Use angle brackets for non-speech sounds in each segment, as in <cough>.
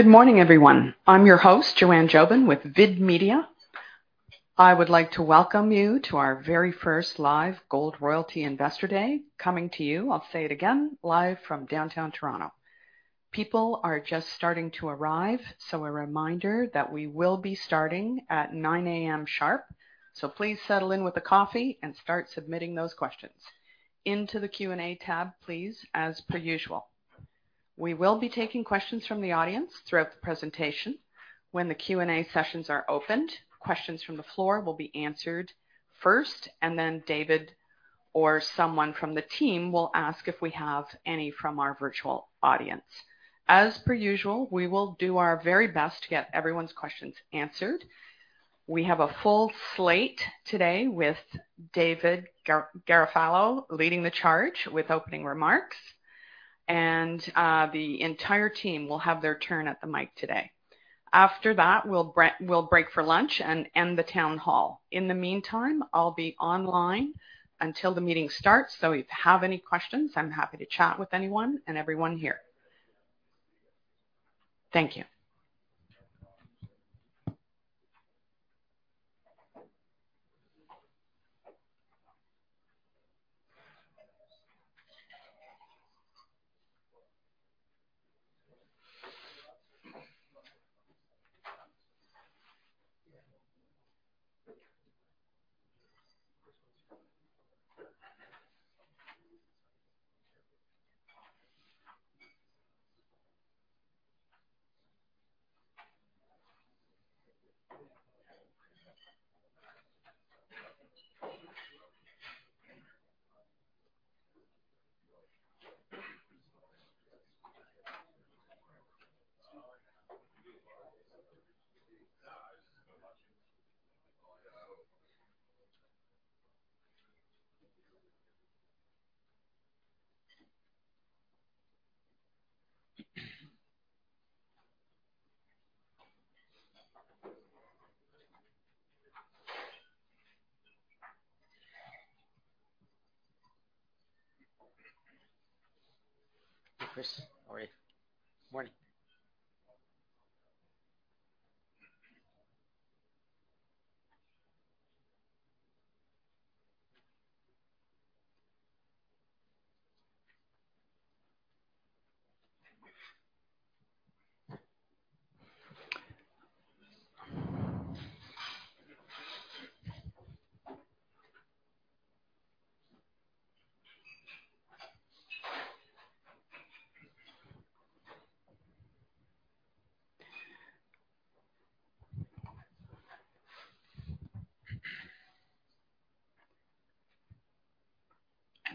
Good morning, everyone. I'm your host, Joanne Jobin with VID Media. I would like to welcome you to our very first live Gold Royalty Investor Day. Coming to you, I'll say it again, live from downtown Toronto. People are just starting to arrive, a reminder that we will be starting at 9:00 A.M. sharp. Please settle in with a coffee and start submitting those questions into the Q&A tab, please, as per usual. We will be taking questions from the audience throughout the presentation. When the Q&A sessions are opened, questions from the floor will be answered first, and then David or someone from the team will ask if we have any from our virtual audience. As per usual, we will do our very best to get everyone's questions answered. We have a full slate today with David Garofalo leading the charge with opening remarks. The entire team will have their turn at the mic today. After that, we'll break for lunch and end the town hall. In the meantime, I'll be online until the meeting starts. If you have any questions, I'm happy to chat with anyone and everyone here. Thank you.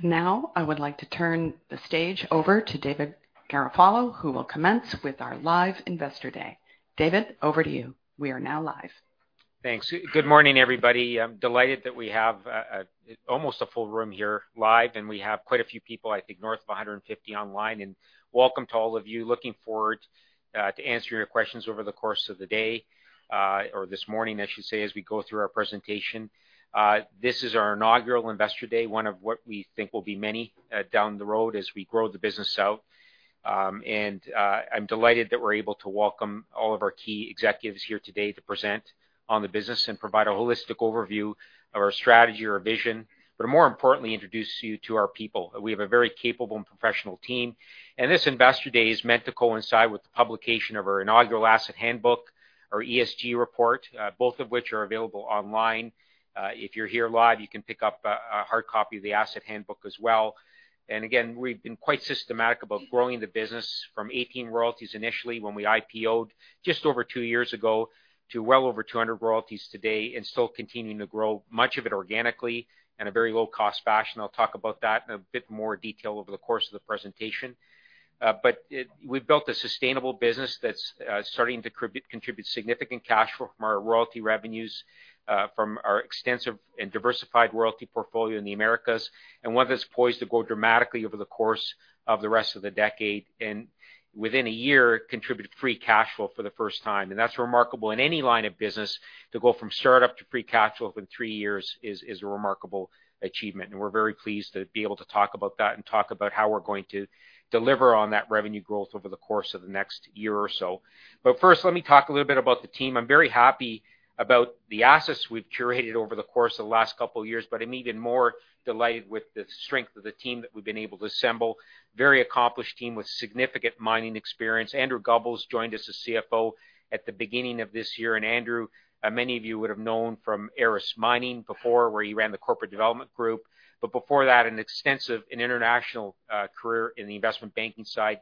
I would like to turn the stage over to David Garofalo, who will commence with our live Investor Day. David, over to you. We are now live. Thanks. Good morning, everybody. I'm delighted that we have almost a full room here live, and we have quite a few people, I think, north of 150 online. Welcome to all of you. Looking forward to answer your questions over the course of the day, or this morning, I should say, as we go through our presentation. This is our inaugural Investor Day, one of what we think will be many down the road as we grow the business out. I'm delighted that we're able to welcome all of our key executives here today to present on the business and provide a holistic overview of our strategy, our vision. More importantly, introduce you to our people. We have a very capable and professional team. This Investor Day is meant to coincide with the publication of our inaugural asset handbook, our ESG report, both of which are available online. If you're here live, you can pick up a hard copy of the asset handbook as well. Again, we've been quite systematic about growing the business from 18 royalties initially when we IPO'd just over two years ago to well over 200 royalties today and still continuing to grow much of it organically in a very low-cost fashion. I'll talk about that in a bit more detail over the course of the presentation. But we've built a sustainable business that's starting to contribute significant cash flow from our royalty revenues, from our extensive and diversified royalty portfolio in the Americas. One that's poised to grow dramatically over the course of the rest of the decade, and within a year, contribute free cash flow for the first time. That's remarkable. In any line of business to go from start-up to free cash flow within three years is a remarkable achievement. We're very pleased to be able to talk about that and talk about how we're going to deliver on that revenue growth over the course of the next year or so. First, let me talk a little bit about the team. I'm very happy about the assets we've curated over the course of the last couple of years, but I'm even more delighted with the strength of the team that we've been able to assemble. Very accomplished team with significant mining experience. Andrew Gubbels joined as a CFO at the beginning of this year. Andrew, many of you would have known from Aris Mining before, where he ran the corporate development group. Before that, an extensive and international career in the investment banking side,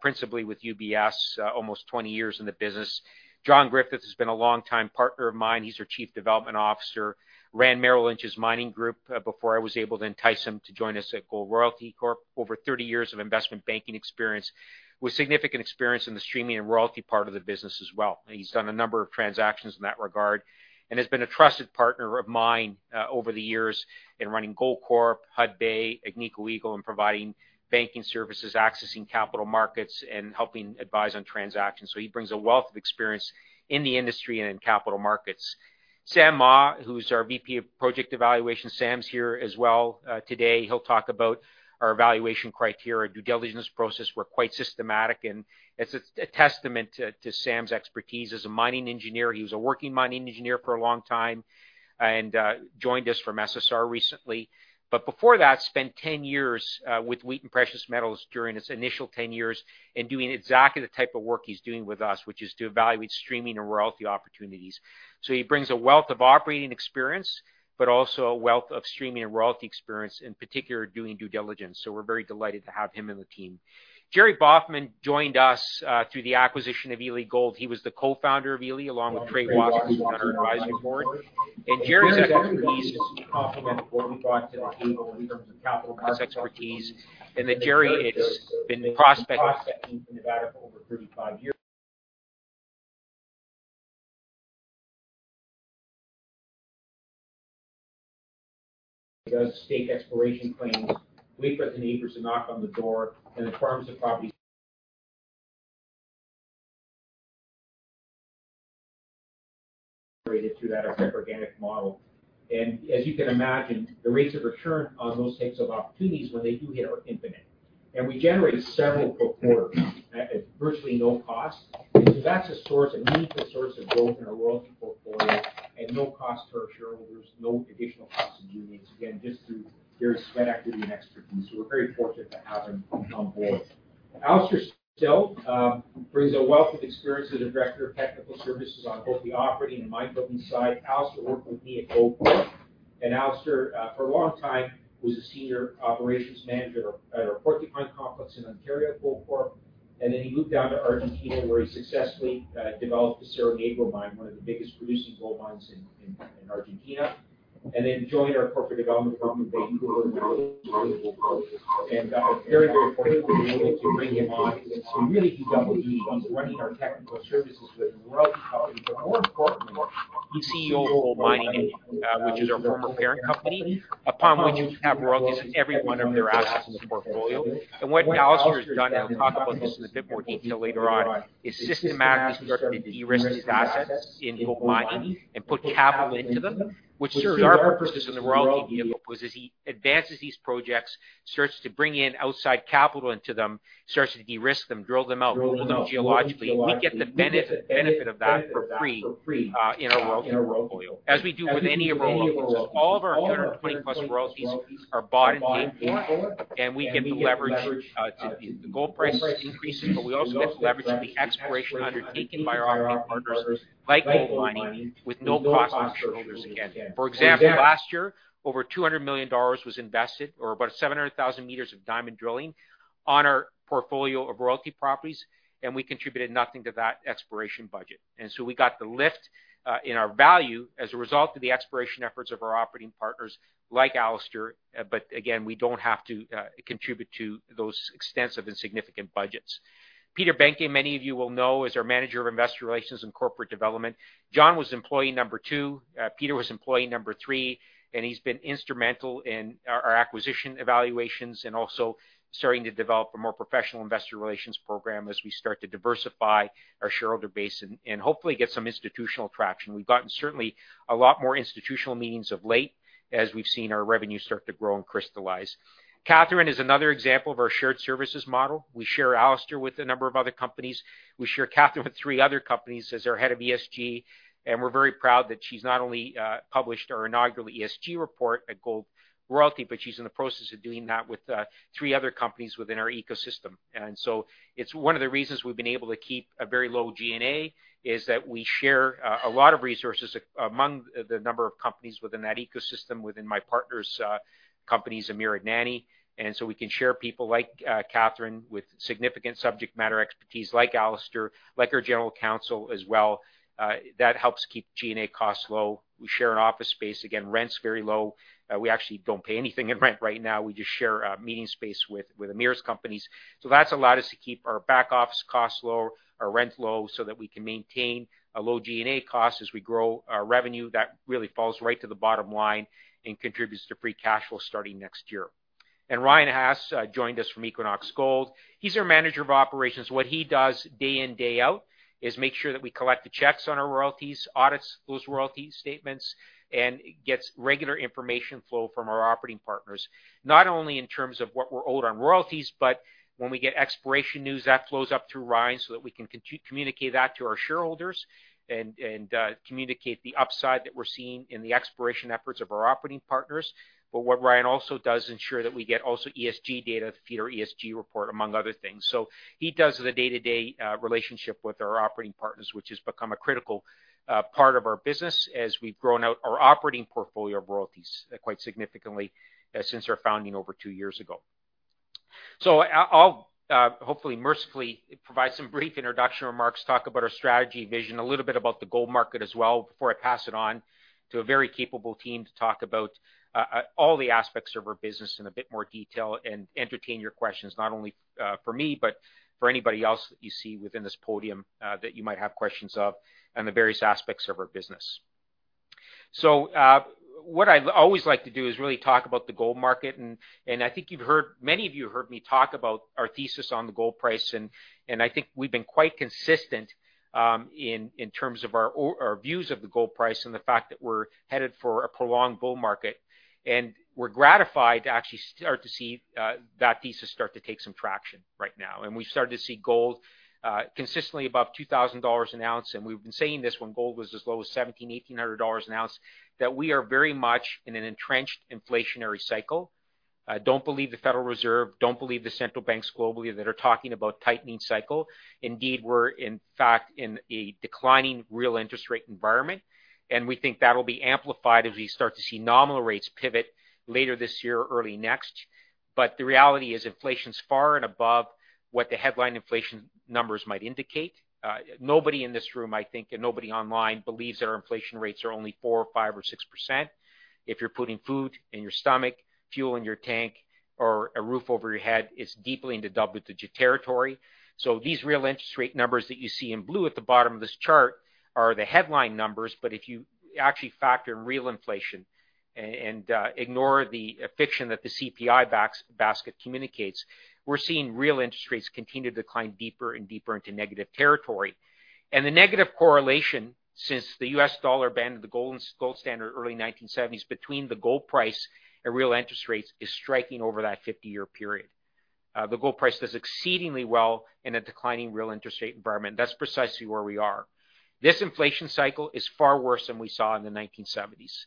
principally with UBS, almost 20 years in the business. John Griffith has been a long-time partner of mine. He's our Chief Development Officer. Ran Merrill Lynch's mining group before I was able to entice him to join us at Gold Royalty Corp. Over 30 years of investment banking experience, with significant experience in the streaming and royalty part of the business as well. He's done a number of transactions in that regard and has been a trusted partner of mine over the years in running Goldcorp, Hudbay, Agnico Eagle, and providing banking services, accessing capital markets, and helping advise on transactions. He brings a wealth of experience in the industry and in capital markets. Sam Mah, who's our VP of Project Evaluation. Sam's here as well today. He'll talk about our evaluation criteria, due diligence process. We're quite systematic, and it's a testament to Sam's expertise as a mining engineer. He was a working mining engineer for a long time and joined us from SSR recently. Before that, spent 10 years with Wheaton Precious Metals during his initial 10 years in doing exactly the type of work he's doing with us, which is to evaluate streaming and royalty opportunities. He brings a wealth of operating experience, but also a wealth of streaming and royalty experience, in particular, doing due diligence. We're very delighted to have him in the team. Jerry Baughman joined us through the acquisition of Ely Gold. He was the Co-Founder of Ely, along with Trey Wasser on our Advisory Board. Jerry is actually compliment what we brought to the table in terms of capital markets expertise. Jerry has been prospecting in Nevada for over 35 years, does stake exploration claims, wake up the neighbors, a knock on the door, and it farms the property created through that organic model. As you can imagine, the rates of return on those types of opportunities when they do hit are infinite. We generate several per quarter at virtually no cost. That's a source, a meaningful source of growth in our royalty portfolio at no cost to our shareholders, no additional cost of G&A. Again, just through their sweat equity and expertise. So we're very fortunate to have him on board. Alastair Still brings a wealth of experience as the Director of Technical Services on both the operating and mine building side. Alastair worked with me at Goldcorp. Alastair for a long time was a Senior Operations Manager at our Porcupine complex in Ontario at Goldcorp. Then he moved down to Argentina, where he successfully developed the Cerro Negro mine, one of the biggest producing gold mines in Argentina, and then joined our corporate development program. Very, very fortunate to be able to bring him on. Really, he doubles duties running our technical services with royalty companies, but more importantly, he's CEO of GoldMining Inc, which is our former parent company, upon which we have royalties on every one of their assets in this portfolio. What Alastair has done, and I'll talk about this in a bit more detail later on, is systematically started to de-risk his assets in GoldMining and put capital into them. Which serves our purposes in the royalty vehicle because as he advances these projects, starts to bring in outside capital into them, starts to de-risk them, drill them out, prove them geologically, we get the benefit of that for free in our royalty portfolio, as we do with any of our royalties. All of our 320+ royalties are bought and maintained by Goldcorp, and we get the leverage to the gold price increases, but we also get the leverage of the exploration undertaken by our operating partners like GoldMining with no cost to our shareholders, again. For example, last year, over $200 million was invested or about 700,000 meters of diamond drilling on our portfolio of royalty properties, and we contributed nothing to that exploration budget. We got the lift in our value as a result of the exploration efforts of our operating partners like Alastair. Again, we don't have to contribute to those extensive and significant budgets. Peter Behncke, many of you will know, is our Manager of Investor Relations and Corporate Development. John was employee number two. Peter was employee number three, and he's been instrumental in our acquisition evaluations and also starting to develop a more professional investor relations program as we start to diversify our shareholder base and hopefully get some institutional traction. We've gotten certainly a lot more institutional meetings of late as we've seen our revenue start to grow and crystallize. Katherine is another example of our shared services model. We share Alastair with a number of other companies. We share Katherine with three other companies as our head of ESG, and we're very proud that she's not only published our inaugural ESG report at Gold Royalty, but she's in the process of doing that with three other companies within our ecosystem. It's one of the reasons we've been able to keep a very low G&A, is that we share a lot of resources among the number of companies within that ecosystem, within my partner's companies, Amir Adnani. We can share people like Katherine with significant subject matter expertise like Alastair, like our general counsel as well. That helps keep G&A costs low. We share an office space. Again, rent's very low. We actually don't pay anything in rent right now. We just share a meeting space with Amir's companies. That's allowed us to keep our back office costs low, our rent low, so that we can maintain a low G&A cost as we grow our revenue. That really falls right to the bottom line and contributes to free cash flow starting next year. Ryan Hass joined us from Equinox Gold. He's our Manager of Operations. What he does day in, day out is make sure that we collect the checks on our royalties, audits those royalty statements, and gets regular information flow from our operating partners, not only in terms of what we're owed on royalties, but when we get exploration news, that flows up through Ryan so that we can communicate that to our shareholders and, communicate the upside that we're seeing in the exploration efforts of our operating partners. What Ryan also does ensure that we get also ESG data to feed our ESG report, among other things. He does the day-to-day relationship with our operating partners, which has become a critical part of our business as we've grown out our operating portfolio of royalties, quite significantly since our founding over two years ago. I'll hopefully mercifully provide some brief introduction remarks, talk about our strategy vision, a little bit about the gold market as well before I pass it on to a very capable team to talk about all the aspects of our business in a bit more detail and entertain your questions, not only for me, but for anybody else that you see within this podium that you might have questions of on the various aspects of our business. What I always like to do is really talk about the gold market and I think you've heard many of you heard me talk about our thesis on the gold price and I think we've been quite consistent in terms of our or our views of the gold price and the fact that we're headed for a prolonged bull market. We're gratified to actually start to see that thesis start to take some traction right now. We've started to see gold consistently above $2,000 an ounce, and we've been saying this when gold was as low as $1,700-$1,800 an ounce, that we are very much in an entrenched inflationary cycle. Don't believe the Federal Reserve, don't believe the central banks globally that are talking about tightening cycle. Indeed, we're in fact in a declining real interest rate environment, and we think that'll be amplified as we start to see nominal rates pivot later this year or early next. The reality is inflation's far and above what the headline inflation numbers might indicate. Nobody in this room, I think, and nobody online believes their inflation rates are only 4% or 5% or 6%. If you're putting food in your stomach, fuel in your tank or a roof over your head, it's deeply into double-digit territory. These real interest rate numbers that you see in blue at the bottom of this chart are the headline numbers, but if you actually factor in real inflation and ignore the fiction that the CPI basket communicates, we're seeing real interest rates continue to decline deeper and deeper into negative territory. The negative correlation since the US dollar banned the gold and gold standard early 1970s between the gold price and real interest rates is striking over that 50-year period. The gold price does exceedingly well in a declining real interest rate environment. That's precisely where we are. This inflation cycle is far worse than we saw in the 1970s.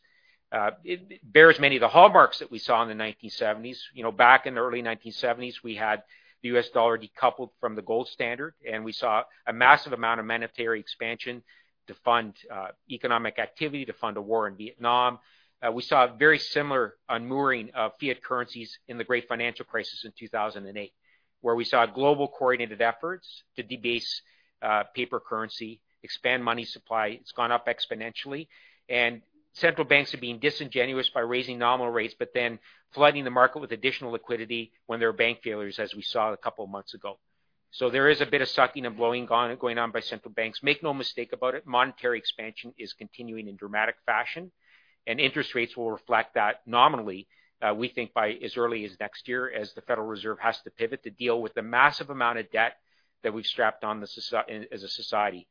It bears many of the hallmarks that we saw in the 1970s. You know, back in the early 1970s, we had the U.S. dollar decoupled from the gold standard, we saw a massive amount of monetary expansion to fund economic activity, to fund a war in Vietnam. We saw a very similar unmooring of fiat currencies in the great financial crisis in 2008, where we saw global coordinated efforts to debase paper currency, expand money supply. It's gone up exponentially. Central banks are being disingenuous by raising nominal rates, but then flooding the market with additional liquidity when there are bank failures, as we saw a couple of months ago. There is a bit of sucking and blowing going on by central banks. Make no mistake about it, monetary expansion is continuing in dramatic fashion, and interest rates will reflect that nominally, we think by as early as next year as the Federal Reserve has to pivot to deal with the massive amount of debt that we've strapped on as a society.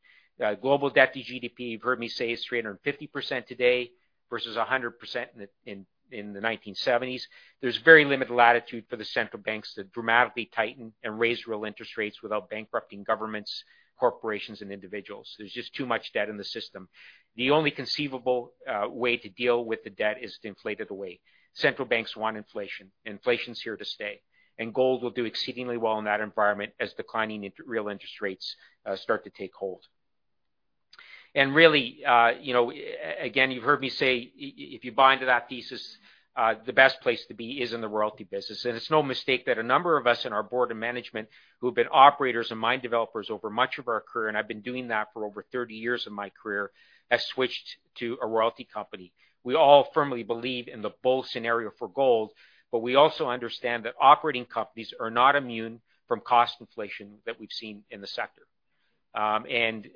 Global debt to GDP, you've heard me say, is 350% today versus 100% in the 1970s. There's very limited latitude for the central banks to dramatically tighten and raise real interest rates without bankrupting governments, corporations, and individuals. There's just too much debt in the system. The only conceivable way to deal with the debt is to inflate it away. Central banks want inflation. Inflation is here to stay, gold will do exceedingly well in that environment as declining real interest rates start to take hold. Really, you know, again, you've heard me say if you buy into that thesis, the best place to be is in the royalty business. It's no mistake that a number of us in our board and management who have been operators and mine developers over much of our career, and I've been doing that for over 30 years of my career, have switched to a royalty company. We all firmly believe in the bull scenario for gold, but we also understand that operating companies are not immune from cost inflation that we've seen in the sector. Many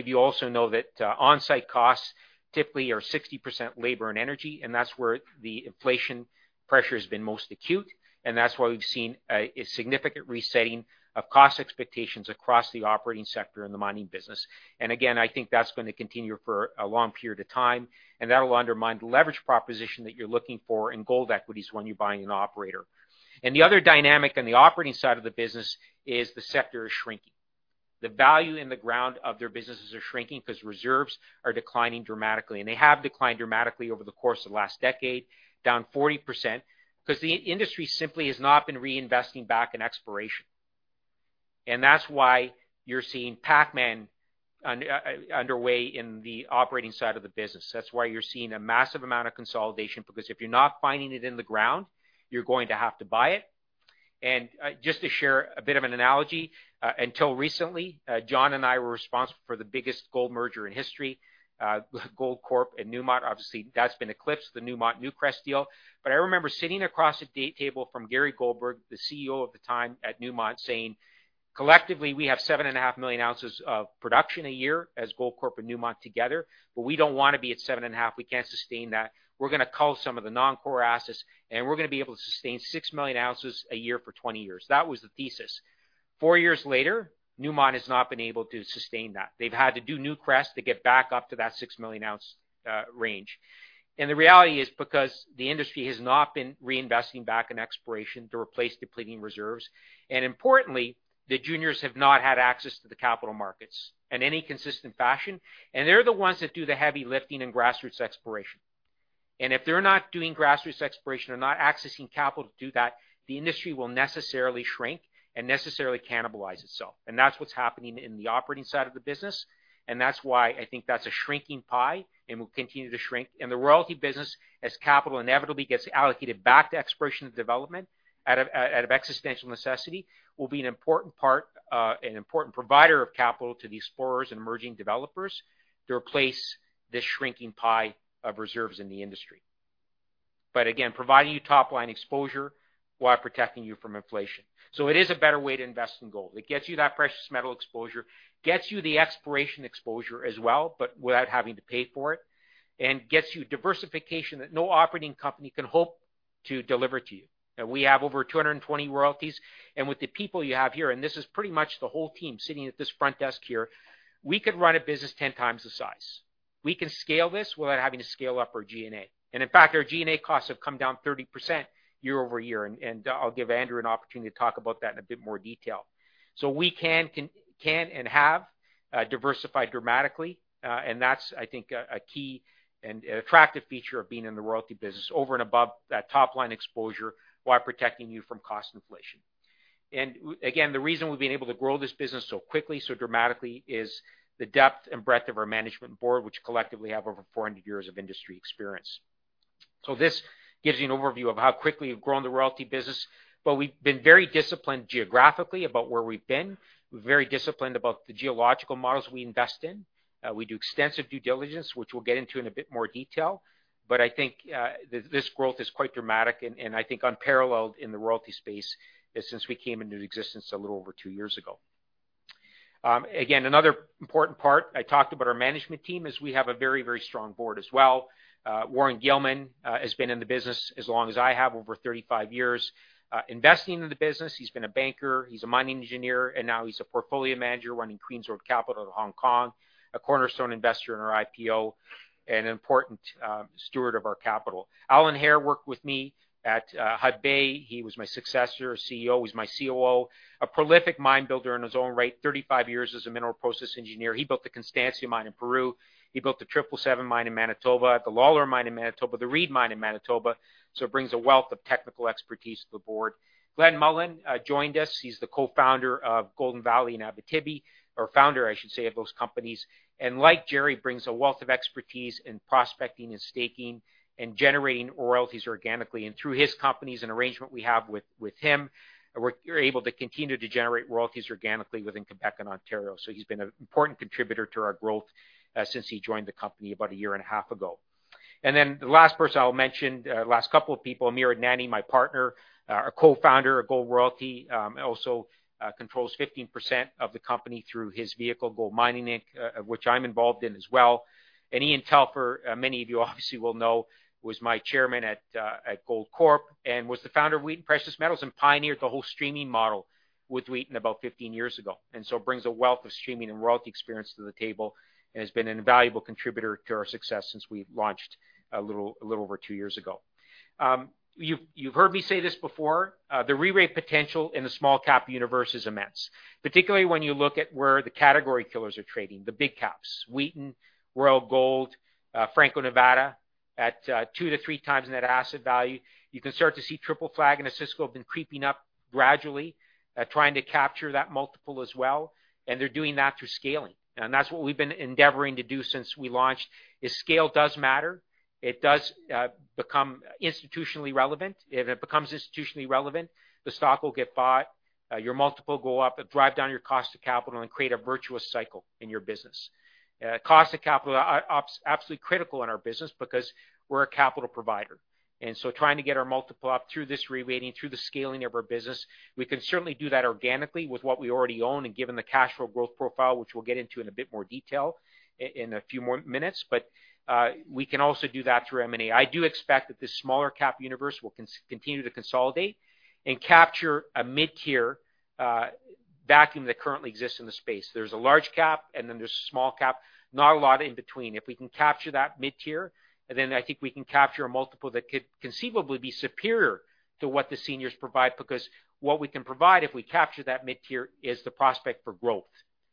of you also know that on-site costs typically are 60% labor and energy, that's where the inflation pressure has been most acute. That's why we've seen a significant resetting of cost expectations across the operating sector in the mining business. Again, I think that's going to continue for a long period of time, that'll undermine the leverage proposition that you're looking for in gold equities when you're buying an operator. The other dynamic on the operating side of the business is the sector is shrinking. The value in the ground of their businesses are shrinking because reserves are declining dramatically, and they have declined dramatically over the course of the last decade, down 40%, because the industry simply has not been reinvesting back in exploration. That's why you're seeing PacMan underway in the operating side of the business. That's why you're seeing a massive amount of consolidation, because if you're not finding it in the ground, you're going to have to buy it. Just to share a bit of an analogy, until recently, John and I were responsible for the biggest gold merger in history, Goldcorp and Newmont. Obviously, that's been eclipsed, the Newmont Newcrest deal. I remember sitting across a date table from Gary Goldberg, the CEO at the time at Newmont, saying, "Collectively, we have 7.5 million ounces of production a year as Goldcorp and Newmont together, but we don't want to be at 7.5 million. We can't sustain that. We're going to cull some of the non-core assets, and we're going to be able to sustain 6 million ounces a year for 20 years." That was the thesis. Four years later, Newmont has not been able to sustain that. They've had to do Newcrest to get back up to that 6 million ounce range. The reality is because the industry has not been reinvesting back in exploration to replace depleting reserves. Importantly, the juniors have not had access to the capital markets in any consistent fashion, and they're the ones that do the heavy lifting and grassroots exploration. If they're not doing grassroots exploration or not accessing capital to do that, the industry will necessarily shrink and necessarily cannibalize itself. That's what's happening in the operating side of the business, and that's why I think that's a shrinking pie and will continue to shrink. The royalty business, as capital inevitably gets allocated back to exploration and development out of existential necessity, will be an important part, an important provider of capital to these explorers and emerging developers to replace this shrinking pie of reserves in the industry. Again, providing you top line exposure while protecting you from inflation. It is a better way to invest in gold. It gets you that precious metal exposure, gets you the exploration exposure as well, but without having to pay for it, and gets you diversification that no operating company can hope to deliver to you. We have over 220 royalties. With the people you have here, and this is pretty much the whole team sitting at this front desk here, we could run a business 10x the size. We can scale this without having to scale up our G&A. In fact, our G&A costs have come down 30% year-over-year. I'll give Andrew an opportunity to talk about that in a bit more detail. We can and have diversified dramatically. That's, I think, a key and attractive feature of being in the royalty business over and above that top line exposure while protecting you from cost inflation. Again, the reason we've been able to grow this business so quickly, so dramatically is the depth and breadth of our management board, which collectively have over 400 years of industry experience. This gives you an overview of how quickly we've grown the royalty business. We've been very disciplined geographically about where we've been. We're very disciplined about the geological models we invest in. We do extensive due diligence, which we'll get into in a bit more detail. I think this growth is quite dramatic and I think unparalleled in the royalty space since we came into existence a little over two years ago. Again, another important part I talked about our management team is we have a very, very strong board as well. Warren Gilman has been in the business as long as I have, over 35 years, investing in the business. He's been a banker, he's a mining engineer, and now he's a portfolio manager running Queen's Road Capital in Hong Kong, a cornerstone investor in our IPO, an important steward of our capital. Alan Hair worked with me at Hudbay. He was my successor as CEO. He's my COO. A prolific mine builder in his own right, 35 years as a mineral process engineer. He built the Constancia mine in Peru. He built the 777 mine in Manitoba, the Lalor mine in Manitoba, the Reed mine in Manitoba. Brings a wealth of technical expertise to the board. Glenn Mullan joined us. He's the Co-Founder of Golden Valley and Abitibi, or Founder, I should say, of those companies. Like Jerry, brings a wealth of expertise in prospecting and staking and generating royalties organically. Through his companies and arrangement we have with him, we're able to continue to generate royalties organically within Quebec and Ontario. He's been an important contributor to our growth since he joined the company about 1.5 year ago. The last person I'll mention, last couple of people, Amir Adnani, my partner, a co-founder of Gold Royalty, also controls 15% of the company through his vehicle, GoldMining Inc., which I'm involved in as well. Ian Telfer, many of you obviously will know, was my chairman at Goldcorp, and was the founder of Wheaton Precious Metals and pioneered the whole streaming model with Wheaton about 15 years ago. Brings a wealth of streaming and royalty experience to the table, and has been an invaluable contributor to our success since we've launched a little over two years ago. You've heard me say this before, the re-rate potential in the small cap universe is immense, particularly when you look at where the category killers are trading, the big caps, Wheaton, Royal Gold, Franco-Nevada, at 2x to 3x net asset value. You can start to see Triple Flag and Osisko have been creeping up gradually, trying to capture that multiple as well, and they're doing that through scaling. That's what we've been endeavoring to do since we launched, is scale does matter. It does become institutionally relevant. If it becomes institutionally relevant, the stock will get bought, your multiple go up, drive down your cost of capital, and create a virtuous cycle in your business. Cost of capital, absolutely critical in our business because we're a capital provider. Trying to get our multiple up through this re-rating, through the scaling of our business, we can certainly do that organically with what we already own and given the cash flow growth profile, which we'll get into in a bit more detail in a few more minutes. We can also do that through M&A. I do expect that the smaller cap universe will continue to consolidate and capture a mid-tier vacuum that currently exists in the space. There's a large cap, and then there's a small cap, not a lot in between. If we can capture that mid-tier, then I think we can capture a multiple that could conceivably be superior to what the seniors provide, because what we can provide if we capture that mid-tier is the prospect for growth.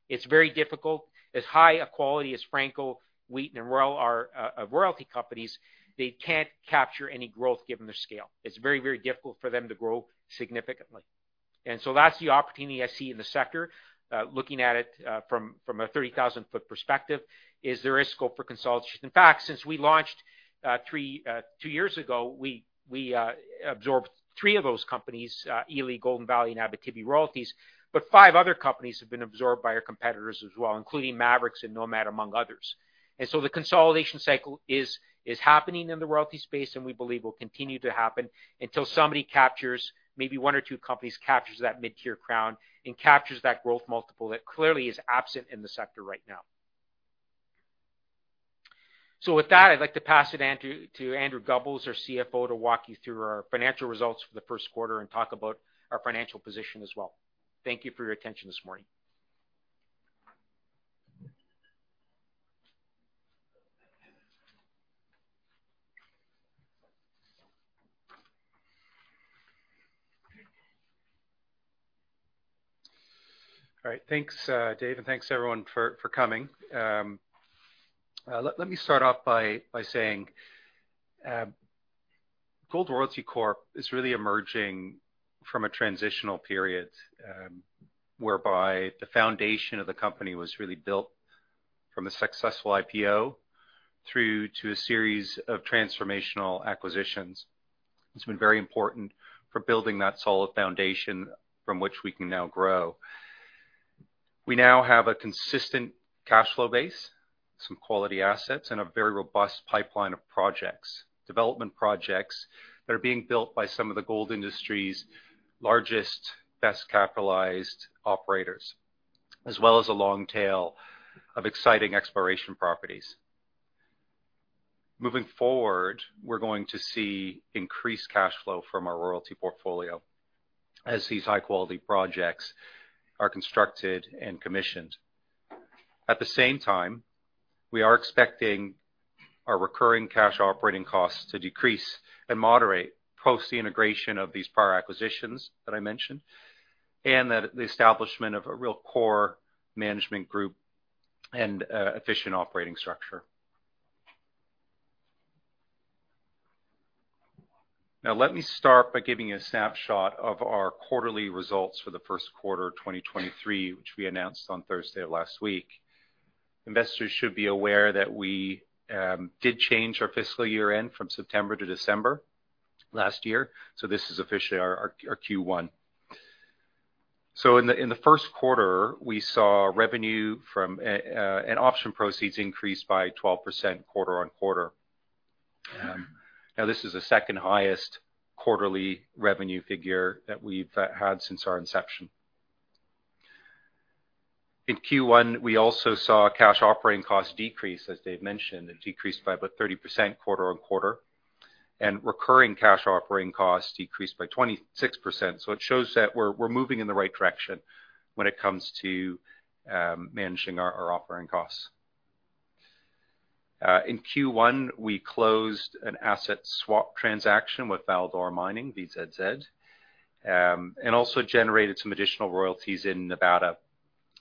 It's very difficult. As high a quality as Franco, Wheaton, and Royal are, royalty companies, they can't capture any growth given their scale. It's very, very difficult for them to grow significantly. That's the opportunity I see in the sector, looking at it from a 30,000-foot perspective, is there is scope for consolidation. In fact, since we launched two years ago, we absorbed three of those companies, Ely, Golden Valley, and Abitibi Royalties, but five other companies have been absorbed by our competitors as well, including Maverix and Nomad, among others. The consolidation cycle is happening in the royalty space, and we believe will continue to happen until somebody captures, maybe one or two companies captures that mid-tier crown and captures that growth multiple that clearly is absent in the sector right now. With that, I'd like to pass it onto Andrew Gubbels, our CFO, to walk you through our financial results for the first quarter and talk about our financial position as well. Thank you for your attention this morning. All right. Thanks, Dave, and thanks everyone for coming. Let me start off by saying, Gold Royalty Corp is really emerging from a transitional period, whereby the foundation of the company was really built from a successful IPO through to a series of transformational acquisitions. It's been very important for building that solid foundation from which we can now grow. We now have a consistent cash flow base, some quality assets, and a very robust pipeline of projects, development projects that are being built by some of the gold industry's largest, best capitalized operators, as well as a long tail of exciting exploration properties. Moving forward, we're going to see increased cash flow from our royalty portfolio as these high quality projects are constructed and commissioned. At the same time, we are expecting our recurring cash operating costs to decrease and moderate post the integration of these prior acquisitions that I mentioned, and the establishment of a real core management group and efficient operating structure. Let me start by giving you a snapshot of our quarterly results for the first quarter of 2023, which we announced on Thursday of last week. Investors should be aware that we did change our fiscal year-end from September to December last year, this is officially our Q1. In the first quarter, we saw revenue from and option proceeds increase by 12% quarter-over-quarter. This is the second highest quarterly revenue figu re that we've had since our inception. In Q1, we also saw cash operating costs decrease, as Dave mentioned. It decreased by about 30% quarter-on-quarter, and recurring cash operating costs decreased by 26%. It shows that we're moving in the right direction when it comes to managing our operating costs. In Q1, we closed an asset swap transaction with Val-d'Or Mining, VZZ, and also generated some additional royalties in Nevada,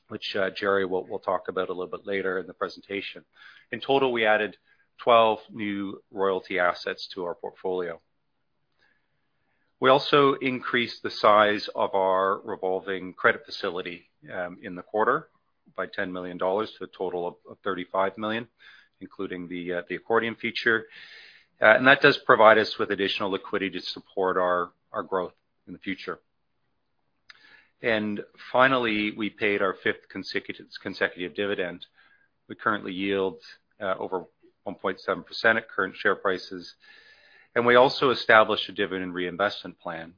which Jerry will talk about a little bit later in the presentation. In total, we added 12 new royalty assets to our portfolio. We also increased the size of our revolving credit facility in the quarter by $10 million to a total of $35 million, including the accordion feature. That does provide us with additional liquidity to support our growth in the future. Finally, we paid our fifth consecutive dividend. We currently yield, over 1.7% at current share prices, and we also established a dividend reinvestment plan.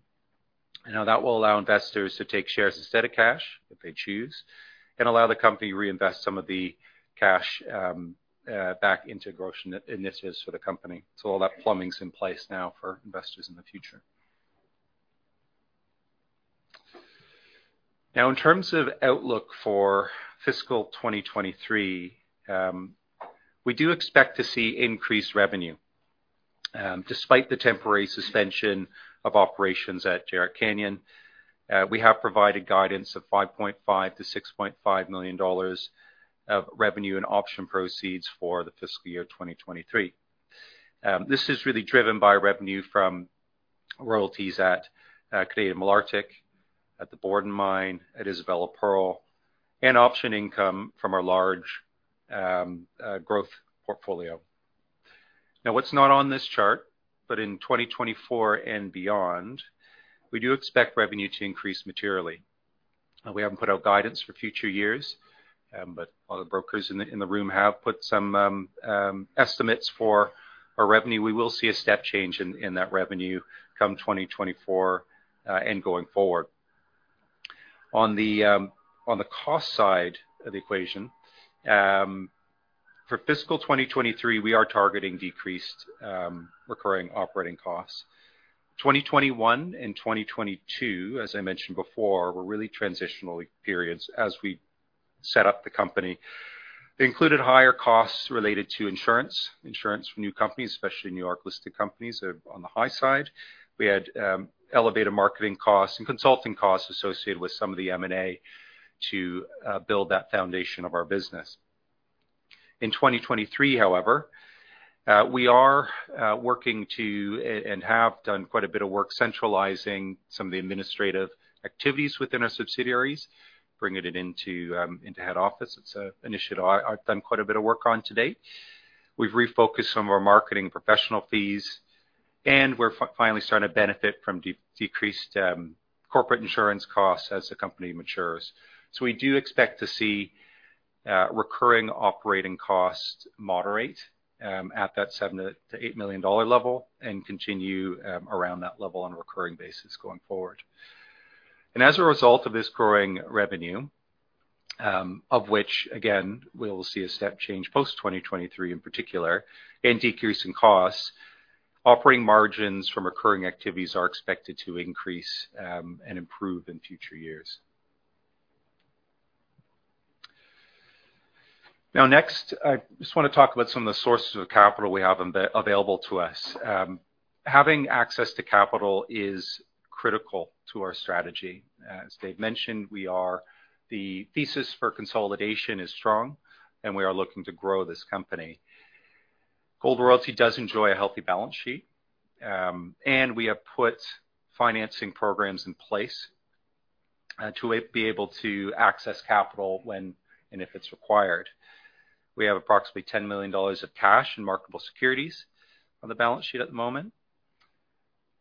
That will allow investors to take shares instead of cash if they choose and allow the company to reinvest some of the cash back into growth initiatives for the company. All that plumbing's in place now for investors in the future. In terms of outlook for fiscal 2023, we do expect to see increased revenue. Despite the temporary suspension of operations at Jerritt Canyon, we have provided guidance of $5.5 million-$6.5 million of revenue and option proceeds for the fiscal year 2023. This is really driven by revenue from royalties at Canadian Malartic, at the Borden Mine, at Isabella Pearl, and option income from our large growth portfolio. What's not on this chart, but in 2024 and beyond, we do expect revenue to increase materially. We haven't put out guidance for future years, but a lot of brokers in the room have put some estimates for our revenue. We will see a step change in that revenue come 2024 and going forward. On the cost side of the equation, for fiscal 2023, we are targeting decreased recurring operating costs. 2021 and 2022, as I mentioned before, were really transitional periods as we set up the company. They included higher costs related to insurance for new companies, especially New York-listed companies are on the high side. We had elevated marketing costs and consulting costs associated with some of the M&A to build that foundation of our business. In 2023, however, we are working to and have done quite a bit of work centralizing some of the administrative activities within our subsidiaries, bringing it into head office. It's an initiative I've done quite a bit of work on to date. We've refocused some of our marketing professional fees, and we're finally starting to benefit from decreased corporate insurance costs as the company matures. We do expect to see recurring operating costs moderate at that $7 million-$8 million level and continue around that level on a recurring basis going forward. As a result of this growing revenue, of which again, we'll see a step change post 2023 in particular and decreasing costs, operating margins from recurring activities are expected to increase and improve in future years. Next, I just want to talk about some of the sources of capital we have available to us. Having access to capital is critical to our strategy. As Dave mentioned, the thesis for consolidation is strong, we are looking to grow this company. Gold Royalty does enjoy a healthy balance sheet, we have put financing programs in place to be able to access capital when and if it's required. We have approximately $10 million of cash and marketable securities on the balance sheet at the moment.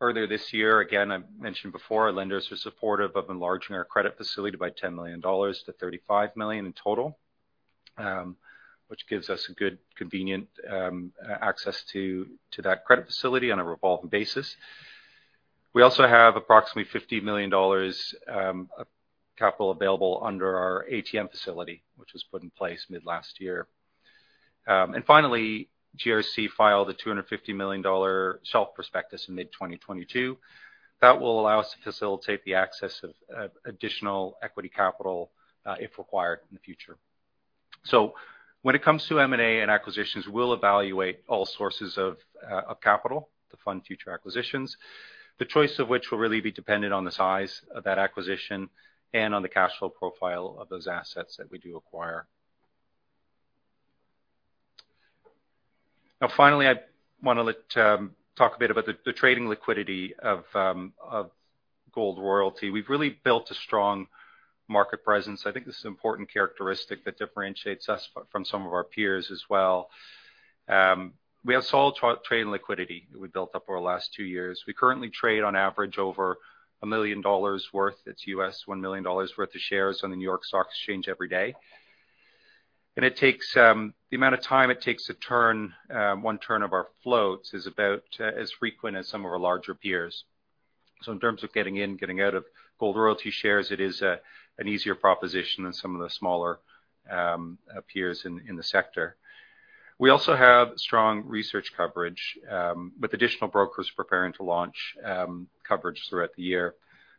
Earlier this year, again, I mentioned before, lenders were supportive of enlarging our credit facility by $10 million to $35 million in total, which gives us a good, convenient access to that credit facility on a revolving basis. We also have approximately $50 million capital available under our ATM facility, which was put in place mid-last year. Finally, GRC filed a $250 million shelf prospectus in mid-2022. That will allow us to facilitate the access of additional equity capital if required in the future. When it comes to M&A and acquisitions, we'll evaluate all sources of capital to fund future acquisitions, the choice of which will really be dependent on the size of that acquisition and on the cash flow profile of those assets that we do acquire. Finally, I want to talk a bit about the trading liquidity of Gold Royalty. We've really built a strong market presence. I think this is an important characteristic that differentiates us from some of our peers as well. We have solid trade and liquidity that we built up over the last two years. We currently trade on average over $1 million worth, that's U.S. $1 million worth of shares on the New York Stock Exchange every day. It takes the amount of time it takes to turn one turn of our floats is about as frequent as some of our larger peers. In terms of getting in, getting out of Gold Royalty shares, it is an easier proposition than some of the smaller peers in the sector. We also have strong research coverage with additional brokers preparing to launch coverage throughout the year.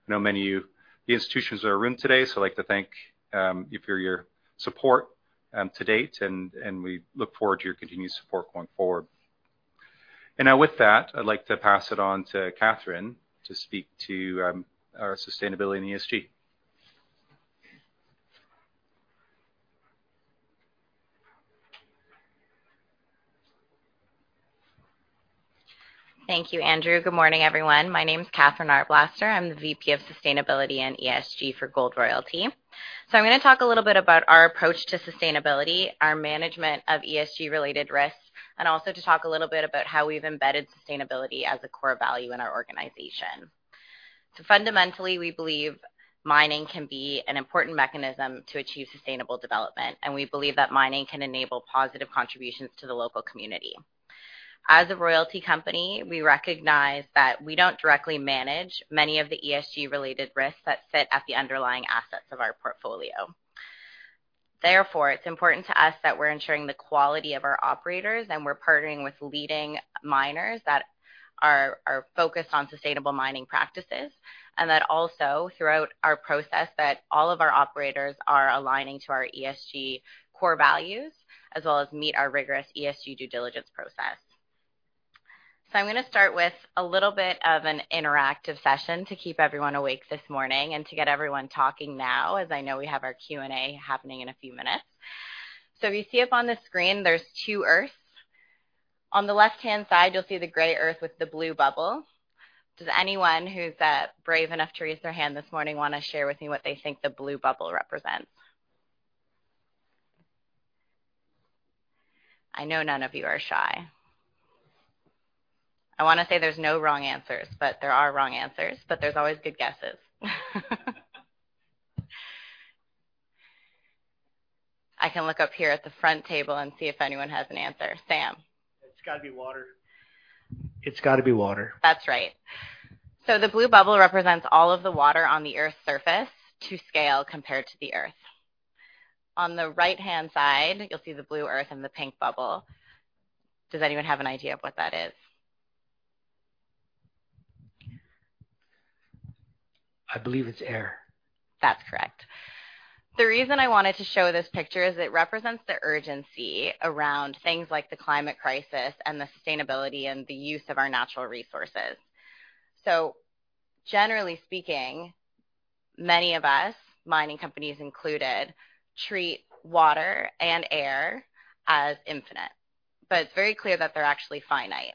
I know many of you, the institutions in our room today, so I'd like to thank, you for your support, to date, and we look forward to your continued support going forward. Now with that, I'd like to pass it on to Katherine to speak to, our sustainability and ESG. Thank you, Andrew. Good morning, everyone. My name is Katherine Arblaster. I'm the VP of Sustainability and ESG for Gold Royalty. I'm gonna talk a little bit about our approach to sustainability, our management of ESG related risks, and also to talk a little bit about how we've embedded sustainability as a core value in our organization. Fundamentally, we believe mining can be an important mechanism to achieve sustainable development, and we believe that mining can enable positive contributions to the local community. As a royalty company, we recognize that we don't directly manage many of the ESG related risks that sit at the underlying assets of our portfolio. Therefore, it's important to us that we're ensuring the quality of our operators, and we're partnering with leading miners that are focused on sustainable mining practices, and that also throughout our process, that all of our operators are aligning to our ESG core values as well as meet our rigorous ESG due diligence process. I'm gonna start with a little bit of an interactive session to keep everyone awake this morning and to get everyone talking now, as I know we have our Q&A happening in a few minutes. If you see up on the screen, there's two earths. On the left-hand side, you'll see the gray earth with the blue bubble. Does anyone who's brave enough to raise their hand this morning wanna share with me what they think the blue bubble represents? I know none of you are shy. I wanna say there's no wrong answers, but there are wrong answers, but there's always good guesses. I can look up here at the front table and see if anyone has an answer. Sam. It's gotta be water. It's gotta be water. That's right. The blue bubble represents all of the water on the Earth's surface to scale compared to the Earth. On the right-hand side, you'll see the blue Earth and the pink bubble. Does anyone have an idea of what that is? I believe it's air. That's correct. The reason I wanted to show this picture is it represents the urgency around things like the climate crisis and the sustainability and the use of our natural resources. Generally speaking, many of us, mining companies included, treat water and air as infinite, but it's very clear that they're actually finite.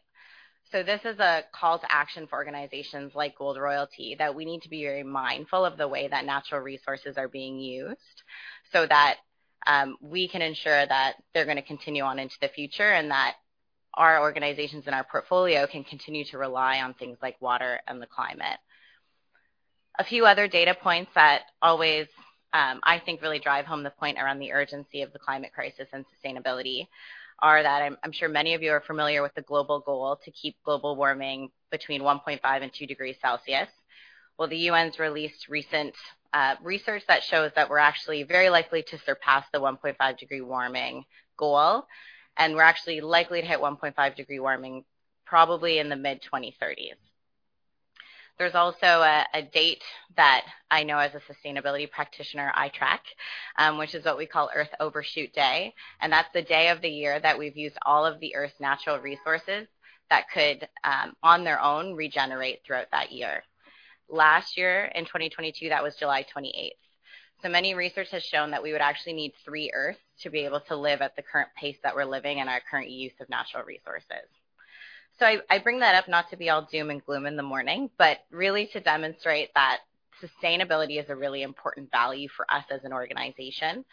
This is a call to action for organizations like Gold Royalty, that we need to be very mindful of the way that natural resources are being used so that we can ensure that they're gonna continue on into the future and that our organizations and our portfolio can continue to rely on things like water and the climate. A few other data points that always, I think really drive home the point around the urgency of the climate crisis and sustainability are that I'm sure many of you are familiar with the global goal to keep global warming between 1.5 and 2 degrees Celsius. The UN's released recent research that shows that we're actually very likely to surpass the 1.5 degree warming goal, and we're actually likely to hit 1.5 degree warming probably in the mid-2030s. There's also a date that I know as a sustainability practitioner I track, which is what we call Earth Overshoot Day, and that's the day of the year that we've used all of the Earth's natural resources that could on their own regenerate throughout that year. Last year in 2022, that was July 28th. Many research has shown that we would actually need three Earths to be able to live at the current pace that we're living and our current use of natural resources. I bring that up not to be all doom and gloom in the morning, but really to demonstrate that sustainability is a really important value for us as an organization.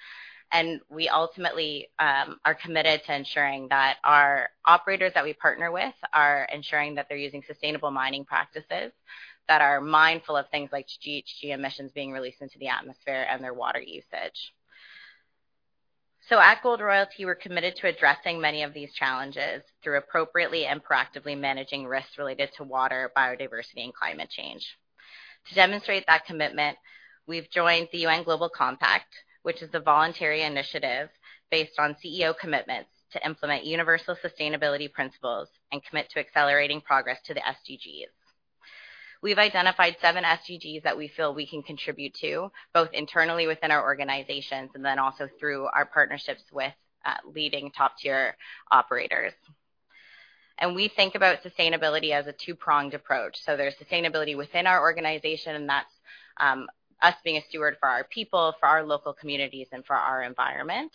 We ultimately, are committed to ensuring that our operators that we partner with are ensuring that they're using sustainable mining practices that are mindful of things like GHG emissions being released into the atmosphere and their water usage. At Gold Royalty, we're committed to addressing many of these challenges through appropriately and proactively managing risks related to water, biodiversity and climate change. To demonstrate that commitment, we've joined the UN Global Compact, which is a voluntary initiative based on CEO commitments to implement universal sustainability principles and commit to accelerating progress to the SDGs. We've identified seven SDGs that we feel we can contribute to, both internally within our organizations and then also through our partnerships with leading top-tier operators. We think about sustainability as a two-pronged approach. There's sustainability within our organization, and that's us being a steward for our people, for our local communities, and for our environment.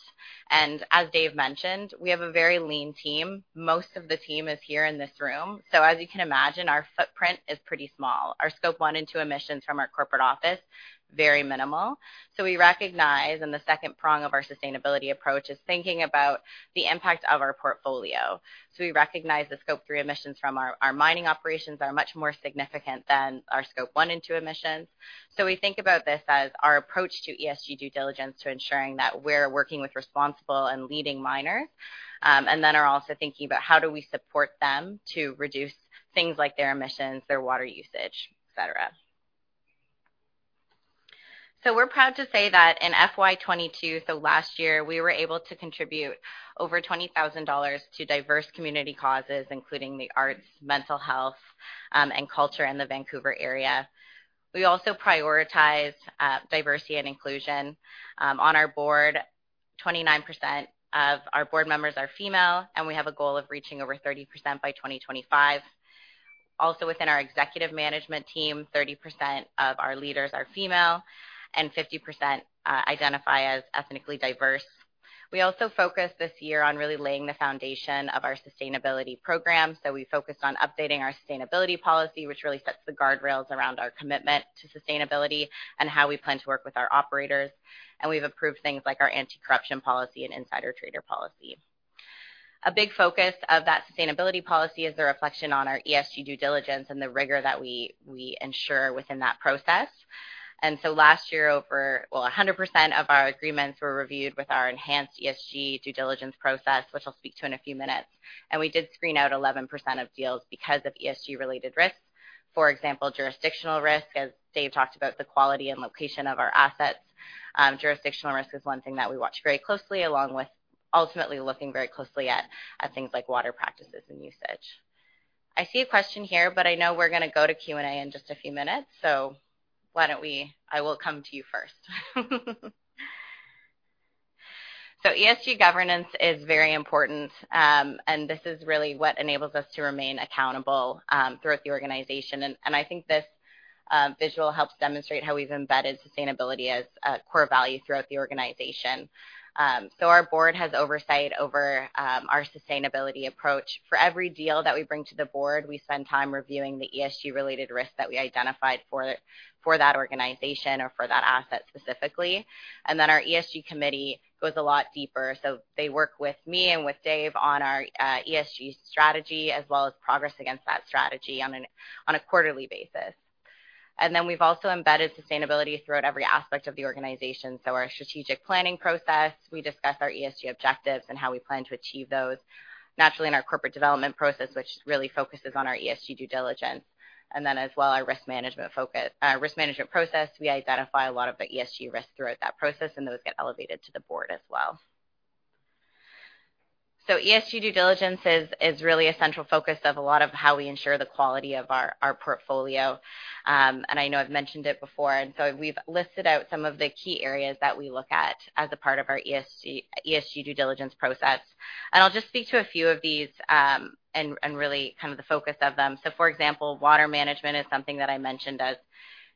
As Dave mentioned, we have a very lean team. Most of the team is here in this room. As you can imagine, our footprint is pretty small. Our Scope 1 and 2 emissions from our corporate office, very minimal. We recognize, and the second prong of our sustainability approach is thinking about the impact of our portfolio. We recognize the Scope 3 emissions from our mining operations are much more significant than our Scope 1 and 2 emissions. We think about this as our approach to ESG due diligence to ensuring that we're working with responsible and leading miners, and then are also thinking about how do we support them to reduce things like their emissions, their water usage, et cetera. We're proud to say that in FY 2022, last year, we were able to contribute over $20,000 to diverse community causes, including the arts, mental health, and culture in the Vancouver area. We also prioritize diversity and inclusion. On our board, 29% of our board members are female, and we have a goal of reaching over 30% by 2025. Within our executive management team, 30% of our leaders are female and 50% identify as ethnically diverse. We also focused this year on really laying the foundation of our sustainability program. We focused on updating our sustainability policy, which really sets the guardrails around our commitment to sustainability and how we plan to work with our operators. We've approved things like our anti-corruption policy and insider trader policy. A big focus of that sustainability policy is the reflection on our ESG due diligence and the rigor that we ensure within that process. Last year, over-- 100% of our agreements were reviewed with our enhanced ESG due diligence process, which I'll speak to in a few minutes. We did screen out 11% of deals because of ESG-related risks. For example, jurisdictional risk, as David talked about the quality and location of our assets, jurisdictional risk is one thing that we watch very closely, along with ultimately looking very closely at things like water practices and usage. I see a question here, but I know we're gonna go to Q&A in just a few minutes. Why don't we. I will come to you first. ESG governance is very important, and this is really what enables us to remain accountable throughout the organization. I think this visual helps demonstrate how we've embedded sustainability as a core value throughout the organization. Our board has oversight over our sustainability approach. For every deal that we bring to the board, we spend time reviewing the ESG-related risks that we identified for that organization or for that asset specifically. Our ESG committee goes a lot deeper. They work with me and with Dave on our ESG strategy, as well as progress against that strategy on a quarterly basis. We've also embedded sustainability throughout every aspect of the organization. Our strategic planning process, we discuss our ESG objectives and how we plan to achieve those. Naturally in our corporate development process, which really focuses on our ESG due diligence. As well, our risk management process. We identify a lot of the ESG risks throughout that process, and those get elevated to the board as well. ESG due diligence is really a central focus of a lot of how we ensure the quality of our portfolio. I know I've mentioned it before, we've listed out some of the key areas that we look at as a part of our ESG due diligence process. I'll just speak to a few of these, and really kind of the focus of them. For example, water management is something that I mentioned as,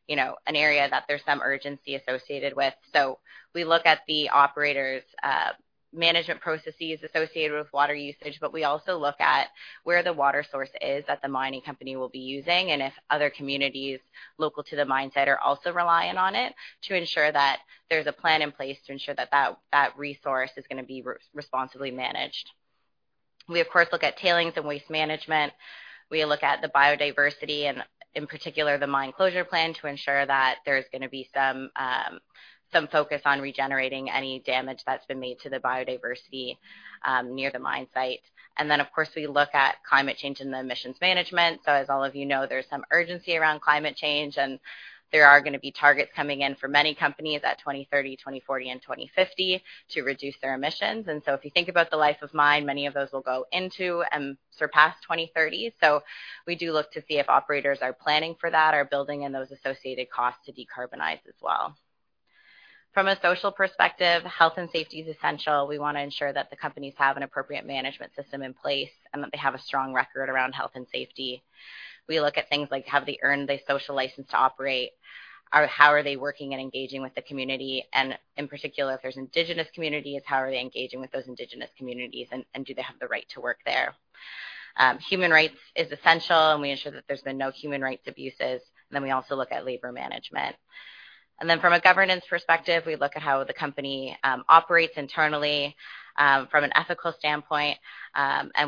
you know, an area that there's some urgency associated with. We look at the operator's management processes associated with water usage, but we also look at where the water source is that the mining company will be using, and if other communities local to the mine site are also reliant on it to ensure that there's a plan in place to ensure that that resource is gonna be responsibly managed. We, of course, look at tailings and waste management. We look at the biodiversity and, in particular, the mine closure plan to ensure that there's gonna be some focus on regenerating any damage that's been made to the biodiversity near the mine site. Of course, we look at climate change and the emissions management. As all of you know, there's some urgency around climate change, and there are gonna be targets coming in for many companies at 2030, 2040, and 2050 to reduce their emissions. If you think about the life of mine, many of those will go into and surpass 2030. We do look to see if operators are planning for that or building in those associated costs to decarbonize as well. From a social perspective, health and safety is essential. We wanna ensure that the companies have an appropriate management system in place and that they have a strong record around health and safety. We look at things like have they earned a social license to operate, or how are they working and engaging with the community? In particular, if there's Indigenous communities, how are they engaging with those Indigenous communities, and do they have the right to work there? Human rights is essential, and we ensure that there's been no human rights abuses. We also look at labor management. From a governance perspective, we look at how the company operates internally from an ethical standpoint.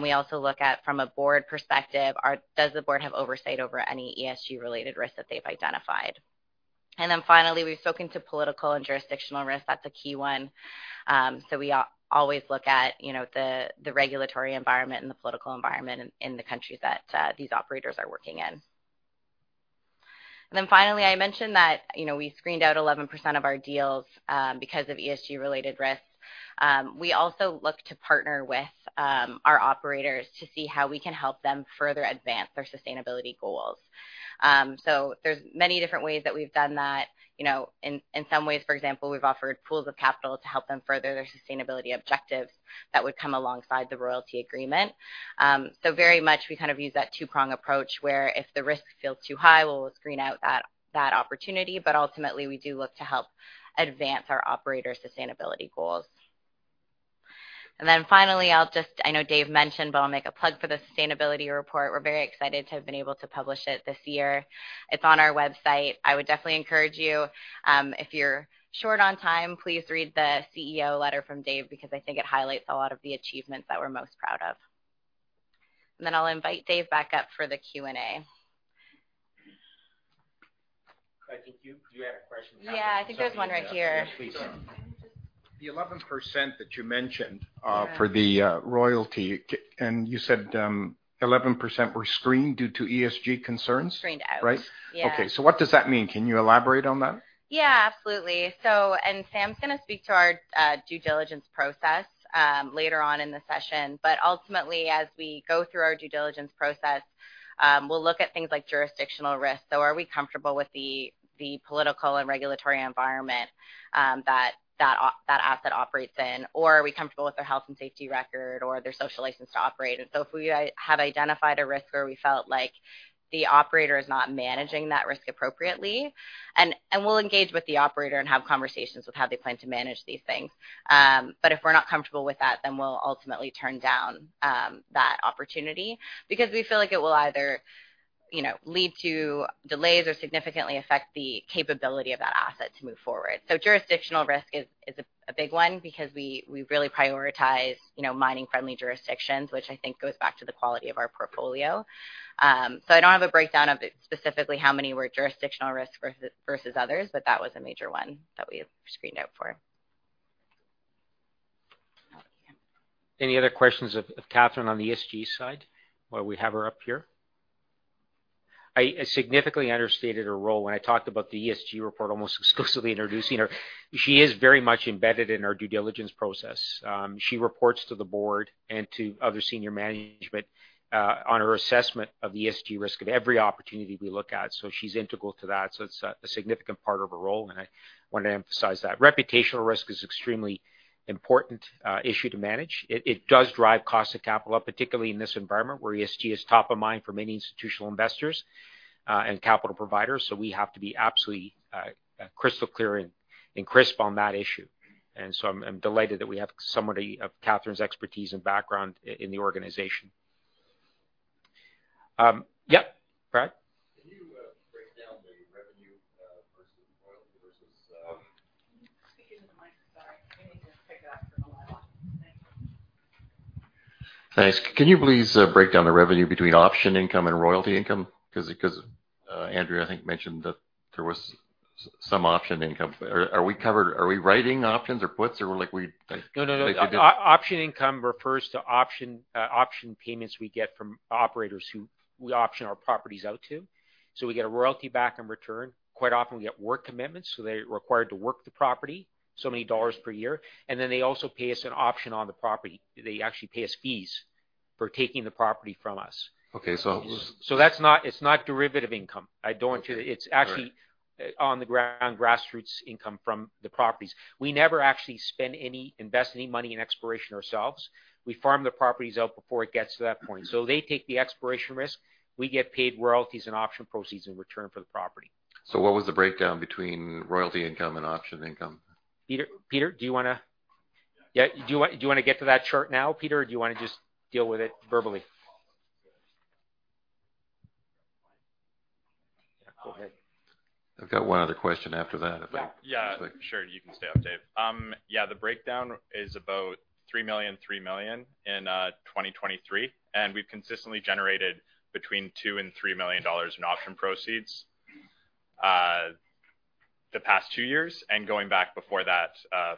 We also look at from a board perspective, does the board have oversight over any ESG-related risks that they've identified? Finally, we've spoken to political and jurisdictional risk. That's a key one. We always look at, you know, the regulatory environment and the political environment in the countries that these operators are working in. Finally, I mentioned that, you know, we screened out 11% of our deals because of ESG-related risks. We also look to partner with our operators to see how we can help them further advance their sustainability goals. There's many different ways that we've done that. You know, in some ways, for example, we've offered pools of capital to help them further their sustainability objectives that would come alongside the royalty agreement. Very much we kind of use that two-prong approach, where if the risk feels too high, we'll screen out that opportunity. Ultimately, we do look to help advance our operators' sustainability goals. Finally, I'll just, I know Dave mentioned, but I'll make a plug for the sustainability report. We're very excited to have been able to publish it this year. It's on our website. I would definitely encourage you, if you're short on time, please read the CEO letter from Dave because I think it highlights a lot of the achievements that we're most proud of. I'll invite Dave back up for the Q&A. I think you had a question. Yeah. I think there's one right here. Yes, please. The 11% that you mentioned.for the royalty. You said, 11% were screened due to ESG concerns? Screened out. Right? Okay. What does that mean? Can you elaborate on that? Yeah, absolutely. Sam's gonna speak to our due diligence process later on in the session. Ultimately, as we go through our due diligence process, we'll look at things like jurisdictional risk. Are we comfortable with the political and regulatory environment that asset operates in, or are we comfortable with their health and safety record or their social license to operate? If we have identified a risk where we felt like the operator is not managing that risk appropriately, and we'll engage with the operator and have conversations with how they plan to manage these things. If we're not comfortable with that, then we'll ultimately turn down that opportunity because we feel like it will either, you know, lead to delays or significantly affect the capability of that asset to move forward. Jurisdictional risk is a big one because we really prioritize, you know, mining-friendly jurisdictions, which I think goes back to the quality of our portfolio. I don't have a breakdown of specifically how many were jurisdictional risks versus others, but that was a major one that we screened out for. Any other questions of Katherine on the ESG side while we have her up here? I significantly understated her role when I talked about the ESG report, almost exclusively introducing her. She is very much embedded in our due diligence process. She reports to the board and to other senior management on her assessment of the ESG risk of every opportunity we look at. She's integral to that. It's a significant part of her role, and I want to emphasize that. Reputational risk is extremely important issue to manage. It does drive cost of capital up, particularly in this environment where ESG is top of mind for many institutional investors and capital providers. We have to be absolutely crystal clear and crisp on that issue. I'm delighted that we have somebody of Katherine's expertise and background in the organization. Yep, Brad. Can you break down the revenue versus royalty versus? <audio distortion> Can you speak into the mic? Sorry. We need to take that for mobile. Thank you. Thanks. Can you please break down the revenue between option income and royalty income? 'Cause Andrew, I think, mentioned that there was some option income. Are we covered? Are we writing options or puts or like we did? No, no. Option income refers to option payments we get from operators who we option our properties out to. We get a royalty back in return. Quite often, we get work commitments, so they're required to work the property so many dollars per year. They also pay us an option on the property. They actually pay us fees for taking the property from us. Okay. it's not derivative income. I don't-- Okay. All right. It's actually on the ground grassroots income from the properties. We never actually spend any, invest any money in exploration ourselves. We farm the properties out before it gets to that point. They take the exploration risk, we get paid royalties and option proceeds in return for the property. What was the breakdown between royalty income and option income? Peter, do you wanna? Yeah. Yeah. Do you wanna get to that chart now, Peter? Or do you wanna just deal with it verbally? Yeah, go ahead. I've got one other question after that, I think. Sure. You can stay up, Dave. Yeah, the breakdown is about $3 million, $3 million in 2023. We've consistently generated between $2 million and $3 million in option proceeds, the past two years and going back before that,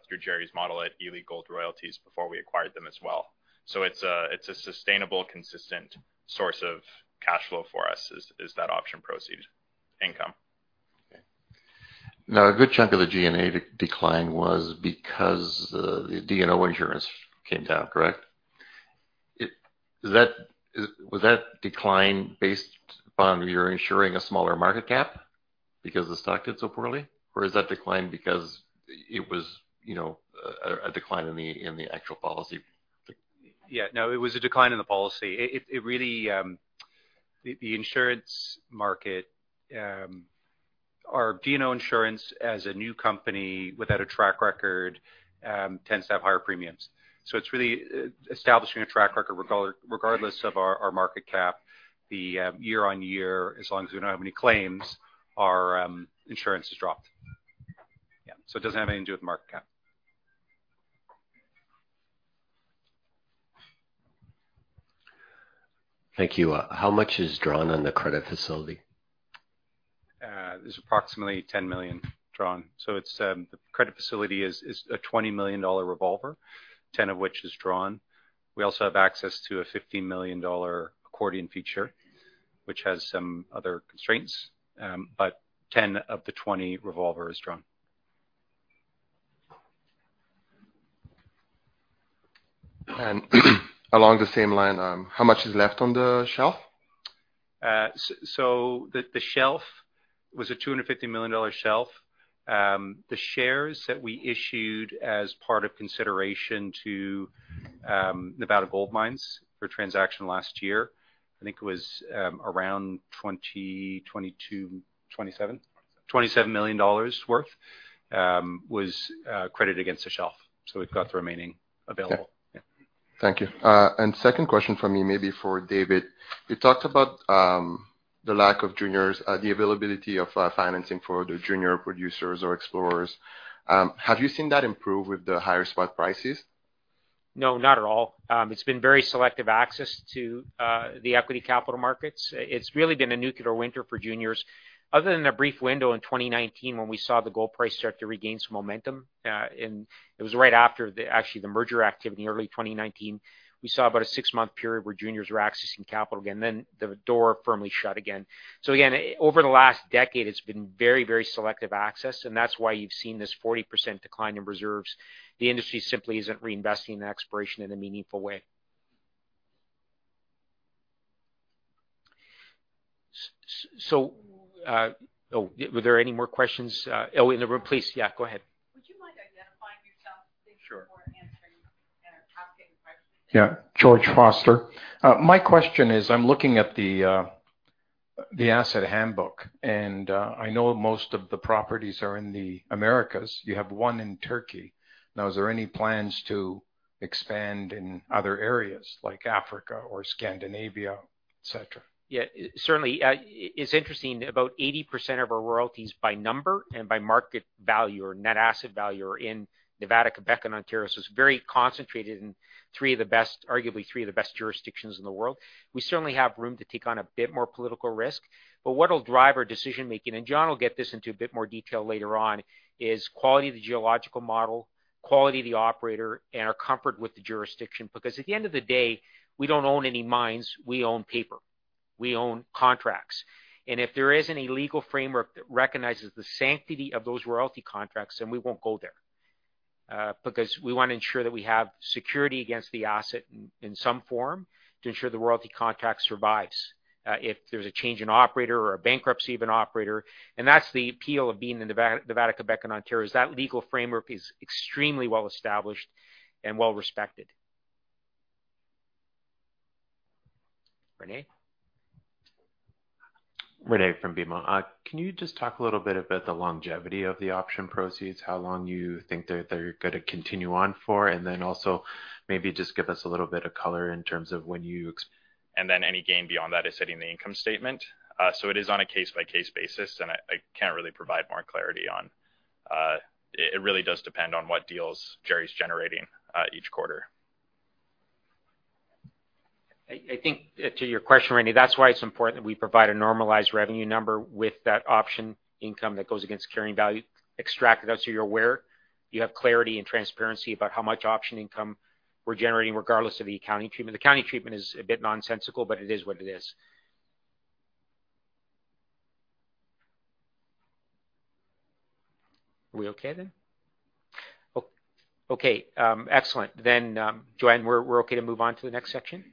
through Jerry's model at Ely Gold Royalties before we acquired them as well. It's a sustainable, consistent source of cash flow for us, is that option proceed income. Okay. Now, a good chunk of the G&A decline was because the D&O insurance came down, correct? Was that decline based upon you're insuring a smaller market cap because the stock did so poorly? Or is that decline because it was, you know, a decline in the actual policy? Yeah. No, it was a decline in the policy. It really, the insurance market, our D&O insurance as a new company without a track record, tends to have higher premiums. It's really establishing a track record regardless of our market cap. Year-on-year, as long as we don't have any claims, our insurance has dropped. Yeah. It doesn't have anything to do with market cap. Thank you. How much is drawn on the credit facility? There's approximately $10 million drawn. The credit facility is a $20 million revolver, $10 of which is drawn. We also have access to a $50 million accordion feature, which has some other constraints, $10 of the $20 revolver is drawn. Along the same line, how much is left on the shelf? The shelf was a $250 million shelf. The shares that we issued as part of consideration to Nevada Gold Mines for transaction last year, I think it was around 20, 22-- $27 million? $27 million. $27 million worth was credited against the shelf, so we've got the remaining available. Okay. Thank you. Second question from me, maybe for David. You talked about the lack of juniors, the availability of financing for the junior producers or explorers. Have you seen that improve with the higher spot prices? No, not at all. It's been very selective access to the equity capital markets. It's really been a nuclear winter for juniors. Other than a brief window in 2019 when we saw the gold price start to regain some momentum, and it was right after the actually the merger activity in early 2019, we saw about a six-month period where juniors were accessing capital again, then the door firmly shut again. Again, over the last decade, it's been very, very selective access, and that's why you've seen this 40% decline in reserves. The industry simply isn't reinvesting in exploration in a meaningful way. Oh, were there any more questions in the room, please? Yeah, go ahead. Would you mind identifying yourself please? Sure. Before answering and, or asking a question? Yeah. George Foster. My question is, I'm looking at the asset handbook, and I know most of the properties are in the Americas. You have one in Turkey. Is there any plans to expand in other areas like Africa or Scandinavia, et cetera? Yeah. Certainly. It's interesting, about 80% of our royalties by number and by market value or net asset value are in Nevada, Quebec, and Ontario. It's very concentrated in three of the best, arguably three of the best jurisdictions in the world. We certainly have room to take on a bit more political risk. What will drive our decision making, and John will get this into a bit more detail later on, is quality of the geological model, quality of the operator, and our comfort with the jurisdiction. At the end of the day, we don't own any mines, we own paper, we own contracts. If there isn't a legal framework that recognizes the sanctity of those royalty contracts, then we won't go there, because we wanna ensure that we have security against the asset in some form to ensure the royalty contract survives, if there's a change in operator or a bankruptcy of an operator. That's the appeal of being in Nevada, Quebec, and Ontario, is that legal framework is extremely well-established and well-respected. Rene? Rene from BMO. Can you just talk a little bit about the longevity of the option proceeds, how long you think they're gonna continue on for? Any gain beyond that is sitting in the income statement. It is on a case-by-case basis, and I can't really provide more clarity on. It really does depend on what deals Jerry's generating each quarter. I think to your question, Rene, that's why it's important that we provide a normalized revenue number with that option income that goes against carrying value extracted out, so you're aware. You have clarity and transparency about how much option income we're generating regardless of the accounting treatment. The accounting treatment is a bit nonsensical, but it is what it is. Are we okay then? Okay, excellent. Joanne, we're okay to move on to the next section?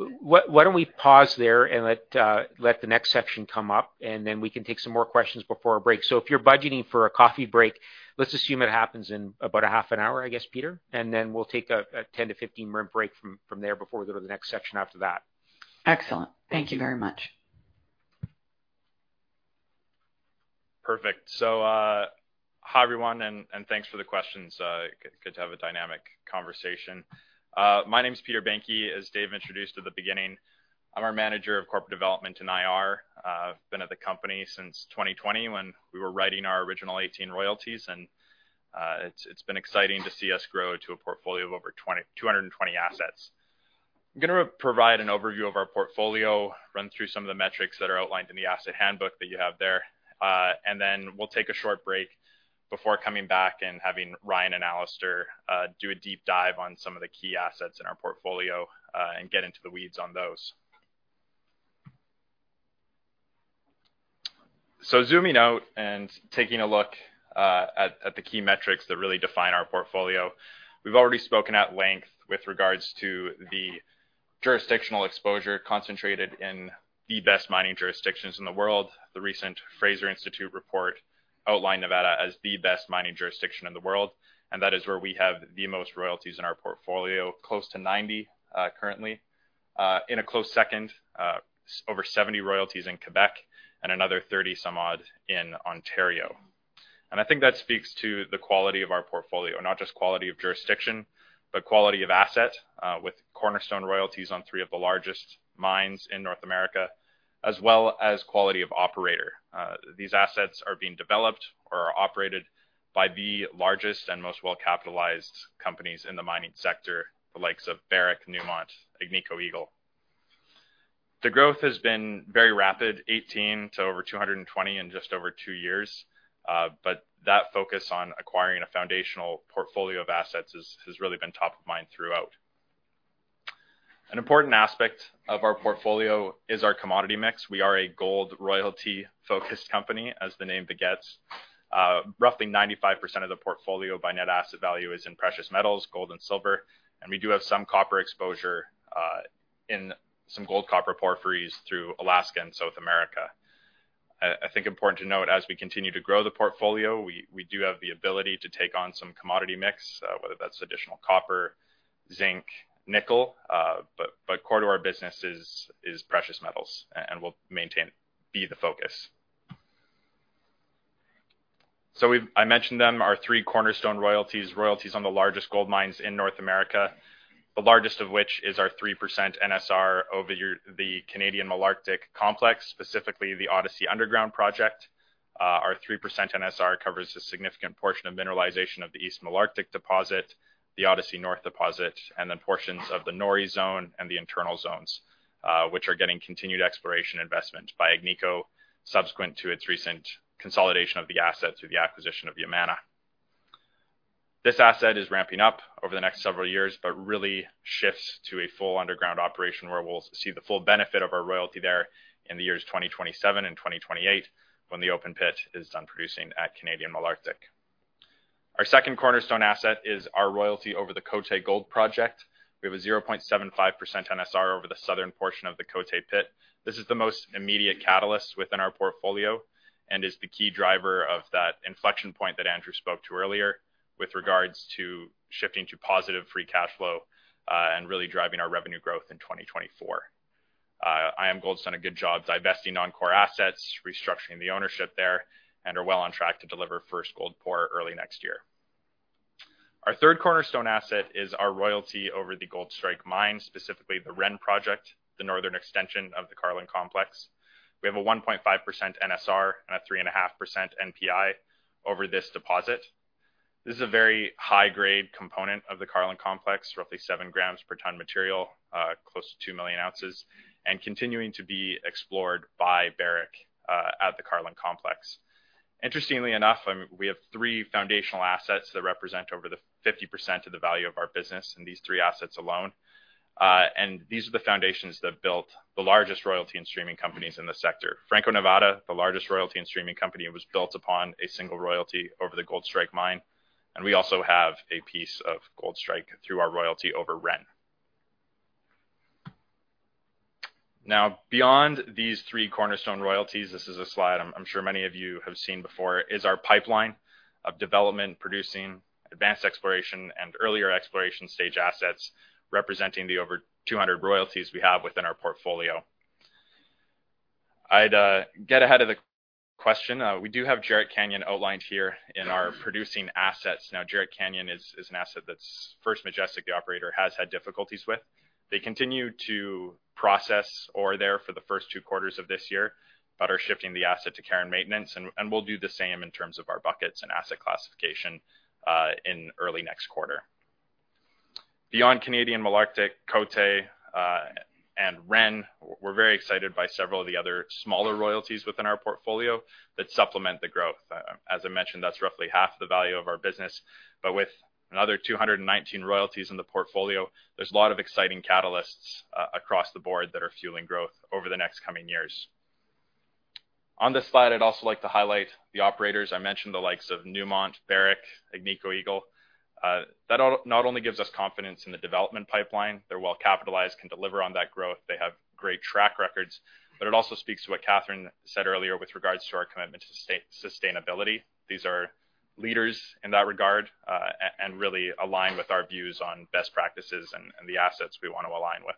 Did you wanna take any questions from the audience at this point, or do you wanna wait? Why don't we pause there and let the next section come up, and then we can take some more questions before our break. If you're budgeting for a coffee break, let's assume it happens in about a half an hour, I guess, Peter. Then we'll take a 10-15 min break from there before we go to the next section after that. Excellent. Thank you very much. Perfect. Hi, everyone, and thanks for the questions. Good to have a dynamic conversation. My name is Peter Behncke, as Dave introduced at the beginning. I'm our manager of corporate development and IR. I've been at the company since 2020 when we were writing our original 18 royalties, and it's been exciting to see us grow to a portfolio of over 220 assets. I'm gonna provide an overview of our portfolio, run through some of the metrics that are outlined in the asset handbook that you have there, and then we'll take a short break before coming back and having Ryan and Alastair do a deep dive on some of the key assets in our portfolio, and get into the weeds on those. Zooming out and taking a look at the key metrics that really define our portfolio. We've already spoken at length with regards to the jurisdictional exposure concentrated in the best mining jurisdictions in the world. The recent Fraser Institute report outlined Nevada as the best mining jurisdiction in the world, and that is where we have the most royalties in our portfolio, close to 90 currently. In a close second, over 70 royalties in Quebec and another 30 some odd in Ontario. I think that speaks to the quality of our portfolio, not just quality of jurisdiction, but quality of asset, with cornerstone royalties on three of the largest mines in North America, as well as quality of operator. These assets are being developed or are operated by the largest and most well-capitalized companies in the mining sector, the likes of Barrick, Newmont, Agnico Eagle. The growth has been very rapid, 18 to over 220 in just over two years, but that focus on acquiring a foundational portfolio of assets has really been top of mind throughout. An important aspect of our portfolio is our commodity mix. We are a gold royalty-focused company, as the name begets. Roughly 95% of the portfolio by net asset value is in precious metals, gold and silver, and we do have some copper exposure in some gold-copper porphyries through Alaska and South America. I think important to note, as we continue to grow the portfolio, we do have the ability to take on some commodity mix, whether that's additional copper, zinc, nickel, but core to our business is precious metals and will maintain, be the focus. I mentioned them, our 3% cornerstone royalties. Royalties on the largest gold mines in North America, the largest of which is our 3% NSR over the Canadian Malartic Complex, specifically the Odyssey Underground project. Our 3% NSR covers a significant portion of mineralization of the East Malartic deposit, the Odyssey North deposit, and then portions of the Norrie Zone and the internal zones, which are getting continued exploration investment by Agnico subsequent to its recent consolidation of the assets through the acquisition of Yamana. This asset is ramping up over the next several years, but really shifts to a full underground operation where we'll see the full benefit of our royalty there in the years 2027 and 2028 when the open pit is done producing at Canadian Malartic. Our second cornerstone asset is our royalty over the Côté Gold project. We have a 0.75% NSR over the southern portion of the Côté pit. This is the most immediate catalyst within our portfolio and is the key driver of that inflection point that Andrew spoke to earlier with regards to shifting to positive free cash flow, and really driving our revenue growth in 2024. IAMGOLD's done a good job divesting non-core assets, restructuring the ownership there, and are well on track to deliver first gold pour early next year. Our third cornerstone asset is our royalty over the Goldstrike Mine, specifically the Ren project, the northern extension of the Carlin complex. We have a 1.5% NSR and a 3.5% NPI over this deposit. This is a very high-grade component of the Carlin complex, roughly 7 grams per ton material, close to 2 million ounces, and continuing to be explored by Barrick at the Carlin complex. Interestingly enough, we have three foundational assets that represent over 50% of the value of our business in these three assets alone. These are the foundations that built the largest royalty and streaming companies in the sector. Franco-Nevada, the largest royalty and streaming company, was built upon a single royalty over the Goldstrike Mine, and we also have a piece of Goldstrike through our royalty over Ren. Beyond these three cornerstone royalties, this is a slide I'm sure many of you have seen before, is our pipeline of development, producing, advanced exploration, and earlier exploration stage assets representing the over 200 royalties we have within our portfolio. I'd get ahead of the question. We do have Jerritt Canyon outlined here in our producing assets. Jerritt Canyon is an asset that's First Majestic, the operator, has had difficulties with. They continue to process ore there for the first two quarters of this year, are shifting the asset to care and maintenance, and we'll do the same in terms of our buckets and asset classification in early next quarter. Beyond Canadian Malartic, Côté, and Ren, we're very excited by several of the other smaller royalties within our portfolio that supplement the growth. As I mentioned, that's roughly half the value of our business, with another 219 royalties in the portfolio, there's a lot of exciting catalysts across the board that are fueling growth over the next coming years. On this slide, I'd also like to highlight the operators. I mentioned the likes of Newmont, Barrick, Agnico Eagle. That not only gives us confidence in the development pipeline, they're well capitalized, can deliver on that growth, they have great track records, it also speaks to what Katherine said earlier with regards to our commitment to sustainability. These are leaders in that regard, and really align with our views on best practices and the assets we want to align with.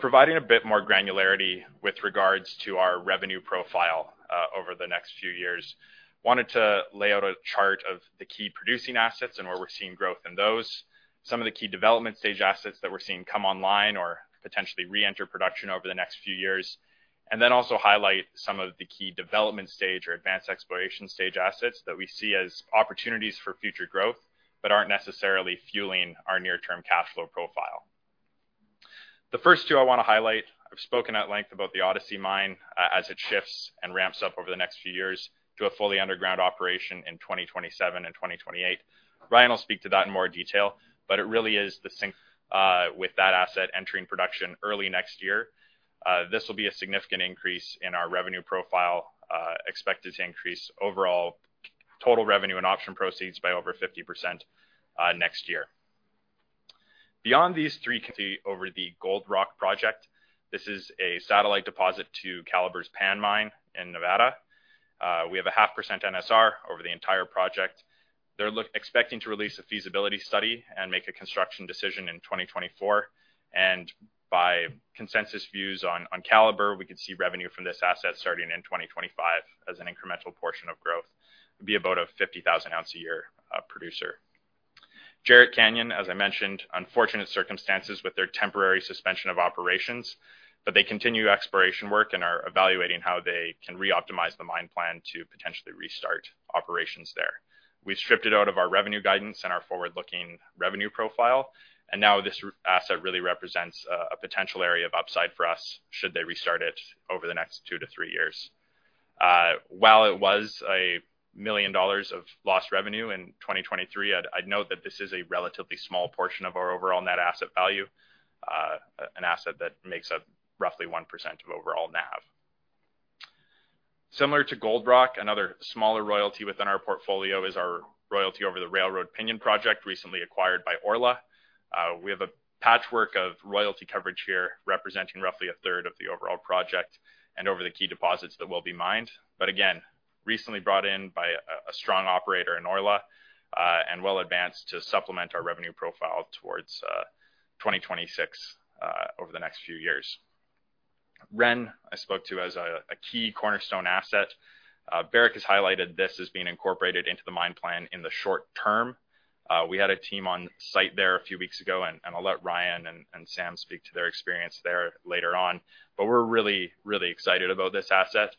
Providing a bit more granularity with regards to our revenue profile over the next few years, wanted to lay out a chart of the key producing assets and where we're seeing growth in those, some of the key development stage assets that we're seeing come online or potentially re-enter production over the next few years, and then also highlight some of the key development stage or advanced exploration stage assets that we see as opportunities for future growth, but aren't necessarily fueling our near-term cash flow profile. The first two I want to highlight, I've spoken at length about the Odyssey mine as it shifts and ramps up over the next few years to a fully underground operation in 2027 and 2028. Ryan will speak to that in more detail, but it really is the same with that asset entering production early next year. This will be a significant increase in our revenue profile, expected to increase overall total revenue and option proceeds by over 50% next year. Beyond these three, over the Gold Rock project. This is a satellite deposit to Calibre's Pan mine in Nevada. We have a 0.5% NSR over the entire project. They're expecting to release a feasibility study and make a construction decision in 2024. By consensus views on Calibre, we could see revenue from this asset starting in 2025 as an incremental portion of growth. It'd be about a 50,000 ounce a year producer. Jerritt Canyon, as I mentioned, unfortunate circumstances with their temporary suspension of operations, but they continue exploration work and are evaluating how they can re-optimize the mine plan to potentially restart operations there. We stripped it out of our revenue guidance and our forward-looking revenue profile, and now this asset really represents a potential area of upside for us should they restart it over the next two-three years. While it was $1 million of lost revenue in 2023, I'd note that this is a relatively small portion of our overall net asset value, an asset that makes up roughly 1% of overall NAV. Similar to Gold Rock, another smaller royalty within our portfolio is our royalty over the Railroad-Pinion project recently acquired by Orla. We have a patchwork of royalty coverage here representing roughly a third of the overall project and over the key deposits that will be mined. Again, recently brought in by a strong operator in Orla, and well advanced to supplement our revenue profile towards 2026 over the next few years. Ren, I spoke to as a key cornerstone asset. Barrick has highlighted this as being incorporated into the mine plan in the short term. We had a team on site there a few weeks ago, and I'll let Ryan and Sam speak to their experience there later on. We're really excited about this asset.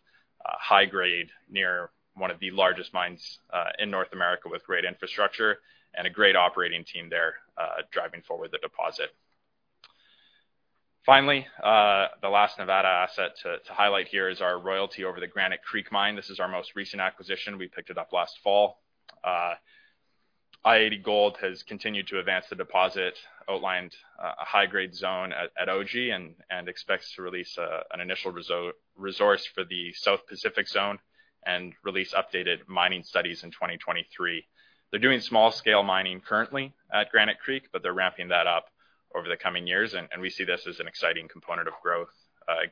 High grade near one of the largest mines in North America with great infrastructure and a great operating team there, driving forward the deposit. Finally, the last Nevada asset to highlight here is our royalty over the Granite Creek Mine. This is our most recent acquisition. We picked it up last fall. i-80 Gold Corp has continued to advance the deposit, outlined a high-grade zone at Ogee, and expects to release an initial resource for the South Pacific Zone and release updated mining studies in 2023. They're doing small scale mining currently at Granite Creek, but they're ramping that up over the coming years. We see this as an exciting component of growth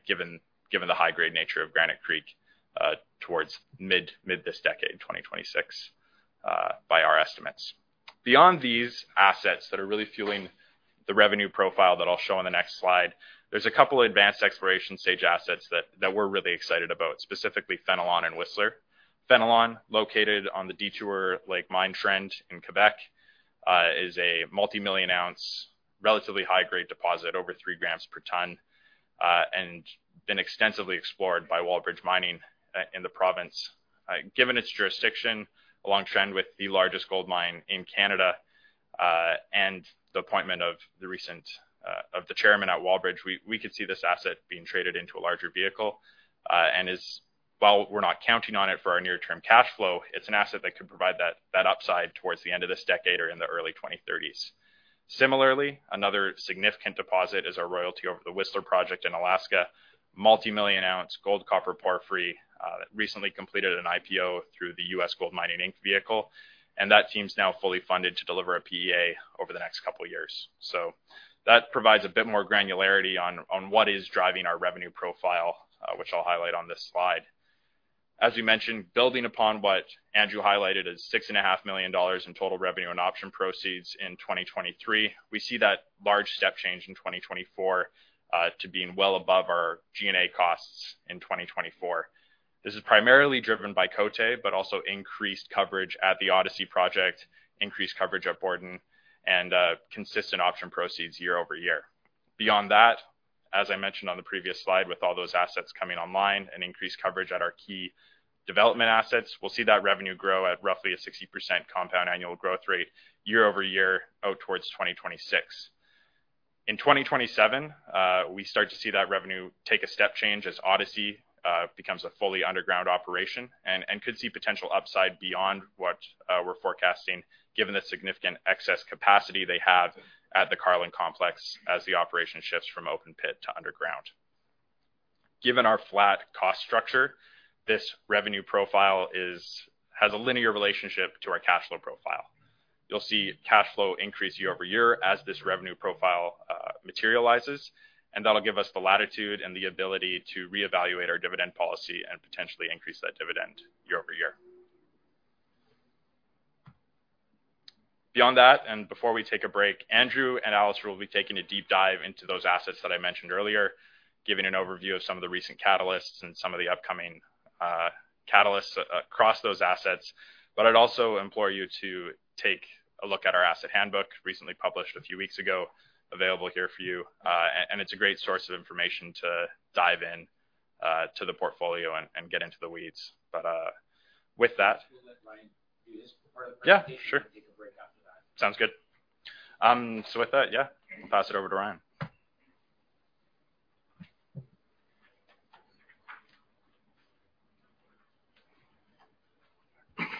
given the high grade nature of Granite Creek towards mid this decade, 2026, by our estimates. Beyond these assets that are really fueling the revenue profile that I'll show on the next slide, there's a couple advanced exploration stage assets that we're really excited about, specifically Fenelon and Whistler. Fenelon, located on the Detour Lake Mine trend in Quebec, is a multi-million ounce, relatively high grade deposit, over 3 grams per ton, and been extensively explored by Wallbridge Mining in the province. Given its jurisdiction along trend with the largest gold mine in Canada, and the appointment of the recent-- of the chairman at Wallbridge, we could see this asset being traded into a larger vehicle. While we're not counting on it for our near-term cash flow, it's an asset that could provide that upside towards the end of this decade or in the early 2030s. Similarly, another significant deposit is our royalty over the Whistler project in Alaska. Multi-million ounce gold copper porphyry that recently completed an IPO through the U.S. GoldMining Inc vehicle. That team's now fully funded to deliver a PEA over the next couple of years. So that provides a bit more granularity on what is driving our revenue profile, which I'll highlight on this slide. As you mentioned, building upon what Andrew highlighted is $6.5 million in total revenue and option proceeds in 2023. We see that large step change in 2024 to being well above our G&A costs in 2024. This is primarily driven by Côté, but also increased coverage at the Odyssey project, increased coverage at Borden, and consistent option proceeds year-over-year. Beyond that, as I mentioned on the previous slide, with all those assets coming online and increased coverage at our key development assets, we'll see that revenue grow at roughly a 60% compound annual growth rate year-over-year out towards 2026. In 2027, we start to see that revenue take a step change as Odyssey becomes a fully underground operation and could see potential upside beyond what we're forecasting given the significant excess capacity they have at the Carlin Complex as the operation shifts from open pit to underground. Given our flat cost structure, this revenue profile has a linear relationship to our cash flow profile. You'll see cash flow increase year over year as this revenue profile materializes, and that'll give us the latitude and the ability to reevaluate our dividend policy and potentially increase that dividend year over year. Beyond that, and before we take a break, Andrew and Alastair will be taking a deep dive into those assets that I mentioned earlier, giving an overview of some of the recent catalysts and some of the upcoming catalysts across those assets. I'd also implore you to take a look at our asset handbook, recently published a few weeks ago, available here for you. And it's a great source of information to dive in to the portfolio and get into the weeds. With that. <audio distortion> We'll let Ryan do his part of the presentation. Yeah, sure. We'll take a break after that. Sounds good. With that, yeah, I'll pass it over to Ryan. All right.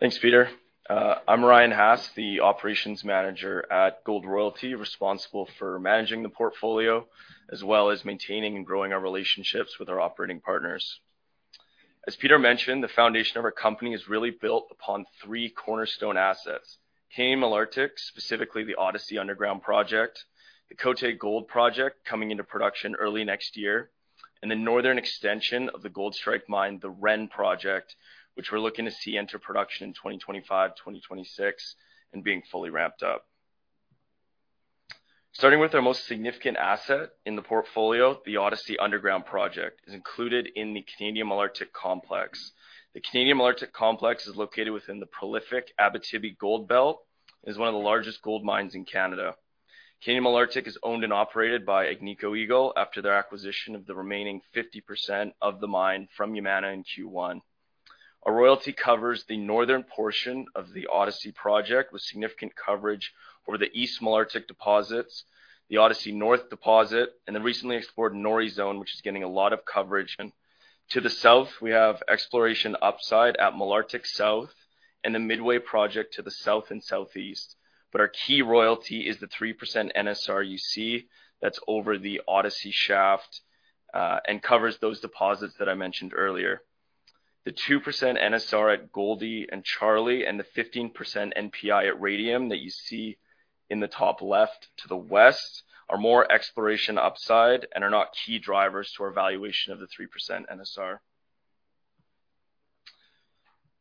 Thanks, Peter. I'm Ryan Hass, the operations manager at Gold Royalty, responsible for managing the portfolio, as well as maintaining and growing our relationships with our operating partners. As Peter mentioned, the foundation of our company is really built upon three cornerstone assets. Canadian Malartic, specifically the Odyssey Underground project, the Côté Gold project coming into production early next year, and the northern extension of the Goldstrike Mine, the Ren project, which we're looking to see enter production in 2025, 2026, and being fully ramped up. Starting with our most significant asset in the portfolio, the Odyssey Underground project, is included in the Canadian Malartic Complex. The Canadian Malartic Complex is located within the prolific Abitibi Gold Belt, is one of the largest gold mines in Canada. Canadian Malartic is owned and operated by Agnico Eagle after their acquisition of the remaining 50% of the mine from Yamana in Q1. Our royalty covers the northern portion of the Odyssey project, with significant coverage over the East Malartic deposits, the Odyssey North deposit, and the recently explored North Zone, which is getting a lot of coverage. To the south, we have exploration upside at Malartic South and the Midway project to the south and southeast. Our key royalty is the 3% NSR you see that's over the Odyssey shaft and covers those deposits that I mentioned earlier. The 2% NSR at Goldie and Charlie and the 15% NPI at Radium that you see in the top left to the west are more exploration upside and are not key drivers to our valuation of the 3% NSR.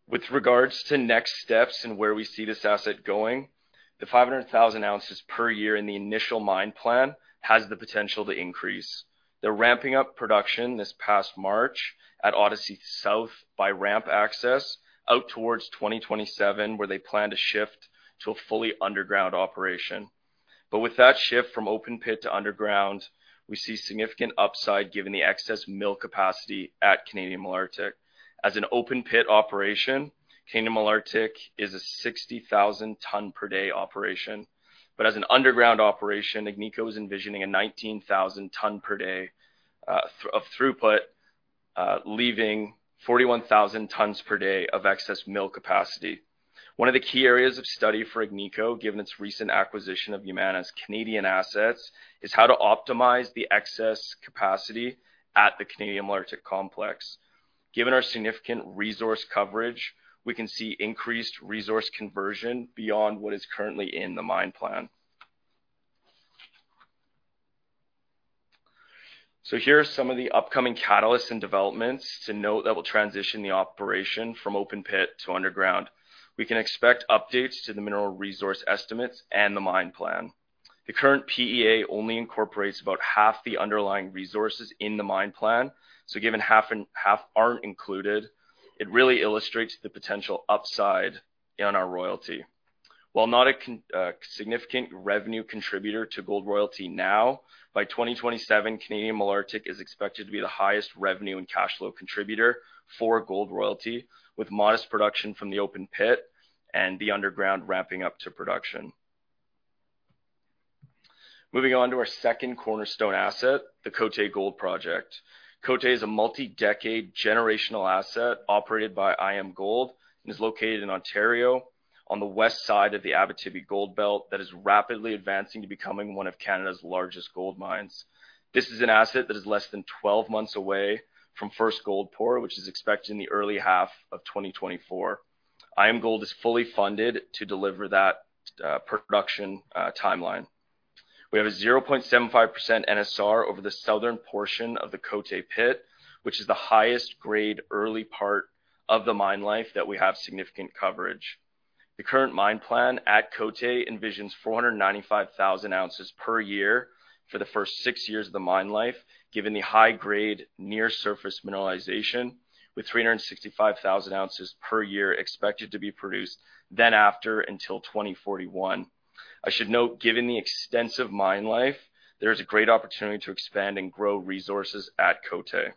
With regards to next steps and where we see this asset going, the 500,000 ounces per year in the initial mine plan has the potential to increase. They're ramping up production this past March at Odyssey South by ramp access out towards 2027, where they plan to shift to a fully underground operation. With that shift from open pit to underground, we see significant upside given the excess mill capacity at Canadian Malartic. As an open pit operation, Canadian Malartic is a 60,000 ton per day operation. As an underground operation, Agnico is envisioning a 19,000 ton per day of throughput, leaving 41,000 tons per day of excess mill capacity. One of the key areas of study for Agnico, given its recent acquisition of Yamana's Canadian assets, is how to optimize the excess capacity at the Canadian Malartic complex. Given our significant resource coverage, we can see increased resource conversion beyond what is currently in the mine plan. Here are some of the upcoming catalysts and developments to note that will transition the operation from open pit to underground. We can expect updates to the mineral resource estimates and the mine plan. The current PEA only incorporates about half the underlying resources in the mine plan. Given half and half aren't included, it really illustrates the potential upside in our royalty. While not a significant revenue contributor to Gold Royalty now, by 2027, Canadian Malartic is expected to be the highest revenue and cash flow contributor for Gold Royalty, with modest production from the open pit and the underground ramping up to production. Moving on to our second cornerstone asset, the Côté Gold Project. Côté is a multi-decade generational asset operated by IAMGOLD and is located in Ontario on the west side of the Abitibi Gold Belt that is rapidly advancing to becoming one of Canada's largest gold mines. This is an asset that is less than 12 months away from first gold pour, which is expected in the early half of 2024. IAMGOLD is fully funded to deliver that production timeline. We have a 0.75% NSR over the southern portion of the Côté pit, which is the highest grade early part of the mine life that we have significant coverage. The current mine plan at Côté envisions 495,000 ounces per year for the first six years of the mine life, given the high grade near surface mineralization, with 365,000 ounces per year expected to be produced then after until 2041. I should note, given the extensive mine life, there is a great opportunity to expand and grow resources at Côté.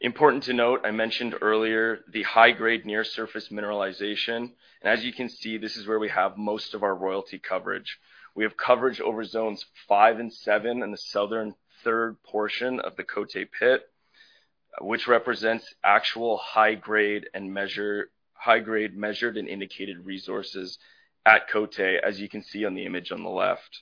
Important to note, I mentioned earlier the high grade near surface mineralization. As you can see, this is where we have most of our royalty coverage. We have coverage over zones five and seven in the southern third portion of the Côté pit, which represents actual high grade measured and indicated resources at Côté, as you can see on the image on the left.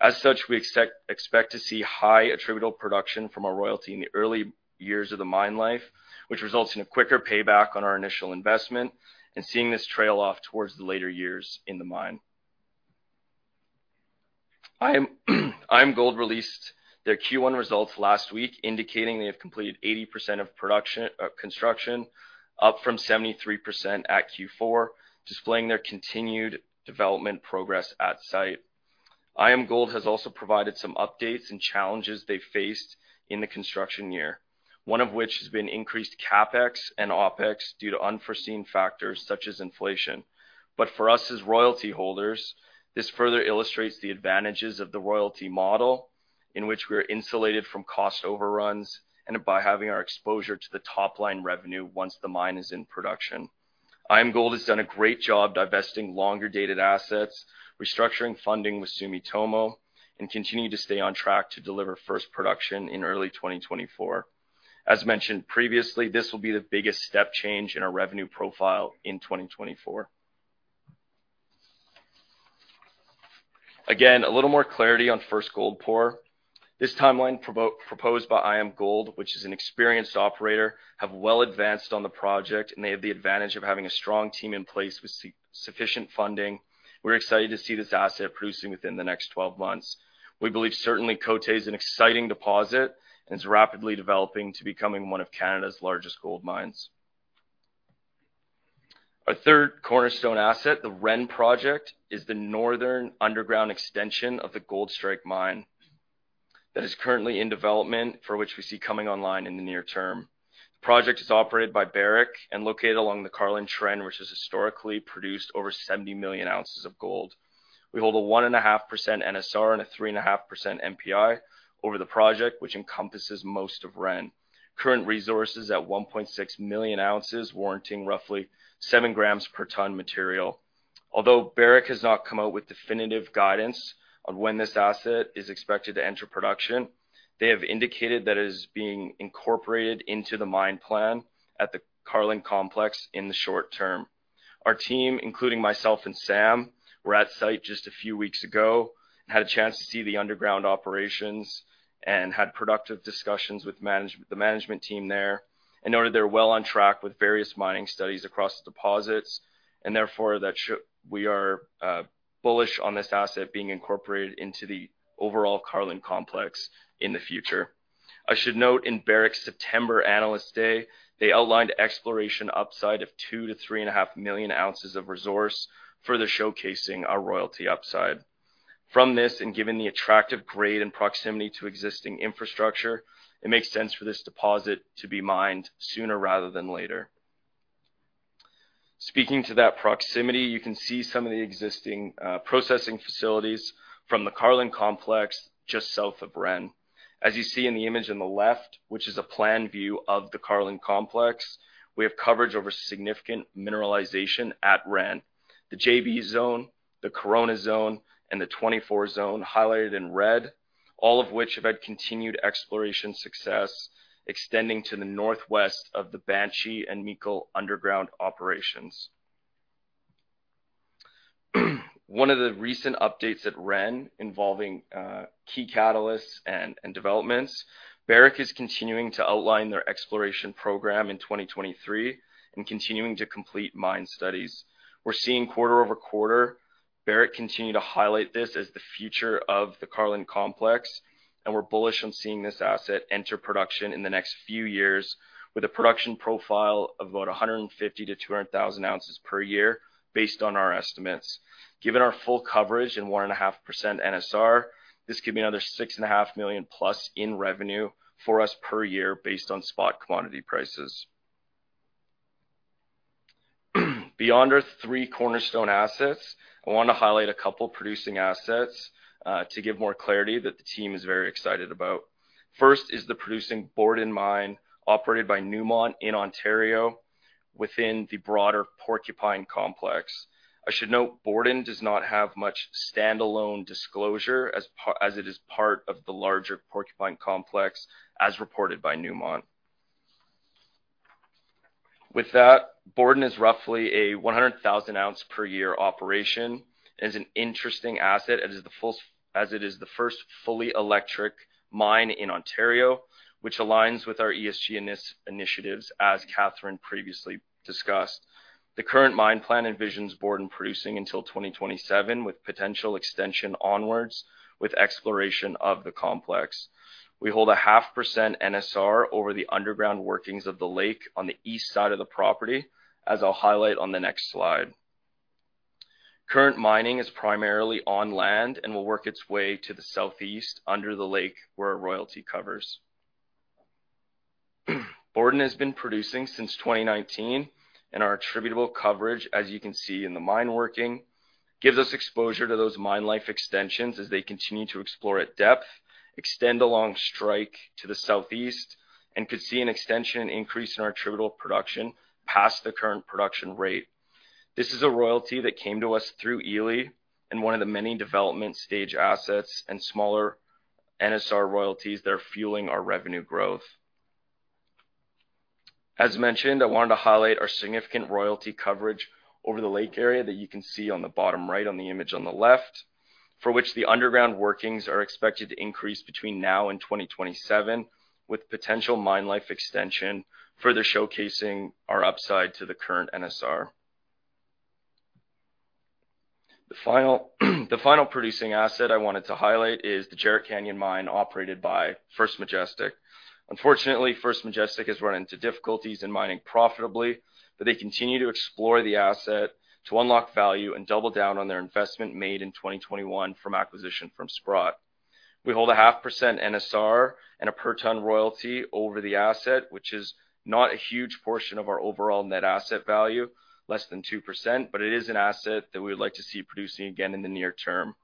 As such, we expect to see high attributable production from our royalty in the early years of the mine life, which results in a quicker payback on our initial investment and seeing this trail off towards the later years in the mine. IAMGOLD released their Q1 results last week, indicating they have completed 80% of production, construction, up from 73% at Q4, displaying their continued development progress at site. IAMGOLD has also provided some updates and challenges they faced in the construction year, one of which has been increased CapEx and OpEx due to unforeseen factors such as inflation. For us as royalty holders, this further illustrates the advantages of the royalty model in which we are insulated from cost overruns and by having our exposure to the top-line revenue once the mine is in production. IAMGOLD has done a great job divesting longer-dated assets, restructuring funding with Sumitomo, and continuing to stay on track to deliver first production in early 2024. As mentioned previously, this will be the biggest step change in our revenue profile in 2024. Again, a little more clarity on first gold pour. This timeline proposed by IAMGOLD, which is an experienced operator, have well advanced on the project, and they have the advantage of having a strong team in place with sufficient funding. We're excited to see this asset producing within the next 12 months. We believe certainly Côté is an exciting deposit and it's rapidly developing to becoming one of Canada's largest gold mines. Our third cornerstone asset, the Ren project, is the northern underground extension of the Goldstrike Mine that is currently in development, for which we see coming online in the near term. The project is operated by Barrick and located along the Carlin Trend, which has historically produced over 70 million ounces of gold. We hold a 1.5% NSR and a 3.5% NPI over the project, which encompasses most of Ren. Current resources at 1.6 million ounces, warranting roughly 7 grams per ton material. Although Barrick has not come out with definitive guidance on when this asset is expected to enter production, they have indicated that it is being incorporated into the mine plan at the Carlin complex in the short term. Our team, including myself and Sam, were at site just a few weeks ago and had a chance to see the underground operations and had productive discussions with the management team there and know that they're well on track with various mining studies across the deposits and therefore we are bullish on this asset being incorporated into the overall Carlin Complex in the future. I should note in Barrick's September Analyst Day, they outlined exploration upside of 2 million-3.5 million ounces of resource, further showcasing our royalty upside. From this, and given the attractive grade and proximity to existing infrastructure, it makes sense for this deposit to be mined sooner rather than later. Speaking to that proximity, you can see some of the existing processing facilities from the Carlin Complex just south of Ren. As you see in the image on the left, which is a plan view of the Carlin Complex, we have coverage over significant mineralization at Ren, the JV Zone, the Corona Zone, and the 24 Zone highlighted in red, all of which have had continued exploration success extending to the northwest of the Banshee and Meikle underground operations. One of the recent updates at Ren involving key catalysts and developments, Barrick is continuing to outline their exploration program in 2023 and continuing to complete mine studies. We're seeing quarter-over-quarter, Barrick continue to highlight this as the future of the Carlin Complex, and we're bullish on seeing this asset enter production in the next few years with a production profile of about 150,000-200,000 ounces per year based on our estimates. Given our full coverage and 1.5% NSR, this could be another $6.5 million+ in revenue for us per year based on spot commodity prices. Beyond our three cornerstone assets, I want to highlight a couple producing assets to give more clarity that the team is very excited about. First is the producing Borden Mine operated by Newmont in Ontario within the broader Porcupine Complex. I should note Borden does not have much stand-alone disclosure as it is part of the larger Porcupine Complex, as reported by Newmont. With that, Borden is roughly a 100,000 ounce per year operation, and is an interesting asset as it is the first fully electric mine in Ontario, which aligns with our ESG initiatives, as Katherine previously discussed. The current mine plan envisions Borden producing until 2027, with potential extension onwards with exploration of the complex. We hold a 0.5% NSR over the underground workings of the lake on the east side of the property, as I'll highlight on the next slide. Current mining is primarily on land and will work its way to the southeast under the lake where our royalty covers. Borden has been producing since 2019, and our attributable coverage, as you can see in the mine working, gives us exposure to those mine life extensions as they continue to explore at depth, extend along strike to the southeast, and could see an extension increase in our attributable production past the current production rate. This is a royalty that came to us through Ely. One of the many development stage assets and smaller NSR royalties that are fueling our revenue growth. As mentioned, I wanted to highlight our significant royalty coverage over the lake area that you can see on the bottom right on the image on the left, for which the underground workings are expected to increase between now and 2027, with potential mine life extension, further showcasing our upside to the current NSR. The final producing asset I wanted to highlight is the Jerritt Canyon Mine operated by First Majestic. Unfortunately, First Majestic has run into difficulties in mining profitably, but they continue to explore the asset to unlock value and double down on their investment made in 2021 from acquisition from Sprott. We hold 0.5% NSR and a per ton royalty over the asset, which is not a huge portion of our overall net asset value, less than 2%. It is an asset that we would like to see producing again in the near term.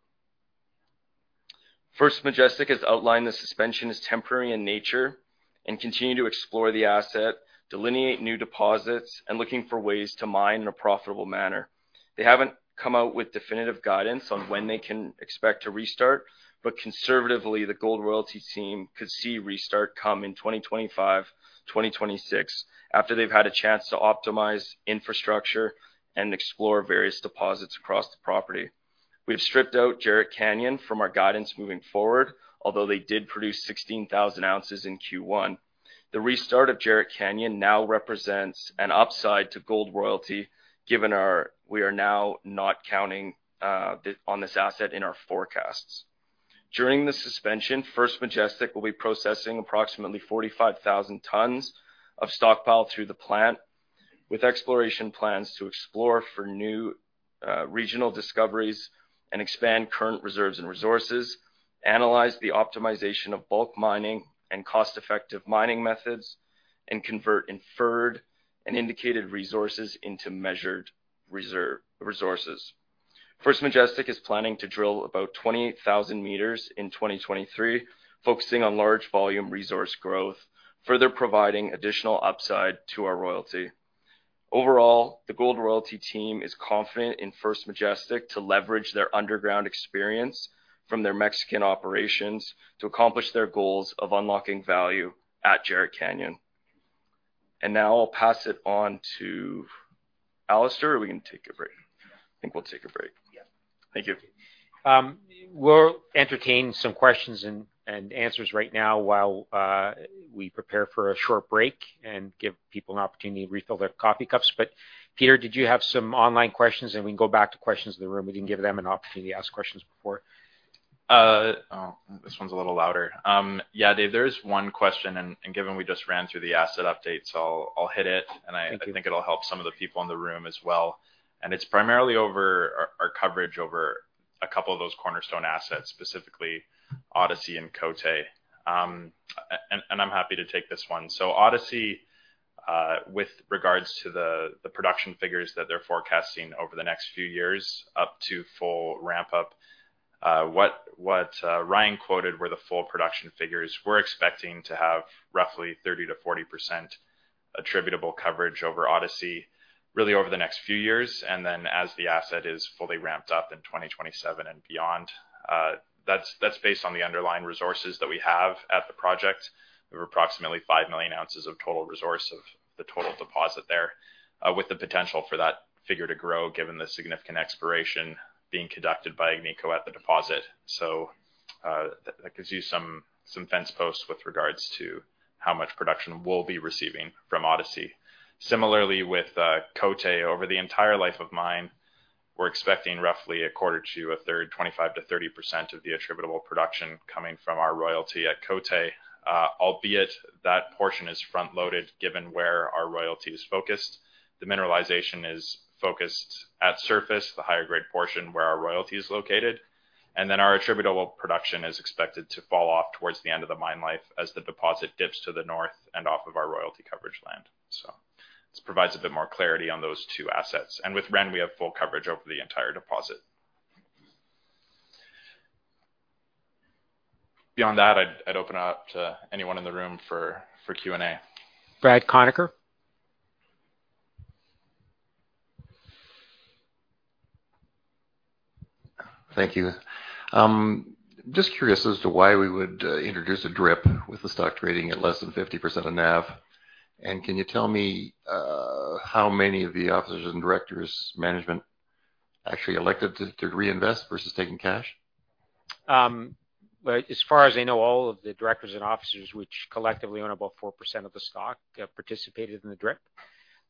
First Majestic has outlined the suspension as temporary in nature and continue to explore the asset, delineate new deposits, and looking for ways to mine in a profitable manner. They haven't come out with definitive guidance on when they can expect to restart. Conservatively, the Gold Royalty team could see restart come in 2025, 2026, after they've had a chance to optimize infrastructure and explore various deposits across the property. We've stripped out Jerritt Canyon from our guidance moving forward, although they did produce 16,000 ounces in Q1. The restart of Jerritt Canyon now represents an upside to Gold Royalty given our we are now not counting on this asset in our forecasts. During the suspension, First Majestic will be processing approximately 45,000 tons of stockpile through the plant with exploration plans to explore for new regional discoveries and expand current reserves and resources, analyze the optimization of bulk mining and cost-effective mining methods, and convert inferred and indicated resources into measured reserve resources. First Majestic is planning to drill about 28,000 meters in 2023, focusing on large volume resource growth, further providing additional upside to our royalty. Overall, the Gold Royalty team is confident in First Majestic to leverage their underground experience from their Mexican operations to accomplish their goals of unlocking value at Jerritt Canyon. Now I'll pass it on to Alastair, or we can take a break. Thank you. We'll entertain some questions and answers right now while we prepare for a short break and give people an opportunity to refill their coffee cups. Peter, did you have some online questions? We can go back to questions in the room. We can give them an opportunity to ask questions before. This one's a little louder. Yeah, Dave, there is one question, and given we just ran through the asset update, so I'll hit it. I think it'll help some of the people in the room as well. It's primarily over our coverage over a couple of those cornerstone assets, specifically Odyssey and Côté. I'm happy to take this one. Odyssey, with regards to the production figures that they're forecasting over the next few years up to full ramp up, what Ryan quoted were the full production figures. We're expecting to have roughly 30%-40% attributable coverage over Odyssey really over the next few years. Then as the asset is fully ramped up in 2027 and beyond, that's based on the underlying resources that we have at the project. We have approximately 5 million ounces of total resource of the total deposit there, with the potential for that figure to grow given the significant exploration being conducted by Agnico at the deposit. That gives you some fence posts with regards to how much production we'll be receiving from Odyssey. Similarly, with Côté, over the entire life of mine, we're expecting roughly a quarter to a third, 25%-30% of the attributable production coming from our royalty at Côté. Albeit that portion is front loaded given where our royalty is focused. The mineralization is focused at surface, the higher grade portion where our royalty is located. Our attributable production is expected to fall off towards the end of the mine life as the deposit dips to the north and off of our royalty coverage land. This provides a bit more clarity on those two assets. With Ren, we have full coverage over the entire deposit. Beyond that, I'd open up to anyone in the room for Q&A. Brad Conacher? Thank you. Just curious as to why we would introduce a drip with the stock trading at less than 50% of NAV? Can you tell me how many of the officers and directors management actually elected to reinvest versus taking cash? Well, as far as I know, all of the directors and officers, which collectively own about 4% of the stock, participated in the DRIP.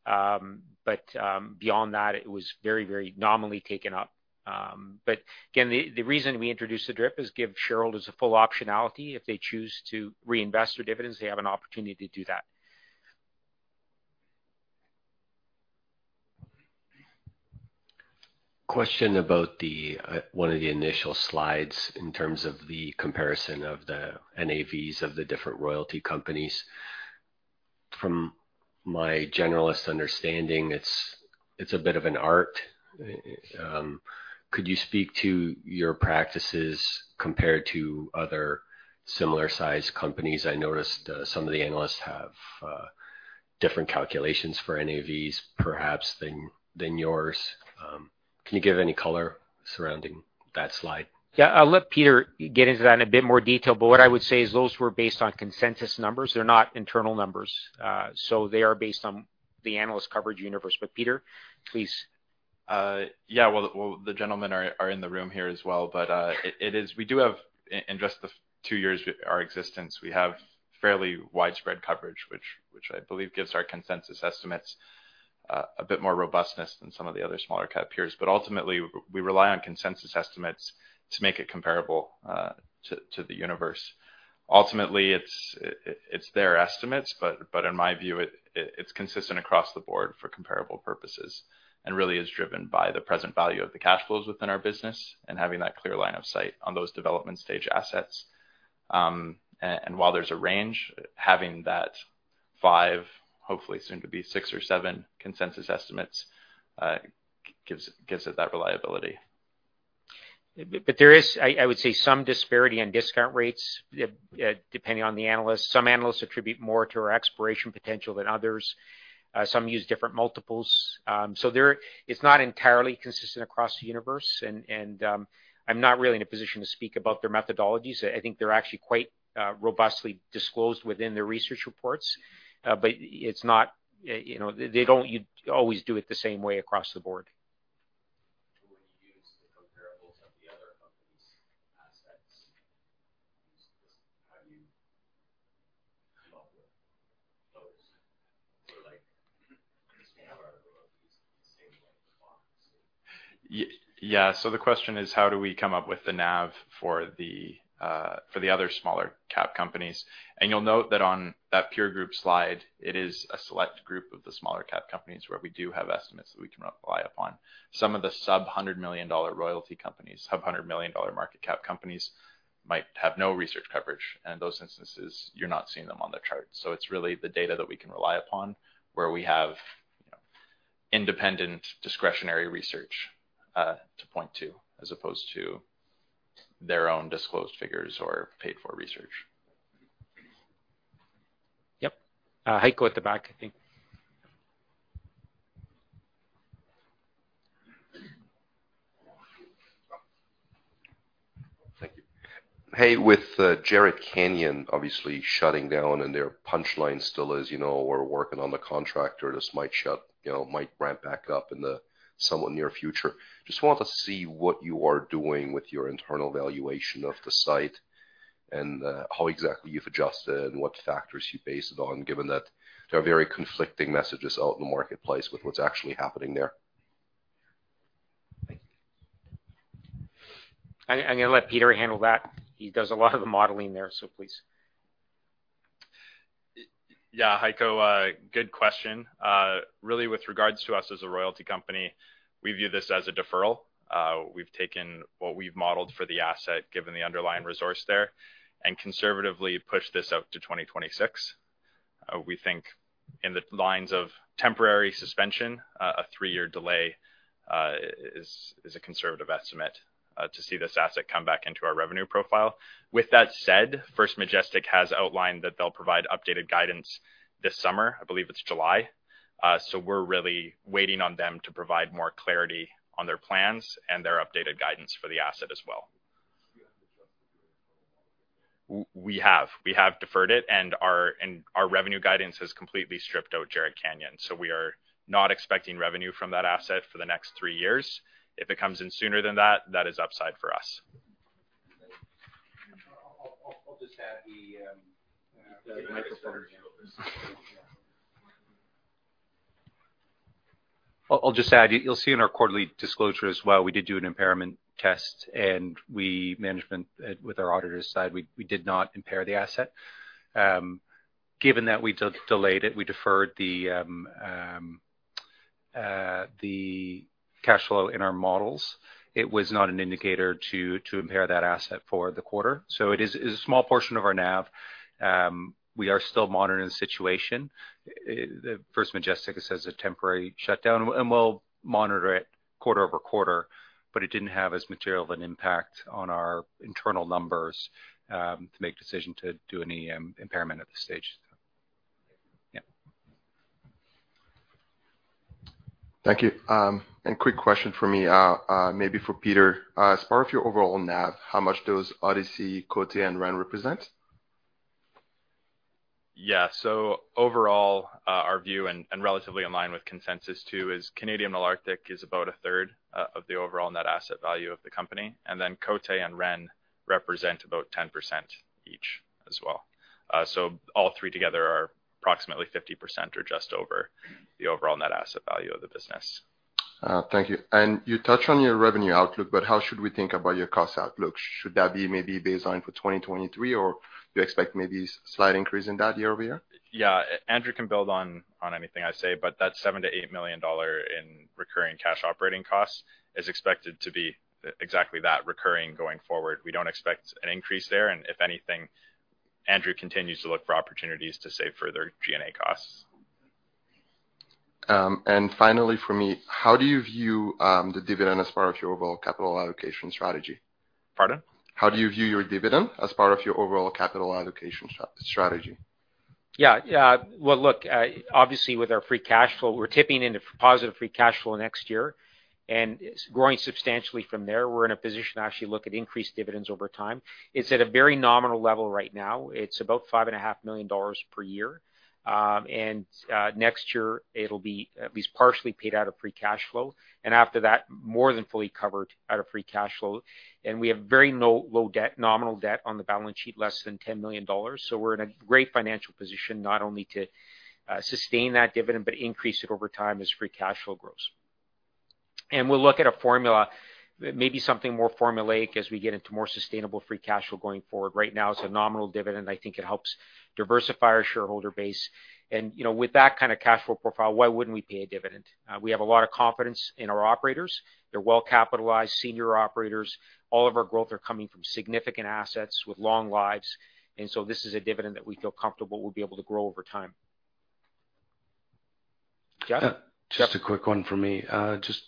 Beyond that, it was very, very nominally taken up. Again, the reason we introduced the DRIP is give shareholders a full optionality. If they choose to reinvest their dividends, they have an opportunity to do that. Question about the one of the initial slides in terms of the comparison of the NAVs of the different royalty companies? From my generalist understanding, it's a bit of an art. Could you speak to your practices compared to other similar size companies? I noticed some of the analysts have different calculations for NAVs, perhaps than yours. Can you give any color surrounding that slide? Yeah. I'll let Peter get into that in a bit more detail, but what I would say is those were based on consensus numbers. They're not internal numbers. They are based on the analyst coverage universe. Peter, please. Yeah. Well, the gentlemen are in the room here as well, it is. We do have, in just the two years our existence, we have fairly widespread coverage, which I believe gives our consensus estimates a bit more robustness than some of the other smaller cap peers. Ultimately, we rely on consensus estimates to make it comparable to the universe. Ultimately, it's their estimates, but in my view, it's consistent across the board for comparable purposes, and really is driven by the present value of the cash flows within our business and having that clear line of sight on those development stage assets. And while there's a range, having that five, hopefully soon to be six or seven consensus estimates gives it that reliability. There is, I would say, some disparity on discount rates, depending on the analyst. Some analysts attribute more to our exploration potential than others. Some use different multiples. It's not entirely consistent across the universe. I'm not really in a position to speak about their methodologies. I think they're actually quite robustly disclosed within their research reports. It's not, you know, they don't always do it the same way across the board. <audio distortion> When you use the comparables of the other company's assets, how do you come up with those? Or like, Yeah. The question is, how do we come up with the NAV for the for the other smaller cap companies? You'll note that on that peer group slide, it is a select group of the smaller cap companies where we do have estimates that we can rely upon. Some of the sub $100 million royalty companies, sub $100 million market cap companies might have no research coverage. In those instances, you're not seeing them on the chart. It's really the data that we can rely upon, where we have independent discretionary research to point to, as opposed to their own disclosed figures or paid for research. Yep. Heiko at the back, I think. Thank you. Hey, with Jerritt Canyon obviously shutting down and their punchline still is, you know, we're working on the contract or this might shut, you know, might ramp back up in the somewhat near future. Just wanted to see what you are doing with your internal valuation of the site and, how exactly you've adjusted and what factors you based it on, given that there are very conflicting messages out in the marketplace with what's actually happening there. Thank you. I'm gonna let Peter handle that. He does a lot of the modeling there, so please. Yeah, Heiko, good question. Really with regards to us as a royalty company, we view this as a deferral. We've taken what we've modeled for the asset, given the underlying resource there, and conservatively pushed this out to 2026. We think in the lines of temporary suspension, a three-year delay, is a conservative estimate, to see this asset come back into our revenue profile. With that said, First Majestic has outlined that they'll provide updated guidance this summer, I believe it's July. We're really waiting on them to provide more clarity on their plans and their updated guidance for the asset as well. You have to trust. We have deferred it, and our revenue guidance has completely stripped out Jerritt Canyon. We are not expecting revenue from that asset for the next three years. If it comes in sooner than that is upside for us. I'll just add the microphone. <audio distortion> I'll just add, you'll see in our quarterly disclosure as well, we did do an impairment test, and we management, with our auditors side, we did not impair the asset. Given that we delayed it, we deferred the cash flow in our models. It was not an indicator to impair that asset for the quarter. It is, it's a small portion of our NAV. We are still monitoring the situation. The First Majestic has a temporary shutdown, and we'll monitor it quarter-over-quarter, but it didn't have as material of an impact on our internal numbers to make decision to do any impairment at this stage. Yeah. Thank you. Quick question for me, maybe for Peter. As part of your overall NAV, how much does Odyssey, Côté and Ren represent? Yeah. Overall, our view and relatively in line with consensus too, is Canadian Malartic is about a third of the overall net asset value of the company. Côté and Ren represent about 10% each as well. All three together are approximately 50% or just over the overall net asset value of the business. Thank you. You touched on your revenue outlook, but how should we think about your cost outlook? Should that be maybe baseline for 2023, or do you expect maybe slight increase in that year-over-year? Yeah. Andrew can build on anything I say. That $7 million-$8 million in recurring cash operating costs is expected to be exactly that recurring going forward. We don't expect an increase there. If anything, Andrew continues to look for opportunities to save further G&A costs. Finally for me, how do you view the dividend as part of your overall capital allocation strategy? Pardon? How do you view your dividend as part of your overall capital allocation strategy? Yeah. Yeah. Well, look, obviously with our free cash flow, we're tipping into positive free cash flow next year and growing substantially from there. We're in a position to actually look at increased dividends over time. It's at a very nominal level right now. It's about $5.5 million per year. Next year it'll be at least partially paid out of free cash flow, and after that, more than fully covered out of free cash flow. We have very low debt, nominal debt on the balance sheet, less than $10 million. We're in a great financial position not only to sustain that dividend but increase it over time as free cash flow grows. We'll look at a formula, maybe something more formulaic as we get into more sustainable free cash flow going forward. Right now, it's a nominal dividend. I think it helps diversify our shareholder base. You know, with that kind of cash flow profile, why wouldn't we pay a dividend? We have a lot of confidence in our operators. They're well capitalized senior operators. All of our growth are coming from significant assets with long lives. This is a dividend that we feel comfortable we'll be able to grow over time. Jeff? Just a quick one for me. Just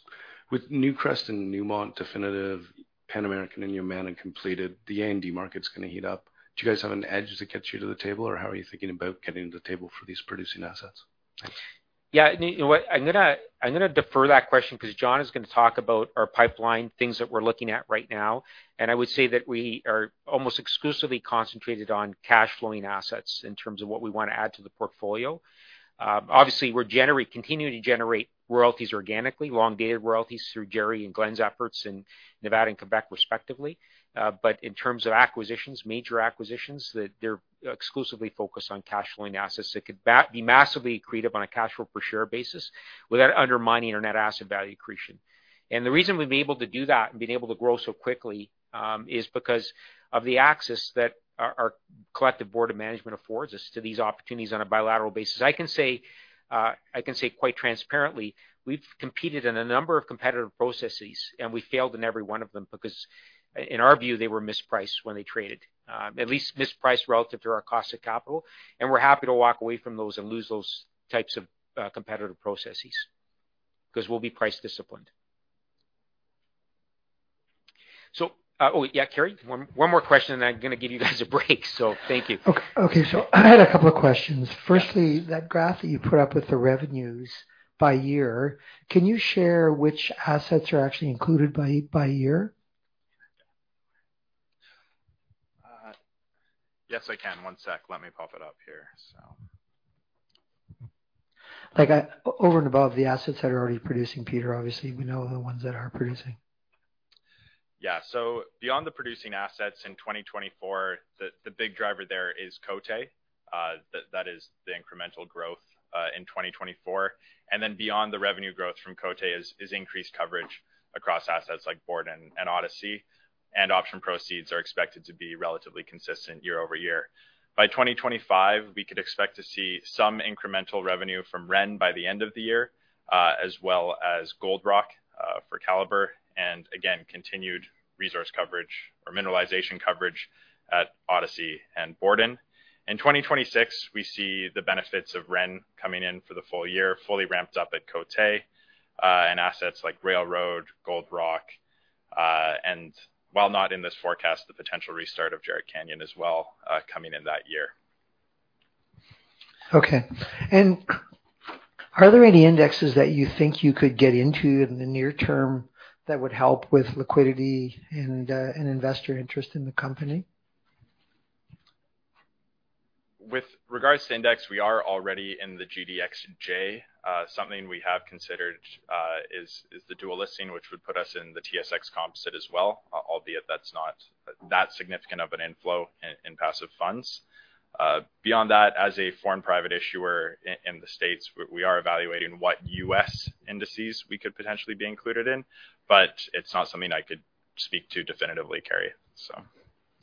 with Newcrest and Newmont, Definitive, Pan American and Yamana completed, the market's gonna heat up. Do you guys have an edge that gets you to the table, or how are you thinking about getting to the table for these producing assets? You know what? I'm gonna defer that question because John is gonna talk about our pipeline, things that we're looking at right now. I would say that we are almost exclusively concentrated on cash flowing assets in terms of what we wanna add to the portfolio. Obviously, we're continuing to generate royalties organically, long dated royalties through Jerry and Glenn's efforts in Nevada and Quebec respectively. In terms of acquisitions, major acquisitions, they're exclusively focused on cash flowing assets that could be massively accretive on a cash flow per share basis without undermining our net asset value accretion. The reason we've been able to do that and been able to grow so quickly is because of the access that our collective board of management affords us to these opportunities on a bilateral basis. I can say, I can say quite transparently, we've competed in a number of competitive processes. We failed in every one of them because in our view, they were mispriced when they traded. At least mispriced relative to our cost of capital. We're happy to walk away from those and lose those types of competitive processes because we'll be price disciplined. Oh, yeah, Kerry? One more question, and then I'm gonna give you guys a break. Thank you. Okay. I had a couple of questions. Firstly, that graph that you put up with the revenues by year, can you share which assets are actually included by year? Yes, I can. One sec. Let me pop it up here. Over and above the assets that are already producing, Peter, obviously, we know the ones that are producing. Yeah. Beyond the producing assets in 2024, the big driver there is Côté, that is the incremental growth in 2024. Beyond the revenue growth from Côté is increased coverage across assets like Borden and Odyssey, and option proceeds are expected to be relatively consistent year-over-year. By 2025, we could expect to see some incremental revenue from Ren by the end of the year, as well as Gold Rock, for Calibre, and again, continued resource coverage or mineralization coverage at Odyssey and Borden. In 2026, we see the benefits of Ren coming in for the full year, fully ramped up at Côté, and assets like Railroad, Gold Rock, and while not in this forecast, the potential restart of Jerritt Canyon as well, coming in that year. Okay. Are there any indexes that you think you could get into in the near term that would help with liquidity and investor interest in the company? With regards to index, we are already in the GDXJ. Something we have considered, is the dual listing, which would put us in the TSX Composite as well, albeit that's not that significant of an inflow in passive funds. Beyond that, as a foreign private issuer in the States, we are evaluating what U.S. indices we could potentially be included in, but it's not something I could speak to definitively, Kerry,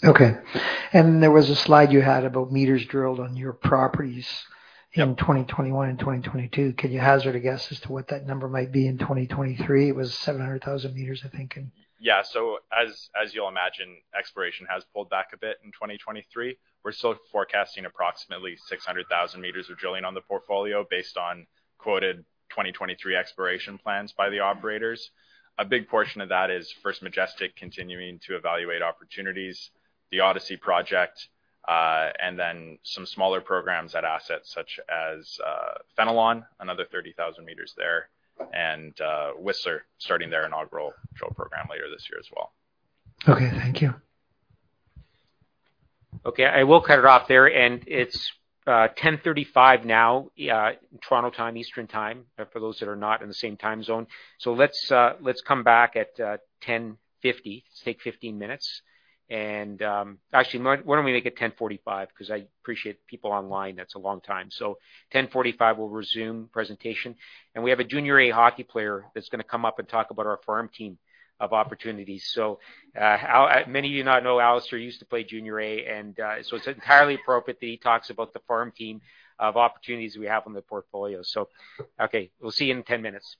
so. Okay. There was a slide you had about meters drilled on your properties in 2021 and 2022. Can you hazard a guess as to what that number might be in 2023? It was 700,000 meters, I think in. Yeah. As you'll imagine, exploration has pulled back a bit in 2023. We're still forecasting approximately 600,000 meters of drilling on the portfolio based on quoted 2023 exploration plans by the operators. A big portion of that is First Majestic continuing to evaluate opportunities, the Odyssey project, and then some smaller programs at assets such as Fenelon, another 30,000 meters there, and Whistler starting their inaugural drill program later this year as well. Okay. Thank you. Okay. I will cut it off there. It's 10:35 now, Toronto time, Eastern Time, for those that are not in the same time zone. Let's come back at 10:50. Let's take 15 minutes. Actually, why don't we make it 10:45? Because I appreciate people online. That's a long time. 10:45, we'll resume presentation. We have a Junior A hockey player that's gonna come up and talk about our farm team of opportunities. Many of you not know Alastair used to play Junior A, so it's entirely appropriate that he talks about the farm team of opportunities we have on the portfolio. Okay, we'll see you in 10 minutes.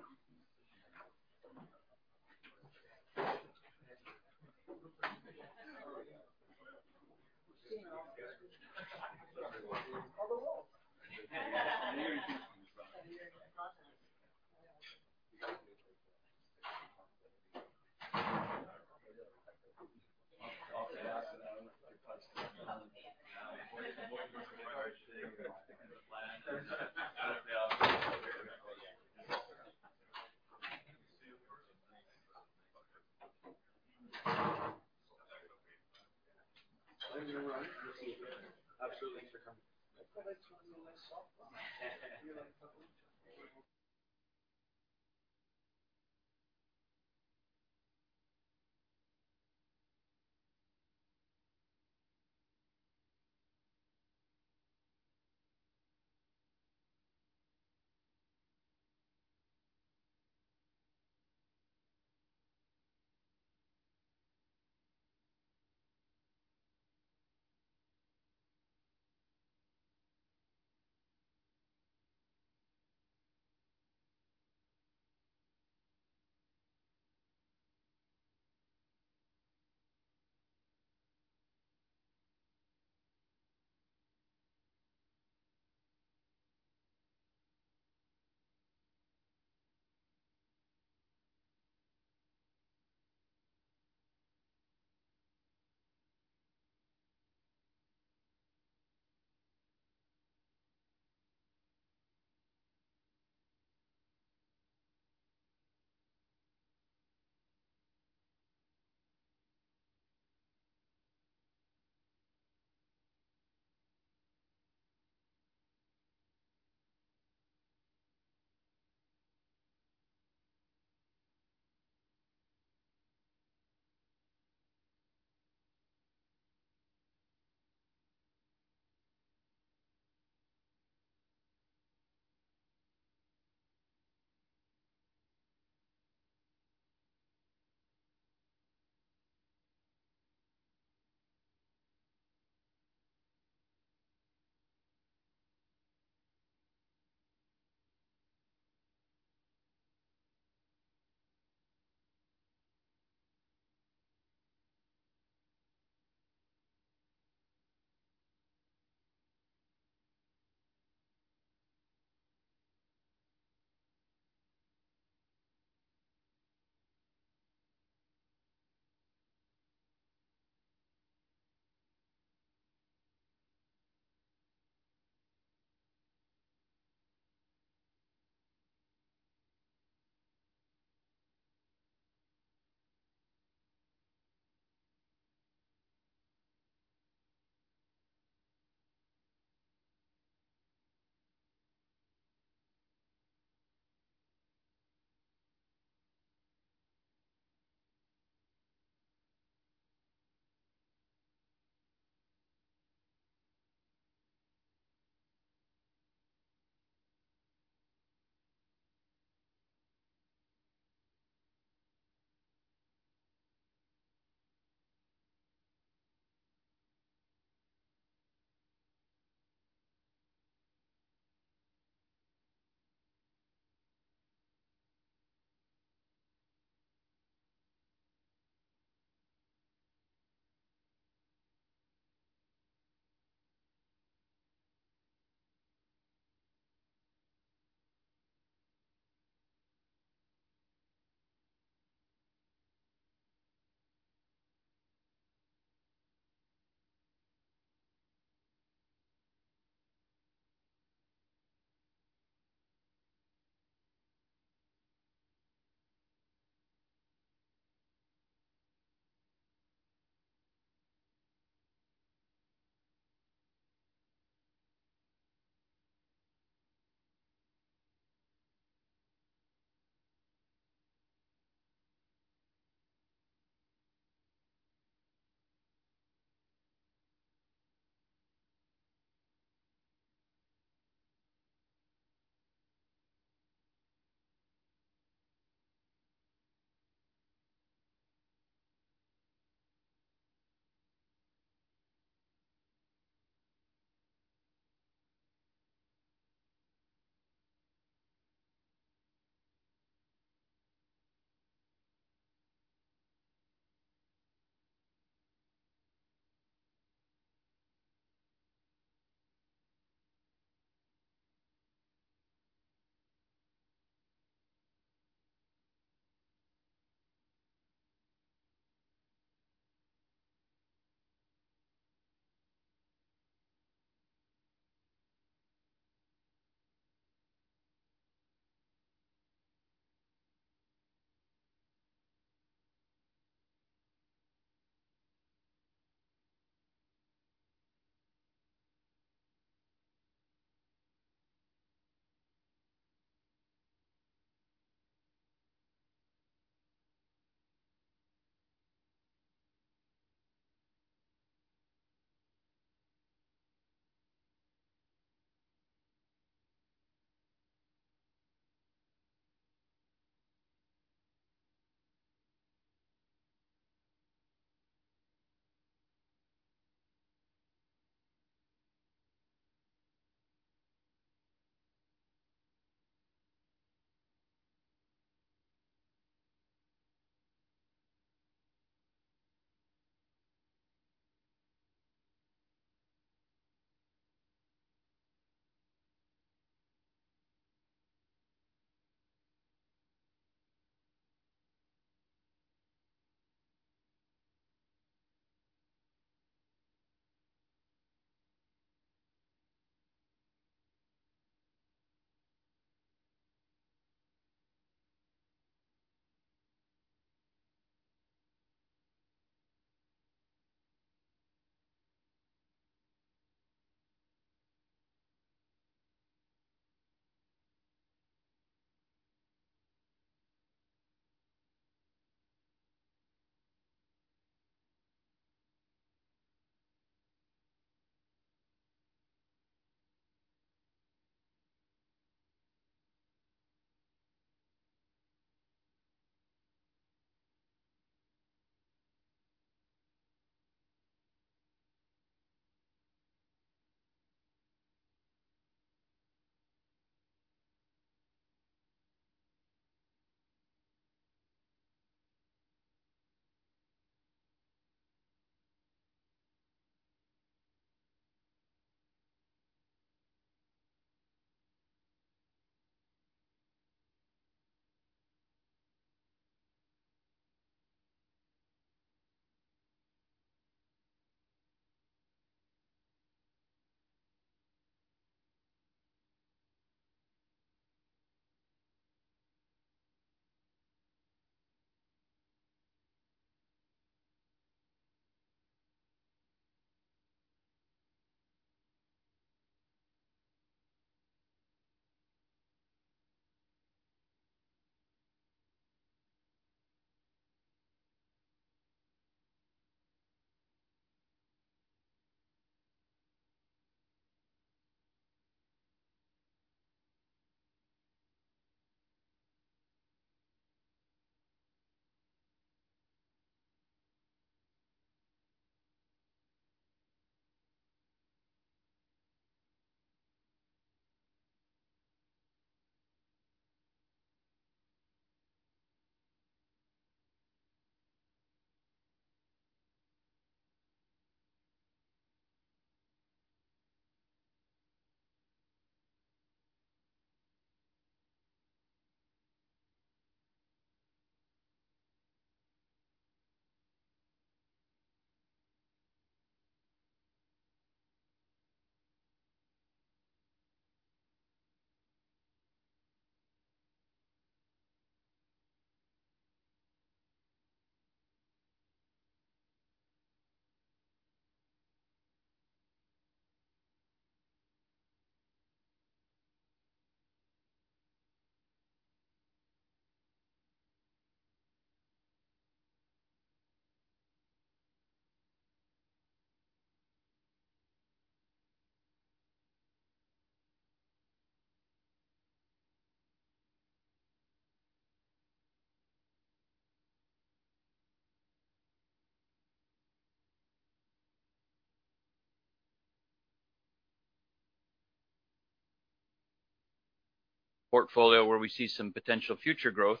Portfolio where we see some potential future growth.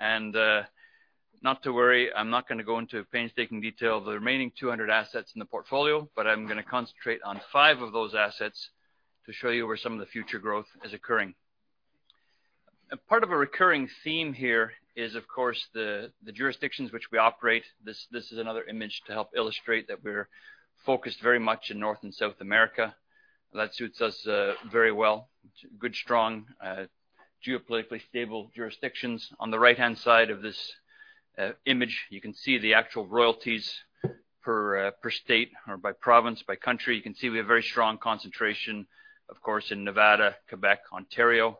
Not to worry, I'm not gonna go into painstaking detail of the remaining 200 assets in the portfolio, but I'm gonna concentrate on five of those assets to show you where some of the future growth is occurring. A part of a recurring theme here is, of course, the jurisdictions which we operate. This is another image to help illustrate that we're focused very much in North and South America. That suits us very well. Good, strong, geopolitically stable jurisdictions. On the right-hand side of this image, you can see the actual royalties per state or by province, by country. You can see we have a very strong concentration, of course, in Nevada, Quebec, Ontario.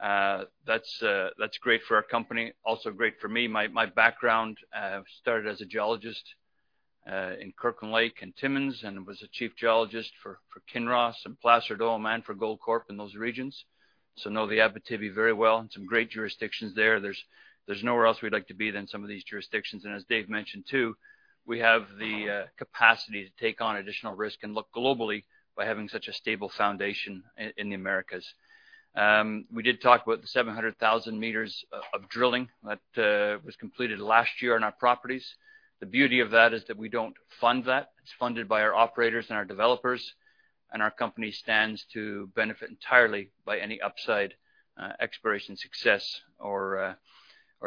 That's great for our company, also great for me. My background started as a geologist in Kirkland Lake and Timmins, and was a chief geologist for Kinross and Placer Dome and for Goldcorp in those regions. Know the Abitibi very well, and some great jurisdictions there. There's nowhere else we'd like to be than some of these jurisdictions. As Dave mentioned, too, we have the capacity to take on additional risk and look globally by having such a stable foundation in the Americas. We did talk about the 700,000 meters of drilling that was completed last year on our properties. The beauty of that is that we don't fund that. It's funded by our operators and our developers, and our company stands to benefit entirely by any upside exploration success or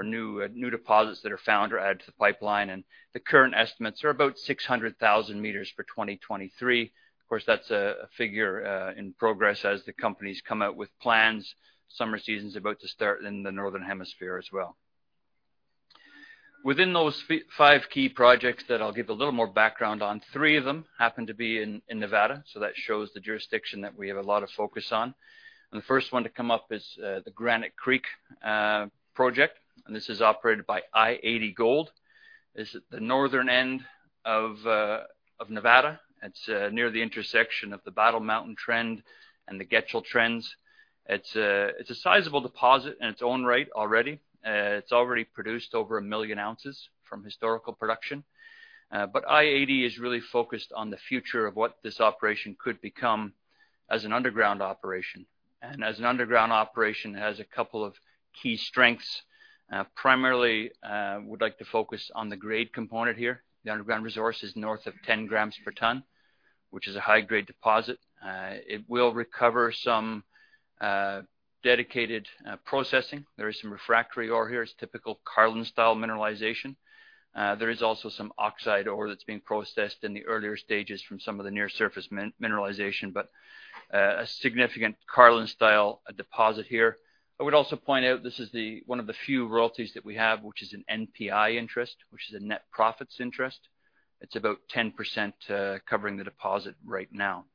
new deposits that are found or added to the pipeline. The current estimates are about 600,000 meters for 2023. Of course, that's a figure in progress as the companies come out with plans. Summer season's about to start in the Northern Hemisphere as well. Within those five key projects that I'll give a little more background on, three of them happen to be in Nevada, so that shows the jurisdiction that we have a lot of focus on. The first one to come up is the Granite Creek project, and this is operated by i-80 Gold. It's at the northern end of Nevada. It's near the intersection of the Battle Mountain Trend and the Getchell Trends. It's a sizable deposit in its own right already. It's already produced over 1 million ounces from historical production. i-80 is really focused on the future of what this operation could become as an underground operation. As an underground operation, it has a couple of key strengths. Primarily, would like to focus on the grade component here. The underground resource is north of 10 grams per ton, which is a high-grade deposit. It will recover some dedicated processing. There is some refractory ore here. It's typical Carlin-style mineralization. There is also some oxide ore that's being processed in the earlier stages from some of the near surface mineralization, but a significant Carlin-style deposit here. I would also point out this is the-- one of the few royalties that we have, which is an NPI interest, which is a net profits interest. It's about 10% covering the deposit right now.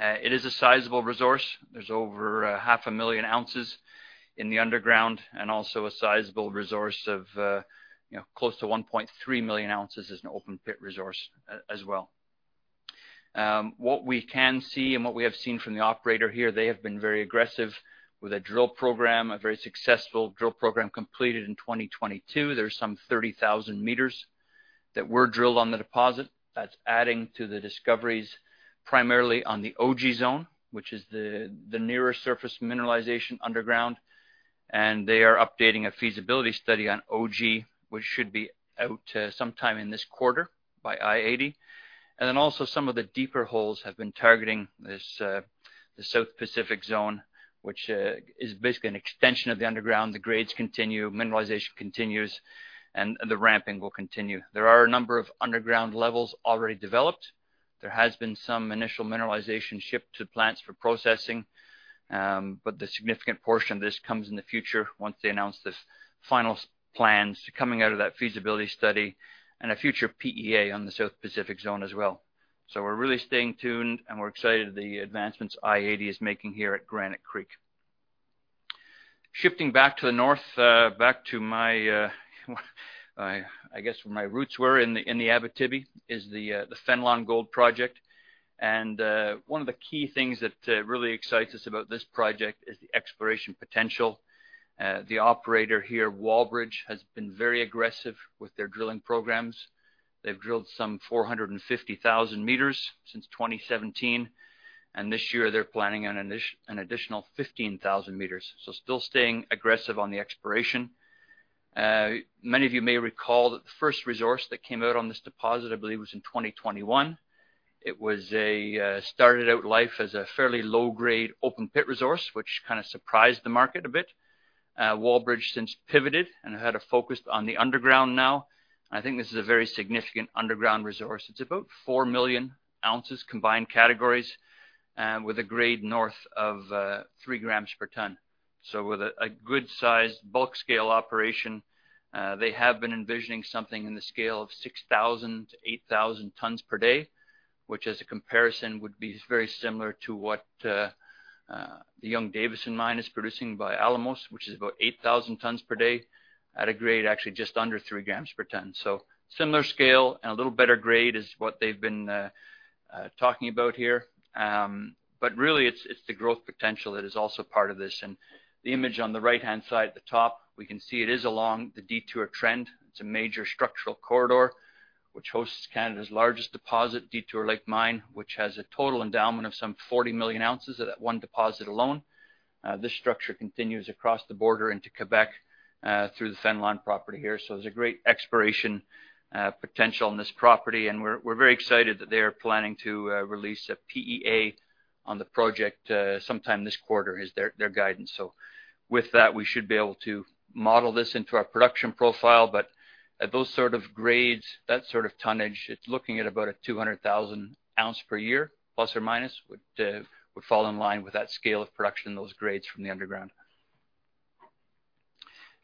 It is a sizable resource. There's over 0.5 million ounces in the underground and also a sizable resource of, you know, close to 1.3 million ounces as an open pit resource as well. What we can see and what we have seen from the operator here, they have been very aggressive with a drill program, a very successful drill program completed in 2022. There's some 30,000 meters that were drilled on the deposit. That's adding to the discoveries primarily on the OG Zone, which is the nearer surface mineralization underground. They are updating a feasibility study on OG, which should be out sometime in this quarter by i-80. Also some of the deeper holes have been targeting this, the South Pacific Zone, which is basically an extension of the underground. The grades continue, mineralization continues, and the ramping will continue. There are a number of underground levels already developed. There has been some initial mineralization shipped to plants for processing. The significant portion of this comes in the future once they announce the final plans coming out of that feasibility study and a future PEA on the South Pacific Zone as well. We're really staying tuned, and we're excited the advancements i-80 is making here at Granite Creek. Shifting back to the north, back to my, I guess, where my roots were in the, in the Abitibi is the Fenelon Gold Project. One of the key things that really excites us about this project is the exploration potential. The operator here, Wallbridge, has been very aggressive with their drilling programs. They've drilled some 450,000 meters since 2017, this year they're planning an additional 15,000 meters. Still staying aggressive on the exploration. Many of you may recall that the first resource that came out on this deposit, I believe, was in 2021. It was a started out life as a fairly low-grade open pit resource, which kind of surprised the market a bit. Wallbridge since pivoted and have had a focus on the underground now. I think this is a very significant underground resource. It's about 4 million ounces combined categories, with a grade north of 3 grams per ton. With a good sized bulk scale operation, they have been envisioning something in the scale of 6,000-8,000 tons per day, which as a comparison, would be very similar to what the Young-Davidson mine is producing by Alamos, which is about 8,000 tons per day at a grade actually just under 3 grams per ton. Similar scale and a little better grade is what they've been talking about here. Really it's the growth potential that is also part of this. The image on the right-hand side at the top, we can see it is along the Detour trend. It's a major structural corridor, which hosts Canada's largest deposit, Detour Lake Mine, which has a total endowment of some 40 million ounces at that one deposit alone. This structure continues across the border into Quebec, through the Fenelon property here. There's a great exploration potential on this property, and we're very excited that they are planning to release a PEA on the project sometime this quarter is their guidance. With that, we should be able to model this into our production profile. At those sort of grades, that sort of tonnage, it's looking at about a 200,000 ounce per year, plus or minus, would fall in line with that scale of production and those grades from the underground.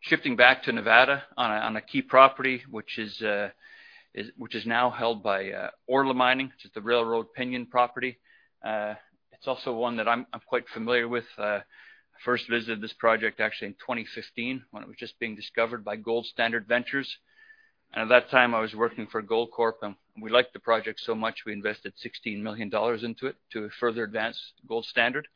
Shifting back to Nevada on a key property, which is now held by Orla Mining, which is the Railroad-Pinion property. It's also one that I'm quite familiar with. I first visited this project actually in 2015 when it was just being discovered by Gold Standard Ventures. At that time, I was working for Goldcorp, and we liked the project so much, we invested $16 million into it to further advance Gold Standard.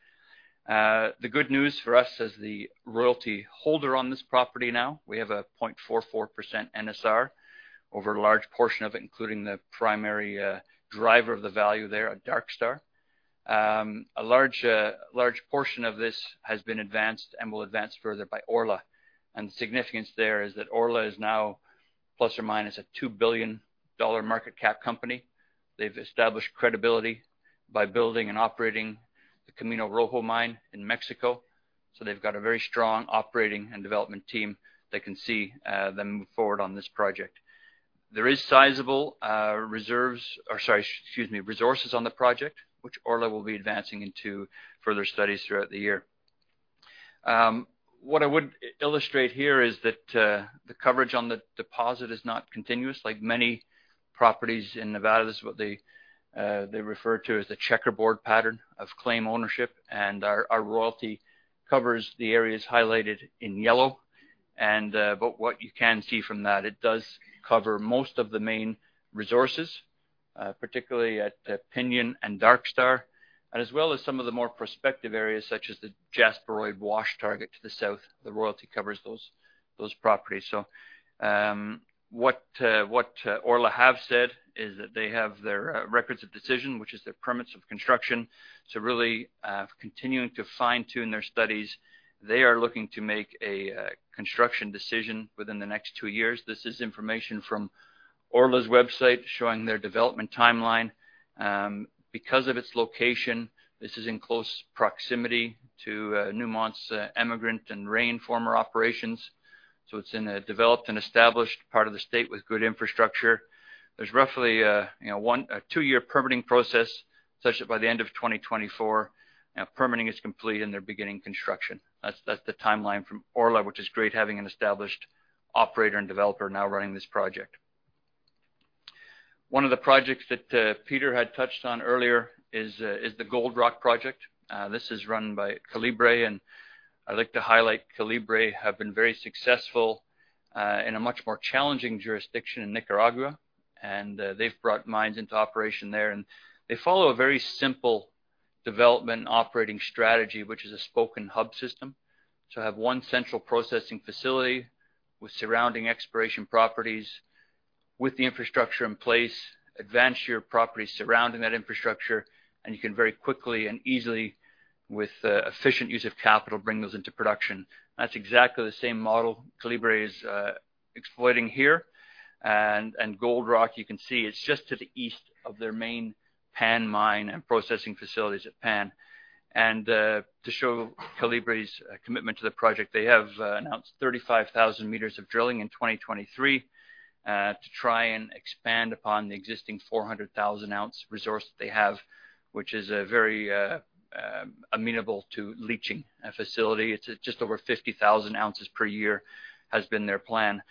The good news for us as the royalty holder on this property now, we have a 0.44% NSR over a large portion of it, including the primary driver of the value there at Darkstar. A large portion of this has been advanced and will advance further by Orla. The significance there is that Orla is now plus or minus a $2 billion-dollar market cap company. They've established credibility by building and operating the Camino Rojo mine in Mexico. They've got a very strong operating and development team that can see them move forward on this project. There is sizable reserves, or sorry, excuse me, resources on the project, which Orla will be advancing into further studies throughout the year. What I would illustrate here is that the coverage on the deposit is not continuous. Like many properties in Nevada, this is what they refer to as the checkerboard pattern of claim ownership, and our royalty covers the areas highlighted in yellow. But what you can see from that, it does cover most of the main resources, particularly at Pinion and Darkstar, and as well as some of the more prospective areas such as the Jasperoid Wash target to the south. The royalty covers those properties. What Orla have said is that they have their Record of Decision, which is their permits of construction. Really, continuing to fine-tune their studies. They are looking to make a construction decision within the next two years. This is information from Orla's website showing their development timeline. Because of its location, this is in close proximity to Newmont's Emigrant and Ren former operations. It's in a developed and established part of the state with good infrastructure. There's roughly, you know, a two-year permitting process, such that by the end of 2024, permitting is complete, and they're beginning construction. That's the timeline from Orla, which is great having an established operator and developer now running this project. One of the projects that Peter had touched on earlier is the Gold Rock Project. This is run by Calibre, and I'd like to highlight Calibre have been very successful in a much more challenging jurisdiction in Nicaragua, and they've brought mines into operation there. They follow a very simple development and operating strategy, which is a spoke-and-hub system, to have one central processing facility with surrounding exploration properties. With the infrastructure in place, advance your properties surrounding that infrastructure, you can very quickly and easily, with efficient use of capital, bring those into production. That's exactly the same model Calibre is exploiting here. Gold Royalty, you can see it's just to the east of their main Pan mine and processing facilities at Pan. To show Calibre's commitment to the project, they have announced 35,000 meters of drilling in 2023 to try and expand upon the existing 400,000 ounce resource that they have, which is very amenable to leaching facility. It's just over 50,000 ounces per year, has been their plan.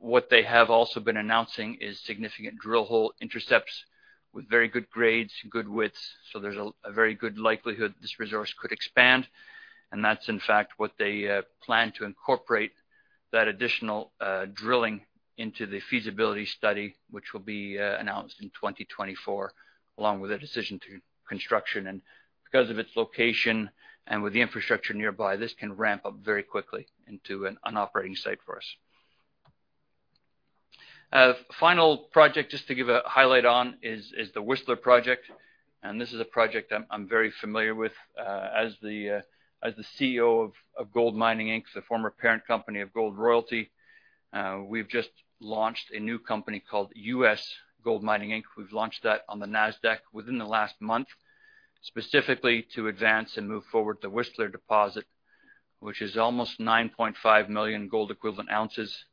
What they have also been announcing is significant drill hole intercepts with very good grades and good widths, so there's a very good likelihood this resource could expand. That's in fact what they plan to incorporate that additional drilling into the feasibility study, which will be announced in 2024, along with a decision to construction. Because of its location and with the infrastructure nearby, this can ramp up very quickly into an operating site for us. Final project, just to give a highlight on, is the Whistler project, and this is a project I'm very familiar with, as the CEO of GoldMining Inc., the former parent company of Gold Royalty. We've just launched a new company called U.S. GoldMining Inc. We've launched that on the NASDAQ within the last month, specifically to advance and move forward the Whistler deposit, which is almost 9.5 million gold equivalent ounces.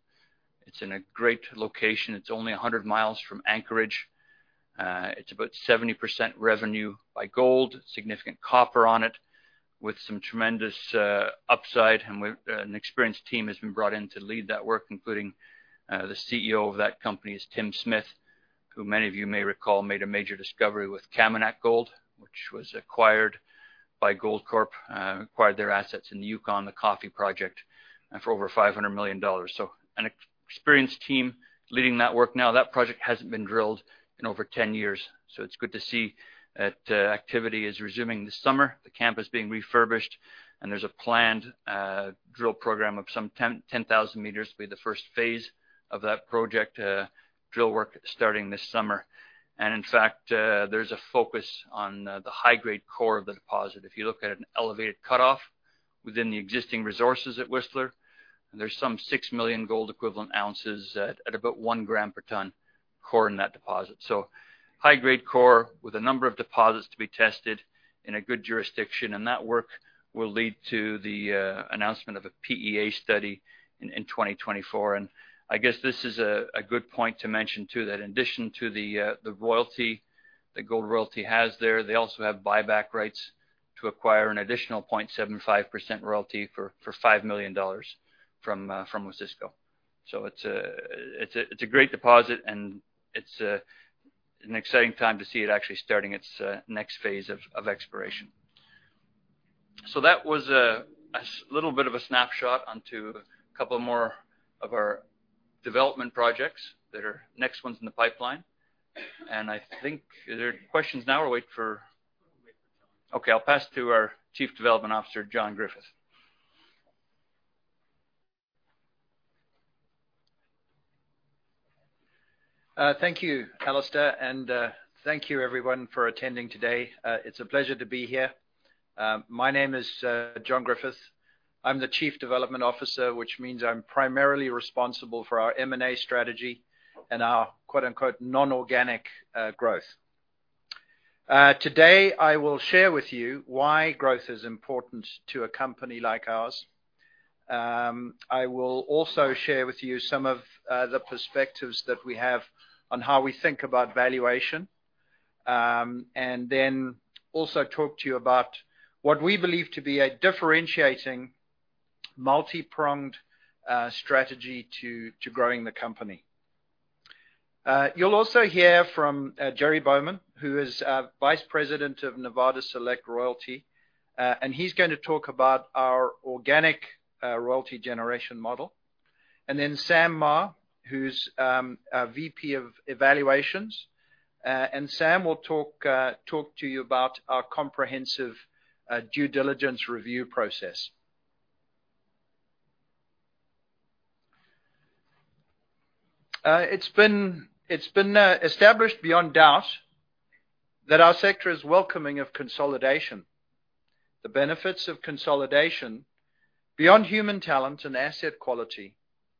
It's in a great location. It's only 100 miles from Anchorage. It's about 70% revenue by gold, significant copper on it, with some tremendous upside. An experienced team has been brought in to lead that work, including the CEO of that company is Tim Smith, who many of you may recall made a major discovery with Kaminak Gold, which was acquired by Goldcorp, acquired their assets in the Yukon, the Coffee Project, for over $500 million. An experienced team leading that work. Now, that project hasn't been drilled in over 10 years, so it's good to see that activity is resuming this summer. The camp is being refurbished and there's a planned drill program of some 10,000 meters, be the first phase of that project, drill work starting this summer. In fact, there's a focus on the high-grade core of the deposit. If you look at an elevated cutoff within the existing resources at Whistler, there's some 6 million gold equivalent ounces at about 1 gram per ton core in that deposit. High grade core with a number of deposits to be tested in a good jurisdiction. That work will lead to the announcement of a PEA study in 2024. I guess this is a good point to mention too, that in addition to the royalty that Gold Royalty has there, they also have buyback rights to acquire an additional 0.75% royalty for $5 million from Osisko. It's a great deposit, and it's an exciting time to see it actually starting its next phase of exploration. That was a little bit of a snapshot onto a couple more of our development projects that are next ones in the pipeline. I think, are there questions now? Or we'll wait for John. Okay, I'll pass to our Chief Development Officer, John Griffith. Thank you, Alastair, and thank you everyone for attending today. It's a pleasure to be here. My name is John Griffith. I'm the Chief Development Officer, which means I'm primarily responsible for our M&A strategy and our, quote-unquote, "non-organic" growth. Today, I will share with you why growth is important to a company like ours. I will also share with you some of the perspectives that we have on how we think about valuation. Also talk to you about what we believe to be a differentiating multi-pronged strategy to growing the company. You'll also hear from Jerry Bowman, who is Vice President of Nevada Select Royalty. He's gonna talk about our organic royalty generation model. Sam Mah, who's VP of Evaluations. Sam will talk to you about our comprehensive due diligence review process. It's been established beyond doubt that our sector is welcoming of consolidation. The benefits of consolidation beyond human talent and asset quality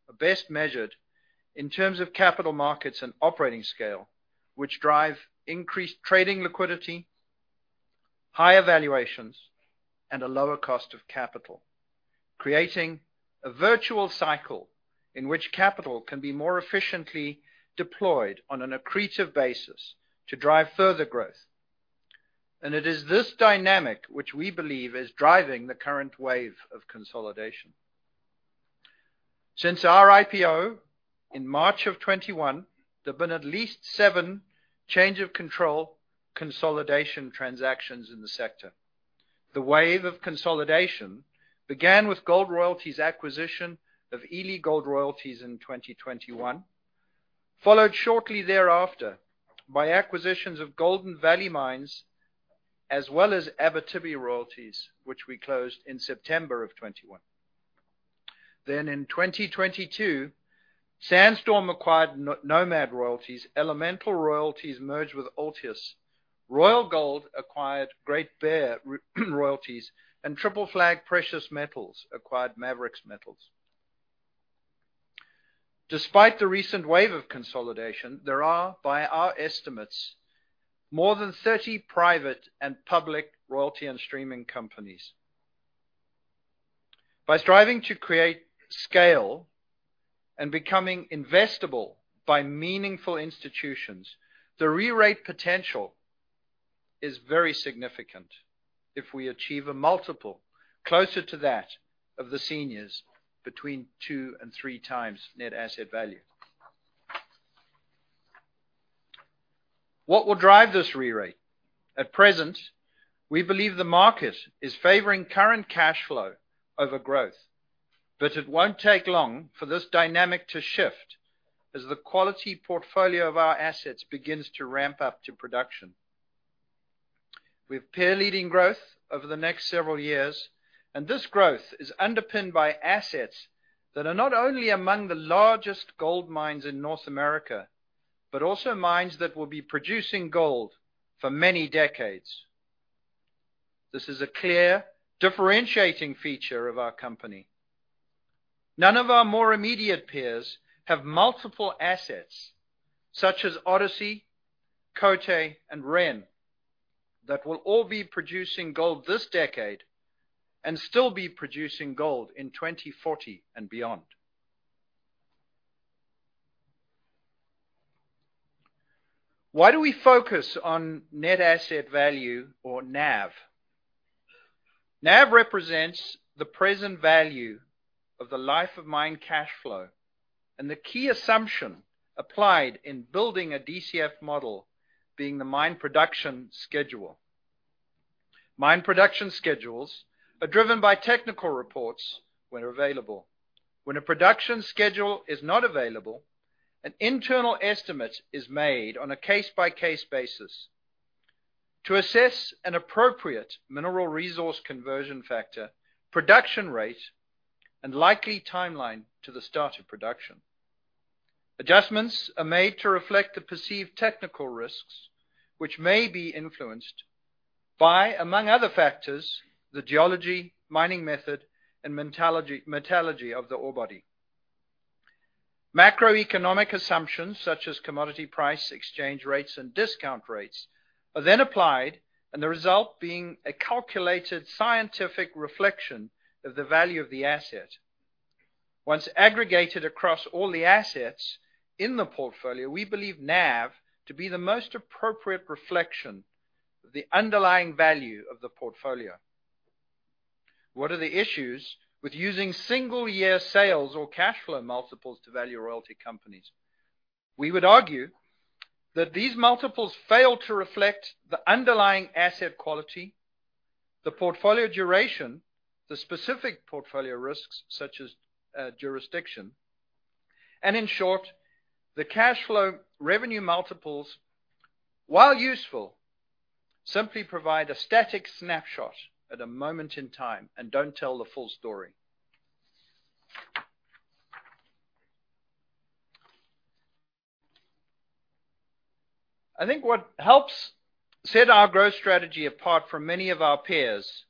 are best measured in terms of capital markets and operating scale, which drive increased trading liquidity, higher valuations, and a lower cost of capital, creating a virtual cycle in which capital can be more efficiently deployed on an accretive basis to drive further growth. It is this dynamic which we believe is driving the current wave of consolidation. Since our IPO in March of 2021, there have been at least seven change of control consolidation transactions in the sector. The wave of consolidation began with Gold Royalty's acquisition of Ely Gold Royalties in 2021, followed shortly thereafter by acquisitions of Golden Valley Mines, as well as Abitibi Royalties, which we closed in September of 2021. In 2022, Sandstorm acquired Nomad Royalties, Elemental Royalties merged with Altius, Royal Gold acquired Great Bear Royalties, and Triple Flag Precious Metals acquired Maverix Metals. Despite the recent wave of consolidation, there are, by our estimates, more than 30 private and public royalty and streaming companies. By striving to create scale and becoming investable by meaningful institutions, the re-rate potential is very significant if we achieve a multiple closer to that of the seniors between 2x and 3x net asset value. What will drive this re-rate? At present, we believe the market is favoring current cash flow over growth. It won't take long for this dynamic to shift as the quality portfolio of our assets begins to ramp up to production. We have peer-leading growth over the next several years. This growth is underpinned by assets that are not only among the largest gold mines in North America, but also mines that will be producing gold for many decades. This is a clear differentiating feature of our company. None of our more immediate peers have multiple assets such as Odyssey, Côté, and Ren. That will all be producing gold this decade and still be producing gold in 2040 and beyond. Why do we focus on net asset value or NAV? NAV represents the present value of the life of mine cash flow and the key assumption applied in building a DCF model being the mine production schedule. Mine production schedules are driven by technical reports when available. When a production schedule is not available, an internal estimate is made on a case-by-case basis to assess an appropriate mineral resource conversion factor, production rate, and likely timeline to the start of production. Adjustments are made to reflect the perceived technical risks, which may be influenced by, among other factors, the geology, mining method, and metallurgy of the ore body. Macroeconomic assumptions such as commodity price, exchange rates, and discount rates are then applied, and the result being a calculated scientific reflection of the value of the asset. Once aggregated across all the assets in the portfolio, we believe NAV to be the most appropriate reflection of the underlying value of the portfolio. What are the issues with using single year sales or cash flow multiples to value royalty companies? We would argue that these multiples fail to reflect the underlying asset quality, the portfolio duration, the specific portfolio risks such as, jurisdiction, and in short, the cash flow revenue multiples, while useful, simply provide a static snapshot at a moment in time and don't tell the full story. I think what helps set our growth strategy apart from many of our peers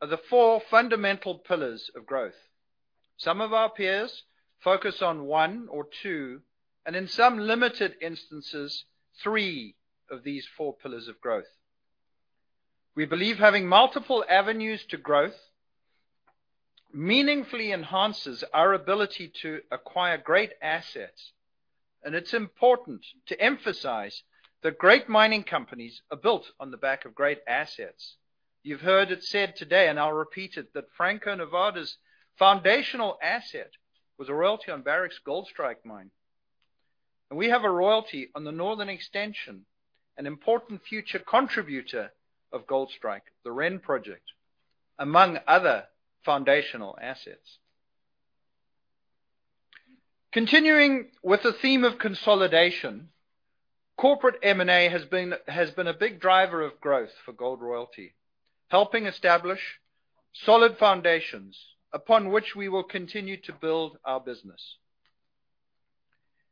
are the four fundamental pillars of growth. Some of our peers focus on one or two, and in some limited instances, three of these four pillars of growth. We believe having multiple avenues to growth meaningfully enhances our ability to acquire great assets. It's important to emphasize that great mining companies are built on the back of great assets. You've heard it said today, and I'll repeat it, that Franco-Nevada's foundational asset was a royalty on Barrick's Goldstrike mine. We have a royalty on the northern extension, an important future contributor of Goldstrike, the Ren project, among other foundational assets. Continuing with the theme of consolidation, corporate M&A has been a big driver of growth for Gold Royalty, helping establish solid foundations upon which we will continue to build our business.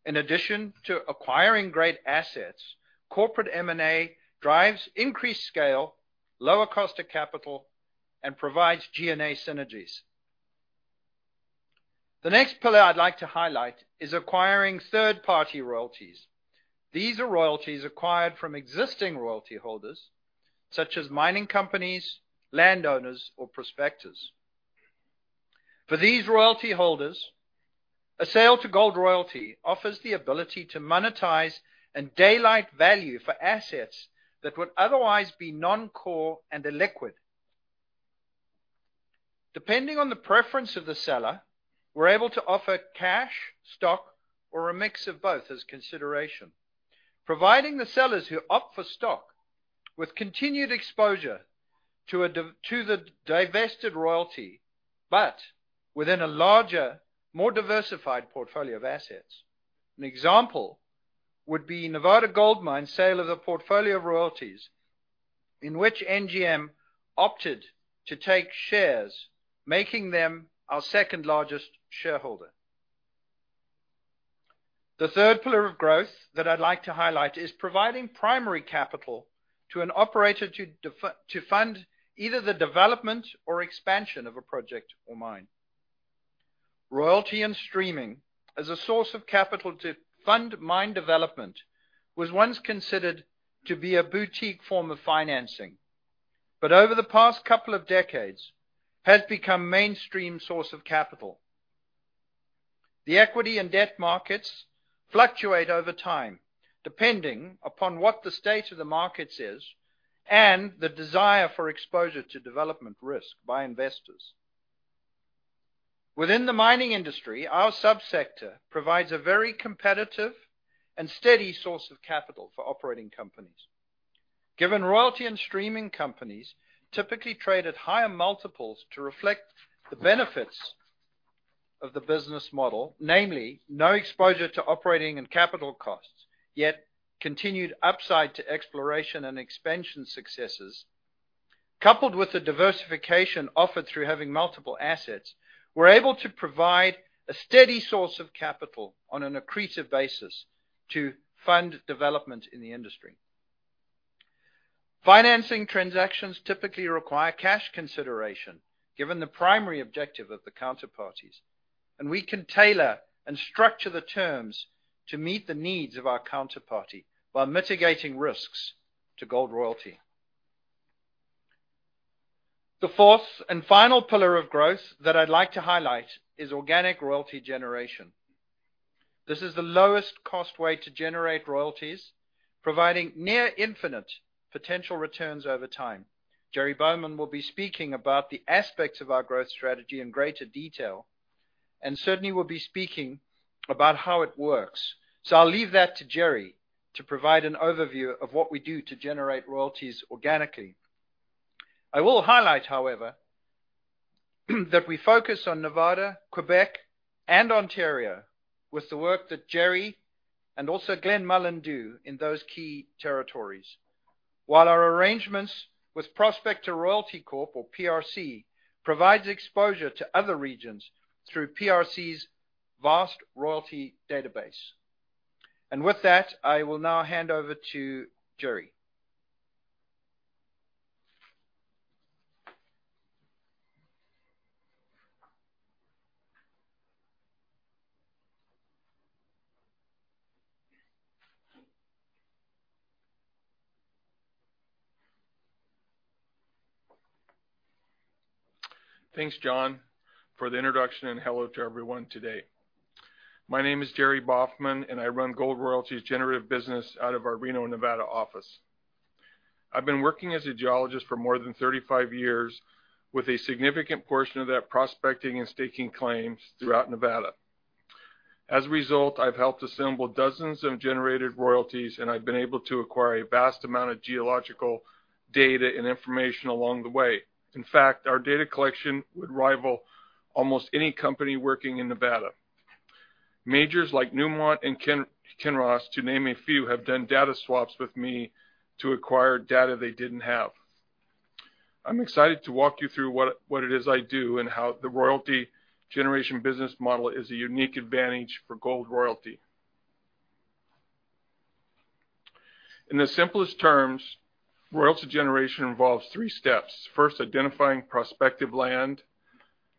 In addition to acquiring great assets, corporate M&A drives increased scale, lower cost of capital, and provides G&A synergies. The next pillar I'd like to highlight is acquiring third-party royalties. These are royalties acquired from existing royalty holders, such as mining companies, landowners, or prospectors. For these royalty holders, a sale to Gold Royalty offers the ability to monetize and daylight value for assets that would otherwise be non-core and illiquid. Depending on the preference of the seller, we're able to offer cash, stock, or a mix of both as consideration, providing the sellers who opt for stock with continued exposure to the divested royalty, but within a larger, more diversified portfolio of assets. An example would be Nevada Gold Mines' sale of the portfolio of royalties in which NGM opted to take shares, making them our second-largest shareholder. The third pillar of growth that I'd like to highlight is providing primary capital to an operator to fund either the development or expansion of a project or mine. Royalty and streaming as a source of capital to fund mine development was once considered to be a boutique form of financing, but over the past couple of decades has become mainstream source of capital. The equity and debt markets fluctuate over time, depending upon what the state of the markets is and the desire for exposure to development risk by investors. Within the mining industry, our subsector provides a very competitive and steady source of capital for operating companies. Given royalty and streaming companies typically trade at higher multiples to reflect the benefits of the business model, namely no exposure to operating and capital costs, yet continued upside to exploration and expansion successes, coupled with the diversification offered through having multiple assets, we're able to provide a steady source of capital on an accretive basis to fund development in the industry. Financing transactions typically require cash consideration, given the primary objective of the counterparties. We can tailor and structure the terms to meet the needs of our counterparty while mitigating risks to Gold Royalty. The fourth and final pillar of growth that I'd like to highlight is organic royalty generation. This is the lowest cost way to generate royalties, providing near infinite potential returns over time. Jerry Baughman will be speaking about the aspects of our growth strategy in greater detail, and certainly will be speaking about how it works. I'll leave that to Jerry to provide an overview of what we do to generate royalties organically. I will highlight, however, that we focus on Nevada, Quebec, and Ontario with the work that Jerry and also Glenn Mullan do in those key territories. While our arrangements with Prospector Royalty Corp., or PRC, provides exposure to other regions through PRC's vast royalty database. With that, I will now hand over to Jerry. Thanks, John, for the introduction. Hello to everyone today. My name is Jerry Baughman. I run Gold Royalty's generative business out of our Reno, Nevada office. I've been working as a geologist for more than 35 years with a significant portion of that prospecting and staking claims throughout Nevada. As a result, I've helped assemble dozens of generated royalties. I've been able to acquire a vast amount of geological data and information along the way. In fact, our data collection would rival almost any company working in Nevada. Majors like Newmont and Kinross, to name a few, have done data swaps with me to acquire data they didn't have. I'm excited to walk you through what it is I do and how the royalty generation business model is a unique advantage for Gold Royalty. In the simplest terms, royalty generation involves three steps. First, identifying prospective land,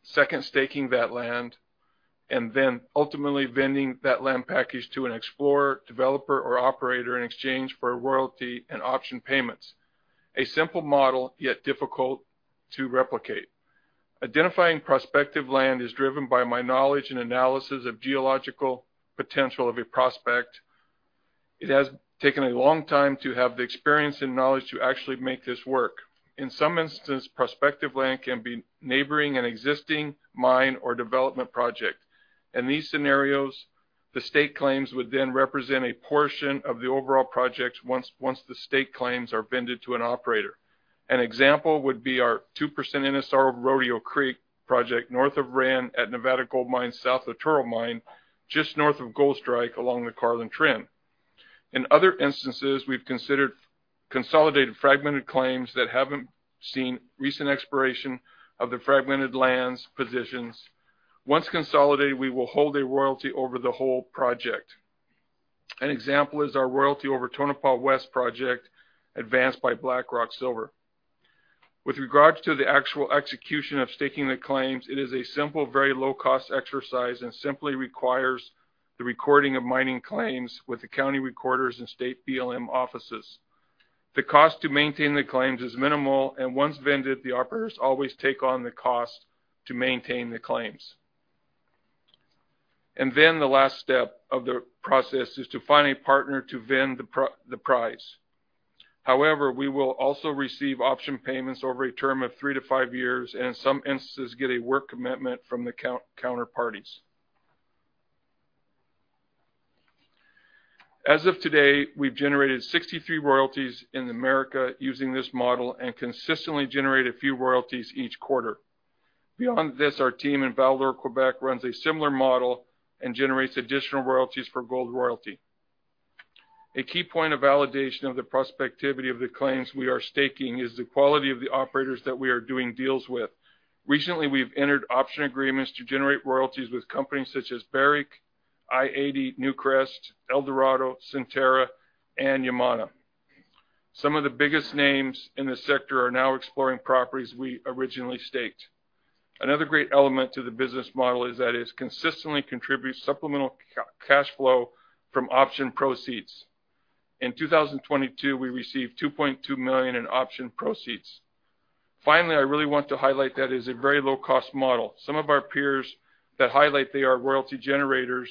second, staking that land, and then ultimately vending that land package to an explorer, developer, or operator in exchange for royalty and option payments. A simple model, yet difficult to replicate. Identifying prospective land is driven by my knowledge and analysis of geological potential of a prospect. It has taken a long time to have the experience and knowledge to actually make this work. In some instance, prospective land can be neighboring an existing mine or development project. In these scenarios, the stake claims would then represent a portion of the overall project once the stake claims are vended to an operator. An example would be our 2% NSR of Rodeo Creek Project north of Rand at Nevada Gold Mines, south of Turquo Mine, just north of Goldstrike along the Carlin Trend. In other instances, we've considered consolidated fragmented claims that haven't seen recent exploration of the fragmented lands positions. Once consolidated, we will hold a royalty over the whole project. An example is our royalty over Tonopah West project advanced by Blackrock Silver. With regards to the actual execution of staking the claims, it is a simple, very low cost exercise and simply requires the recording of mining claims with the county recorders and state BLM offices. The cost to maintain the claims is minimal, and once vended, the operators always take on the cost to maintain the claims. The last step of the process is to find a partner to vend the prize. However, we will also receive option payments over a term of three-five years, and in some instances, get a work commitment from the counterparties. As of today, we've generated 63 royalties in America using this model and consistently generate a few royalties each quarter. Beyond this, our team in Val-d'Or, Quebec, runs a similar model and generates additional royalties for Gold Royalty. A key point of validation of the prospectivity of the claims we are staking is the quality of the operators that we are doing deals with. Recently, we've entered option agreements to generate royalties with companies such as Barrick, i-80, Newcrest, Eldorado, Centerra, and Yamana. Some of the biggest names in the sector are now exploring properties we originally staked. Another great element to the business model is that it consistently contributes supplemental cash flow from option proceeds. In 2022, we received $2.2 million in option proceeds. Finally, I really want to highlight that it's a very low cost model. Some of our peers that highlight they are royalty generators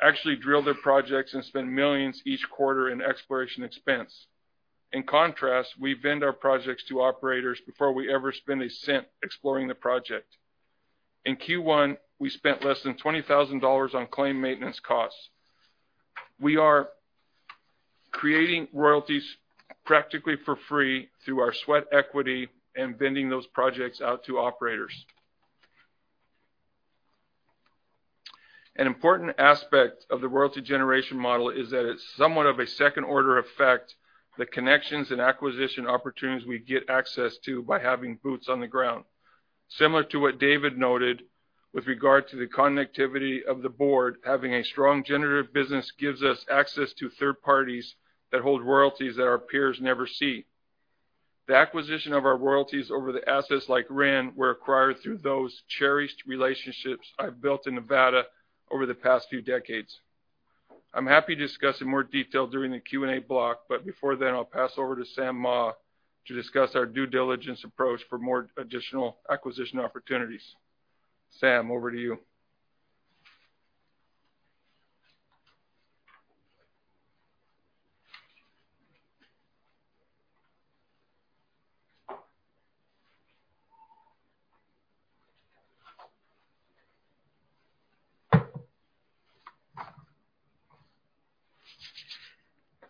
actually drill their projects and spend millions each quarter in exploration expense. In contrast, we vend our projects to operators before we ever spend a cent exploring the project. In Q1, we spent less than $20,000 on claim maintenance costs. We are creating royalties practically for free through our sweat equity and vending those projects out to operators. An important aspect of the royalty generation model is that it's somewhat of a second order effect, the connections and acquisition opportunities we get access to by having boots on the ground. Similar to what David noted with regard to the connectivity of the board, having a strong generative business gives us access to third parties that hold royalties that our peers never see. The acquisition of our royalties over the assets like Ren were acquired through those cherished relationships I've built in Nevada over the past few decades. I'm happy to discuss in more detail during the Q&A block. Before then, I'll pass over to Sam Mah to discuss our due diligence approach for more additional acquisition opportunities. Sam, over to you.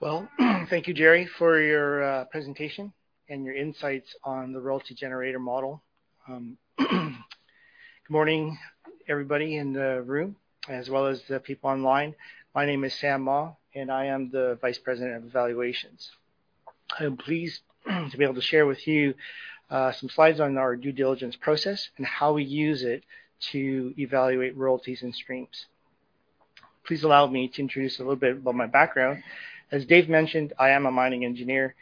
Well, thank you, Jerry, for your presentation and your insights on the royalty generator model. Good morning, everybody in the room, as well as the people online. My name is Sam Mah, I am the Vice President of Evaluations. I'm pleased to be able to share with you some slides on our due diligence process and how we use it to evaluate royalties and streams. Please allow me to introduce a little bit about my background. As David mentioned, I am a mining engineer,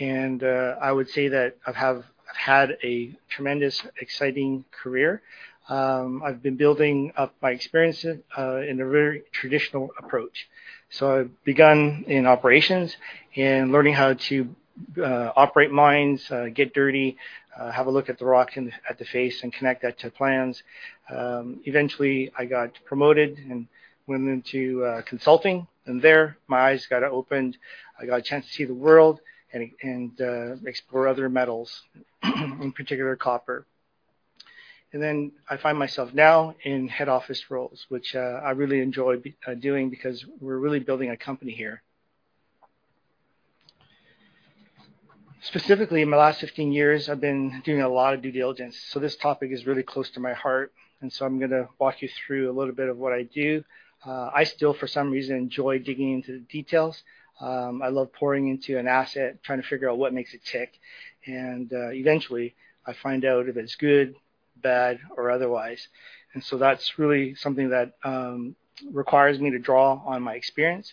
I would say that I've had a tremendous, exciting career. I've been building up my experience in a very traditional approach. I've begun in operations and learning how to operate mines, get dirty, have a look at the rocks and at the face and connect that to plans. Eventually, I got promoted and went into consulting. There my eyes got opened. I got a chance to see the world and explore other metals, in particular, copper. I find myself now in head office roles, which I really enjoy doing because we're really building a company here. Specifically, in the last 15 years, I've been doing a lot of due diligence. This topic is really close to my heart. I'm gonna walk you through a little bit of what I do. I still, for some reason, enjoy digging into the details. I love pouring into an asset, trying to figure out what makes it tick. Eventually I find out if it's good, bad, or otherwise. That's really something that requires me to draw on my experience,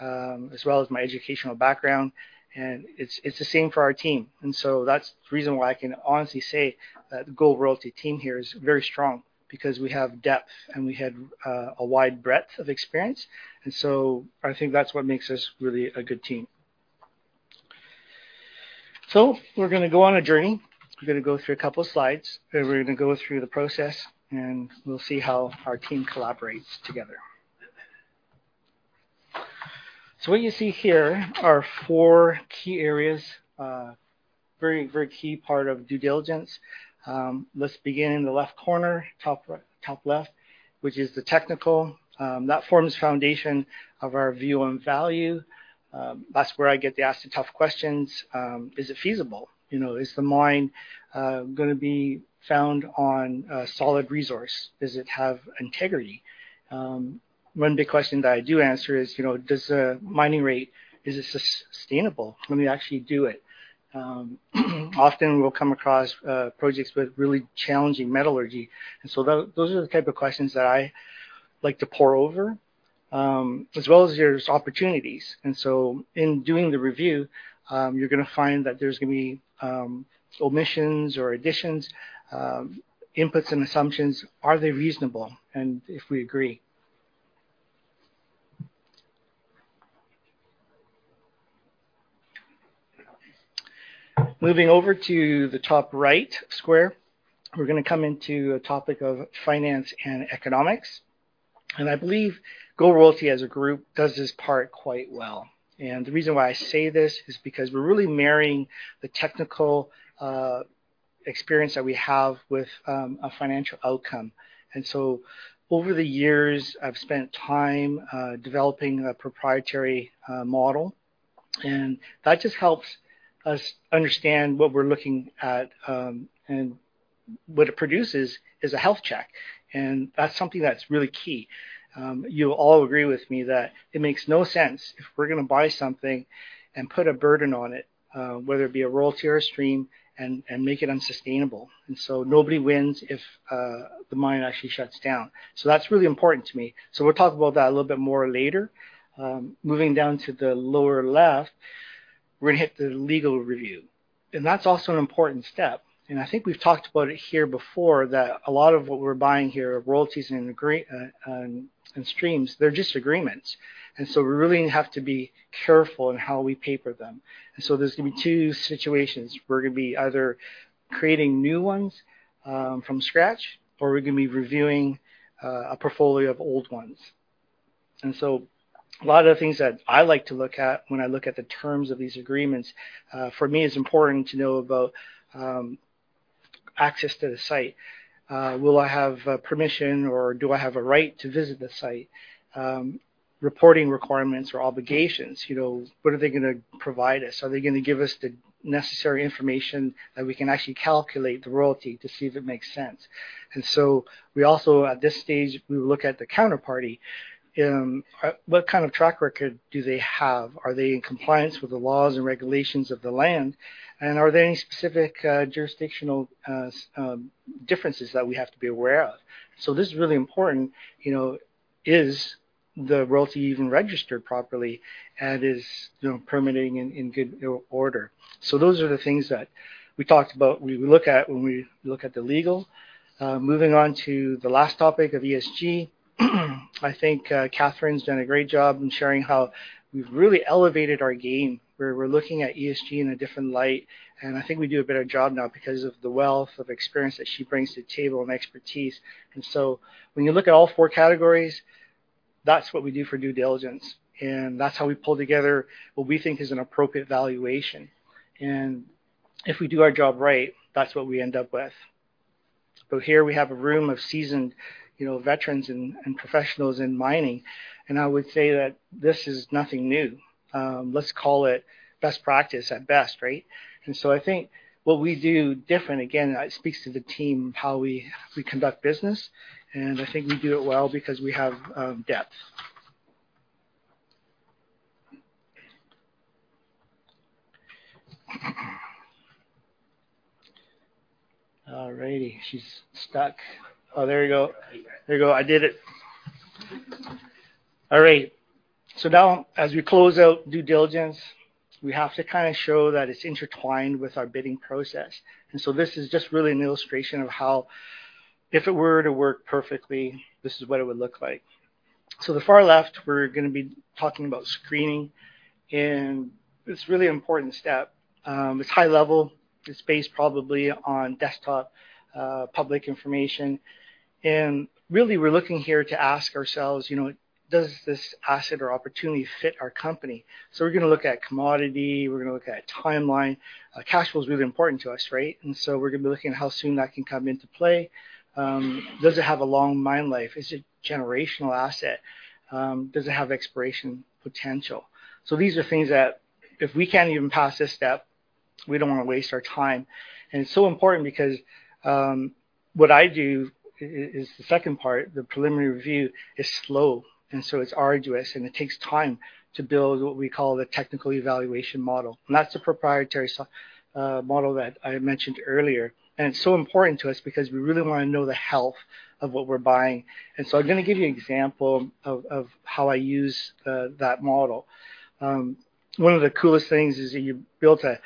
as well as my educational background. It's the same for our team. That's the reason why I can honestly say that the Gold Royalty team here is very strong because we have depth, and we have a wide breadth of experience. I think that's what makes us really a good team. We're gonna go on a journey. We're gonna go through a couple of slides, and we're gonna go through the process, and we'll see how our team collaborates together. What you see here are four key areas, a very key part of due diligence. Let's begin in the left corner, top left, which is the technical. That forms the foundation of our view on value. That's where I get to ask the tough questions. Is it feasible? You know, is the mine gonna be found on a solid resource? Does it have integrity? One big question that I do answer is, you know, does mining rate, is it sustainable when we actually do it? Often we'll come across projects with really challenging metallurgy. Those are the type of questions that I like to pore over, as well as there's opportunities. In doing the review, you're gonna find that there's gonna be omissions or additions, inputs and assumptions. Are they reasonable, and if we agree. Moving over to the top right square, we're gonna come into a topic of finance and economics. I believe Gold Royalty as a group does this part quite well. The reason why I say this is because we're really marrying the technical experience that we have with a financial outcome. Over the years, I've spent time developing a proprietary model, and that just helps us understand what we're looking at, and what it produces is a health check, and that's something that's really key. You'll all agree with me that it makes no sense if we're gonna buy something and put a burden on it, whether it be a royalty or a stream, and make it unsustainable. Nobody wins if the mine actually shuts down. That's really important to me. We'll talk about that a little bit more later. Moving down to the lower left, we're gonna hit the legal review, and that's also an important step. I think we've talked about it here before that a lot of what we're buying here, royalties and streams, they're just agreements. We really have to be careful in how we paper them. There's gonna be two situations. We're gonna be either creating new ones from scratch, or we're gonna be reviewing a portfolio of old ones. A lot of the things that I like to look at when I look at the terms of these agreements, for me, it's important to know about access to the site. Will I have permission, or do I have a right to visit the site? Reporting requirements or obligations, you know, what are they gonna provide us? Are they gonna give us the necessary information that we can actually calculate the royalty to see if it makes sense? We also, at this stage, we look at the counterparty, what kind of track record do they have? Are they in compliance with the laws and regulations of the land? Are there any specific jurisdictional differences that we have to be aware of? This is really important, you know, is the royalty even registered properly and is, you know, permitting in good order. Those are the things that we look at when we look at the legal. Moving on to the last topic of ESG. I think Katherine's done a great job in sharing how we've really elevated our game, where we're looking at ESG in a different light, and I think we do a better job now because of the wealth of experience that she brings to the table and expertise. When you look at all four categories, that's what we do for due diligence, and that's how we pull together what we think is an appropriate valuation. If we do our job right, that's what we end up with. Here we have a room of seasoned, you know, veterans and professionals in mining, and I would say that this is nothing new. Let's call it best practice at best, right? I think what we do different, again, that speaks to the team, how we conduct business, and I think we do it well because we have depth. All righty. She's stuck. Oh, there you go. There you go. I did it. All right. As we close out due diligence, we have to kind of show that it's intertwined with our bidding process. This is just really an illustration of how, if it were to work perfectly, this is what it would look like. The far left, we're gonna be talking about screening, and it's a really important step. It's high level. It's based probably on desktop, public information. We're looking here to ask ourselves, you know, does this asset or opportunity fit our company? We're gonna look at commodity, we're gonna look at timeline. Cash flow is really important to us, right? We're gonna be looking at how soon that can come into play. Does it have a long mine life? Is it generational asset? Does it have exploration potential? These are things that if we can't even pass this step, we don't wanna waste our time. It's so important because what I do is the second part, the preliminary review, is slow, it's arduous, and it takes time to build what we call the technical evaluation model. That's the proprietary model that I had mentioned earlier. It's so important to us because we really wanna know the health of what we're buying. I'm gonna give you an example of how I use that model. One of the coolest things is that you built a,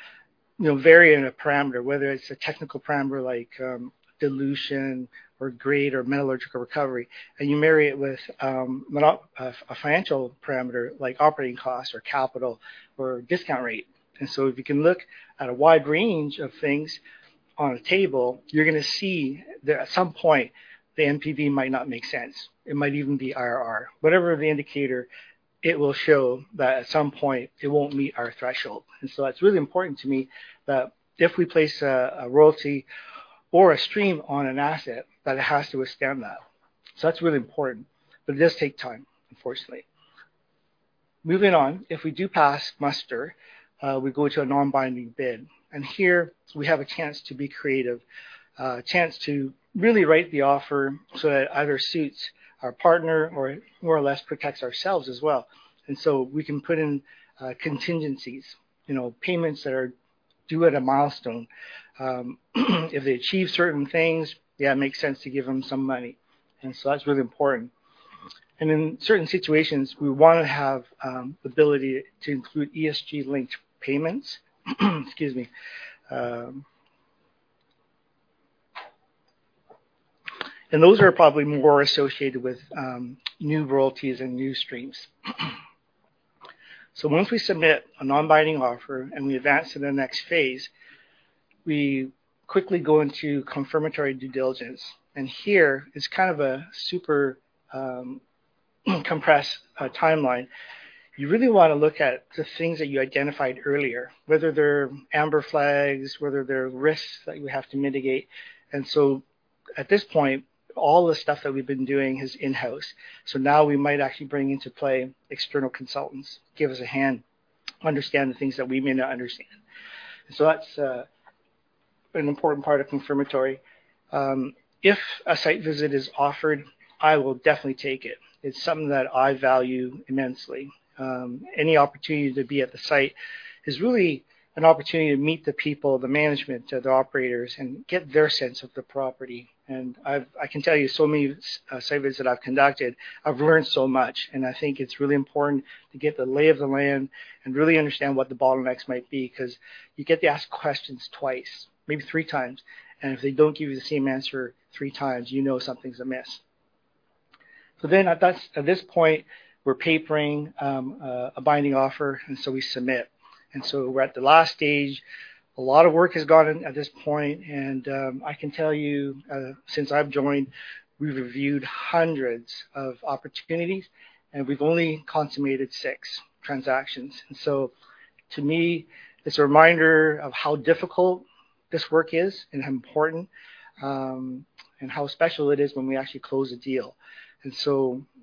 you know, variant of parameter, whether it's a technical parameter like dilution or grade or metallurgical recovery, and you marry it with a financial parameter like operating costs or capital or discount rate. If you can look at a wide range of things on a table, you're gonna see that at some point, the NPV might not make sense. It might even be IRR. Whatever the indicator, it will show that at some point it won't meet our threshold. That's really important to me that if we place a royalty or a stream on an asset, that it has to withstand that. That's really important, but it does take time, unfortunately. Moving on, if we do pass muster, we go to a non-binding bid, here we have a chance to be creative, a chance to really write the offer so that either suits our partner or more or less protects ourselves as well. We can put in contingencies, you know, payments that are due at a milestone. If they achieve certain things, yeah, it makes sense to give them some money. That's really important. In certain situations, we wanna have the ability to include ESG-linked payments. Excuse me. Those are probably more associated with new royalties and new streams. Once we submit a non-binding offer, we advance to the next phase, we quickly go into confirmatory due diligence. Here is kind of a super compressed timeline. You really wanna look at the things that you identified earlier, whether they're amber flags, whether they're risks that you have to mitigate. At this point, all the stuff that we've been doing is in-house. Now we might actually bring into play external consultants, give us a hand, understand the things that we may not understand. That's an important part of confirmatory. If a site visit is offered, I will definitely take it. It's something that I value immensely. Any opportunity to be at the site is really an opportunity to meet the people, the management, the operators, and get their sense of the property. I can tell you so many site visits that I've conducted, I've learned so much, and I think it's really important to get the lay of the land and really understand what the bottlenecks might be because you get to ask questions twice, maybe 3x. If they don't give you the same answer 3x, you know something's amiss. At this point, we're papering a binding offer, we submit. We're at the last stage. A lot of work has gone in at this point, I can tell you, since I've joined, we've reviewed hundreds of opportunities, and we've only consummated six transactions. To me, it's a reminder of how difficult this work is and how important and how special it is when we actually close a deal.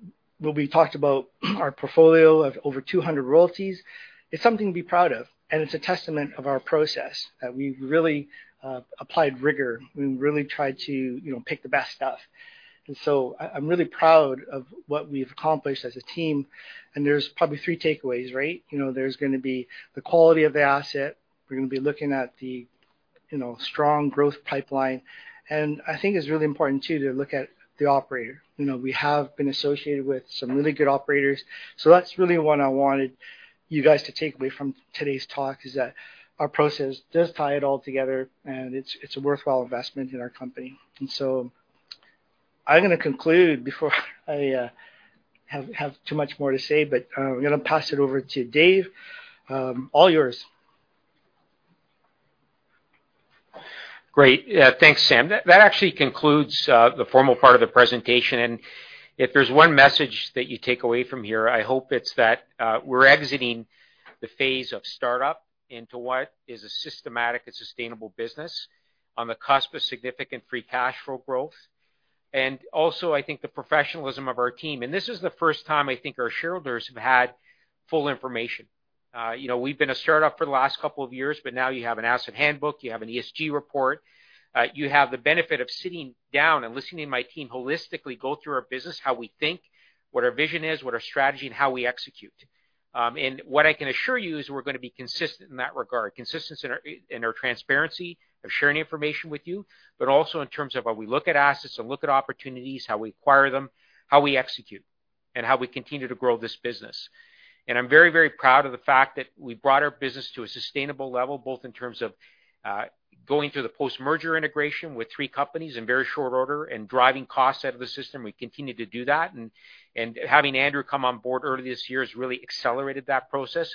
When we talked about our portfolio of over 200 royalties, it's something to be proud of, and it's a testament of our process, that we've really applied rigor. We really tried to, you know, pick the best stuff. I'm really proud of what we've accomplished as a team, and there's probably three takeaways, right? You know, there's gonna be the quality of the asset. We're gonna be looking at You know, strong growth pipeline. I think it's really important, too, to look at the operator. You know, we have been associated with some really good operators. That's really what I wanted you guys to take away from today's talk, is that our process does tie it all together, and it's a worthwhile investment in our company. I'm gonna conclude before I have too much more to say, but I'm gonna pass it over to Dave. All yours. Great. Yeah, thanks, Sam. That actually concludes the formal part of the presentation. If there's one message that you take away from here, I hope it's that we're exiting the phase of startup into what is a systematic and sustainable business on the cusp of significant free cash flow growth. Also, I think the professionalism of our team. This is the first time I think our shareholders have had full information. you know, we've been a startup for the last couple of years, but now you have an asset handbook, you have an ESG report. you have the benefit of sitting down and listening to my team holistically go through our business, how we think, what our vision is, what our strategy, and how we execute. What I can assure you is we're gonna be consistent in that regard. Consistent in our transparency of sharing information with you, but also in terms of how we look at assets and look at opportunities, how we acquire them, how we execute, and how we continue to grow this business. I'm very, very proud of the fact that we've brought our business to a sustainable level, both in terms of going through the post-merger integration with three companies in very short order and driving costs out of the system. We continue to do that and having Andrew come on board early this year has really accelerated that process.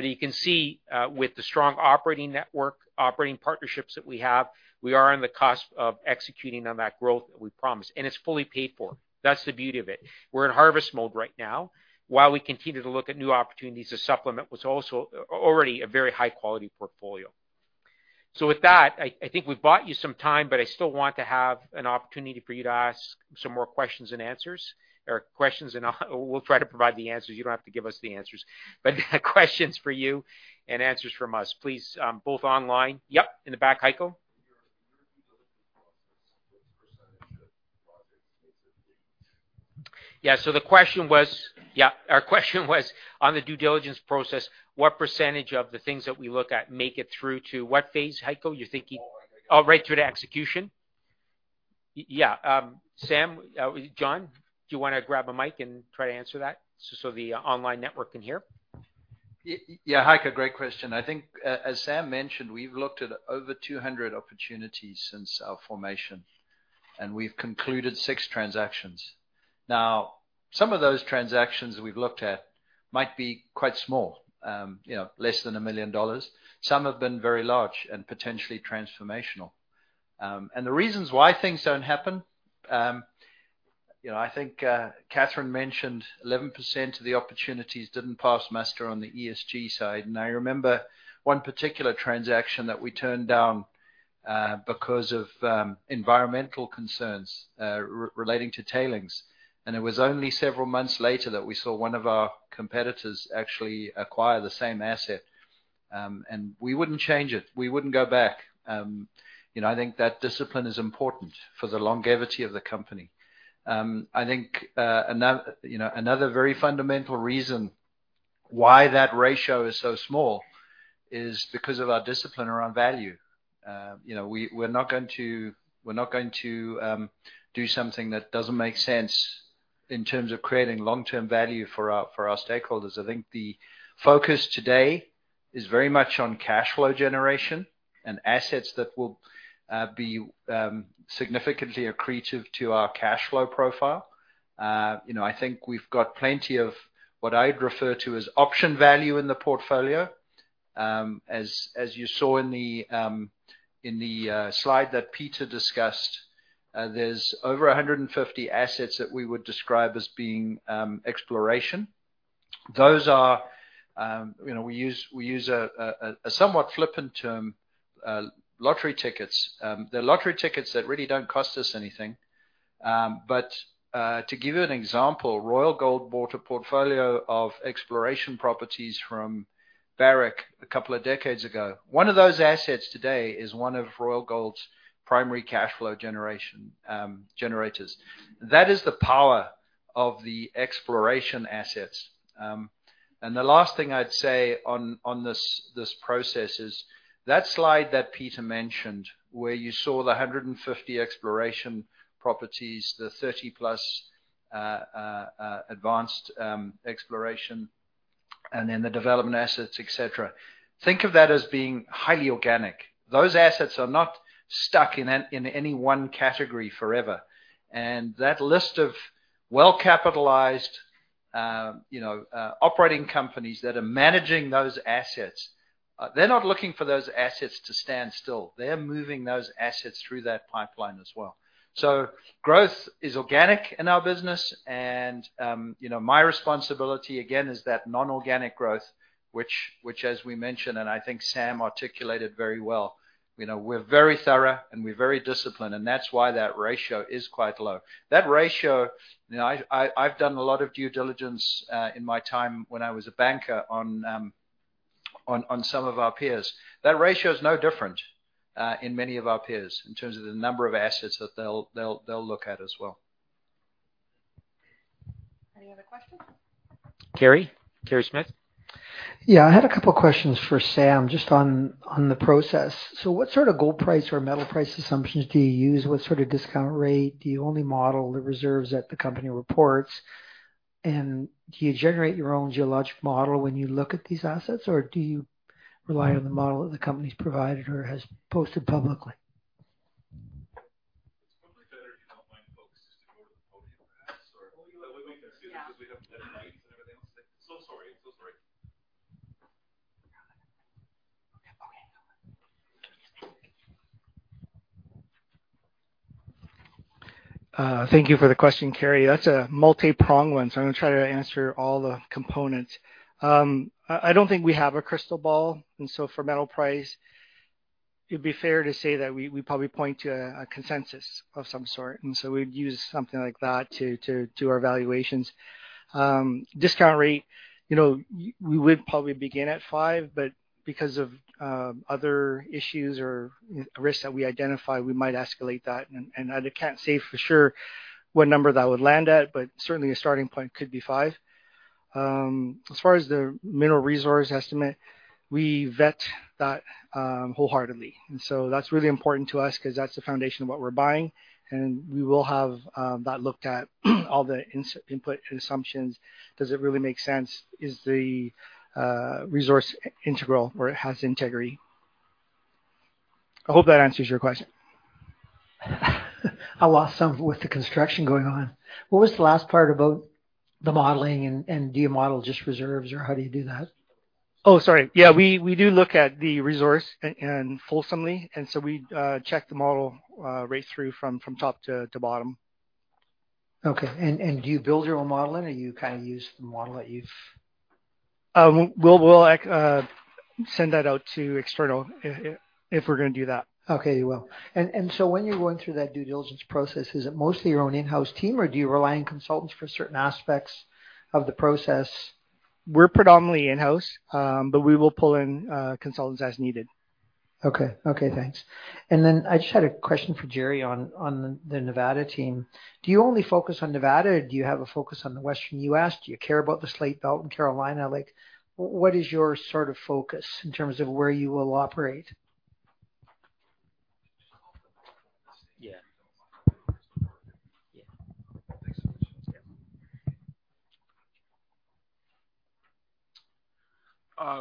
You can see with the strong operating network, operating partnerships that we have, we are on the cusp of executing on that growth that we promised, and it's fully paid for. That's the beauty of it. We're in harvest mode right now while we continue to look at new opportunities to supplement what's already a very high-quality portfolio. With that, I think we've bought you some time, but I still want to have an opportunity for you to ask some more questions and answers. Questions and we'll try to provide the answers. You don't have to give us the answers. Questions for you and answers from us, please, both online. Yep. In the back, Heiko. <audio distortion> In your due diligence process, what percentage of projects makes it to execution? Our question was, on the due diligence process, what percentage of the things that we look at make it through to what phase, Heiko? All the way to execution. Right through to execution. Yeah. Sam, John, do you wanna grab a mic and try to answer that so the online network can hear? Yeah, Heiko, great question. I think, as Sam mentioned, we've looked at over 200 opportunities since our formation, and we've concluded six transactions. Now, some of those transactions we've looked at might be quite small, you know, less than $1 million. Some have been very large and potentially transformational. The reasons why things don't happen, you know, I think, Katherine mentioned 11% of the opportunities didn't pass muster on the ESG side. I remember one particular transaction that we turned down because of environmental concerns, relating to tailings. It was only several months later that we saw one of our competitors actually acquire the same asset. We wouldn't change it. We wouldn't go back. You know, I think that discipline is important for the longevity of the company. I think, you know, another very fundamental reason why that ratio is so small is because of our discipline around value. You know, we're not going to do something that doesn't make sense in terms of creating long-term value for our stakeholders. I think the focus today is very much on cash flow generation and assets that will be significantly accretive to our cash flow profile. You know, I think we've got plenty of what I'd refer to as option value in the portfolio. As you saw in the slide that Peter discussed, there's over 150 assets that we would describe as being exploration. Those are, you know, we use a somewhat flippant term, lottery tickets. They're lottery tickets that really don't cost us anything. To give you an example, Royal Gold bought a portfolio of exploration properties from Barrick two decades ago. One of those assets today is one of Royal Gold's primary cash flow generation generators. That is the power of the exploration assets. The last thing I'd say on this process is that slide that Peter mentioned where you saw the 150 exploration properties, the 30+ advanced exploration, and then the development assets, et cetera, think of that as being highly organic. Those assets are not stuck in any one category forever. That list of well-capitalized, you know, operating companies that are managing those assets, they're not looking for those assets to stand still. They're moving those assets through that pipeline as well. Growth is organic in our business and, you know, my responsibility, again, is that non-organic growth, which as we mentioned, and I think Sam articulated very well, you know, we're very thorough and we're very disciplined, and that's why that ratio is quite low. That ratio, you know, I've done a lot of due diligence in my time when I was a banker on some of our peers. That ratio is no different in many of our peers in terms of the number of assets that they'll look at as well. Terry? Terry Smith. Yeah, I had a couple questions for Sam, just on the process. What sort of gold price or metal price assumptions do you use? What sort of discount rate? Do you only model the reserves that the company reports? Do you generate your own geologic model when you look at these assets, or do you rely on the model that the company's provided or has posted publicly? <audio distortion> It's probably better, if you don't mind, folks, just to go to the podium for this. That way we can see this because we have headlights and everything else. Sorry. Okay. Thank you for the question, Kerry. That's a multi-pronged one, I'm gonna try to answer all the components. I don't think we have a crystal ball. For metal price, it'd be fair to say that we probably point to a consensus of some sort. We'd use something like that to our valuations. Discount rate, you know, we would probably begin at five, but because of other issues or, you know, risks that we identify, we might escalate that. I can't say for sure what number that would land at, but certainly a starting point could be five. As far as the mineral resource estimate, we vet that wholeheartedly. That's really important to us 'cause that's the foundation of what we're buying, and we will have that looked at, all the input and assumptions. Does it really make sense? Is the resource integral or it has integrity? I hope that answers your question. I lost some with the construction going on. What was the last part about the modeling and do you model just reserves or how do you do that? Oh, sorry. Yeah, we do look at the resource and fulsomely, and so we check the model right through from top to bottom. Okay. Do you build your own modeling or you kinda use the model that you've? We'll send that out to external if we're gonna do that. Okay. You will. When you're going through that due diligence process, is it mostly your own in-house team, or do you rely on consultants for certain aspects of the process? We're predominantly in-house, but we will pull in consultants as needed. Okay. Okay, thanks. I just had a question for Jerry on the Nevada team. Do you only focus on Nevada, or do you have a focus on the Western U.S.? Do you care about the Slate Belt in Carolina? Like, what is your sort of focus in terms of where you will operate?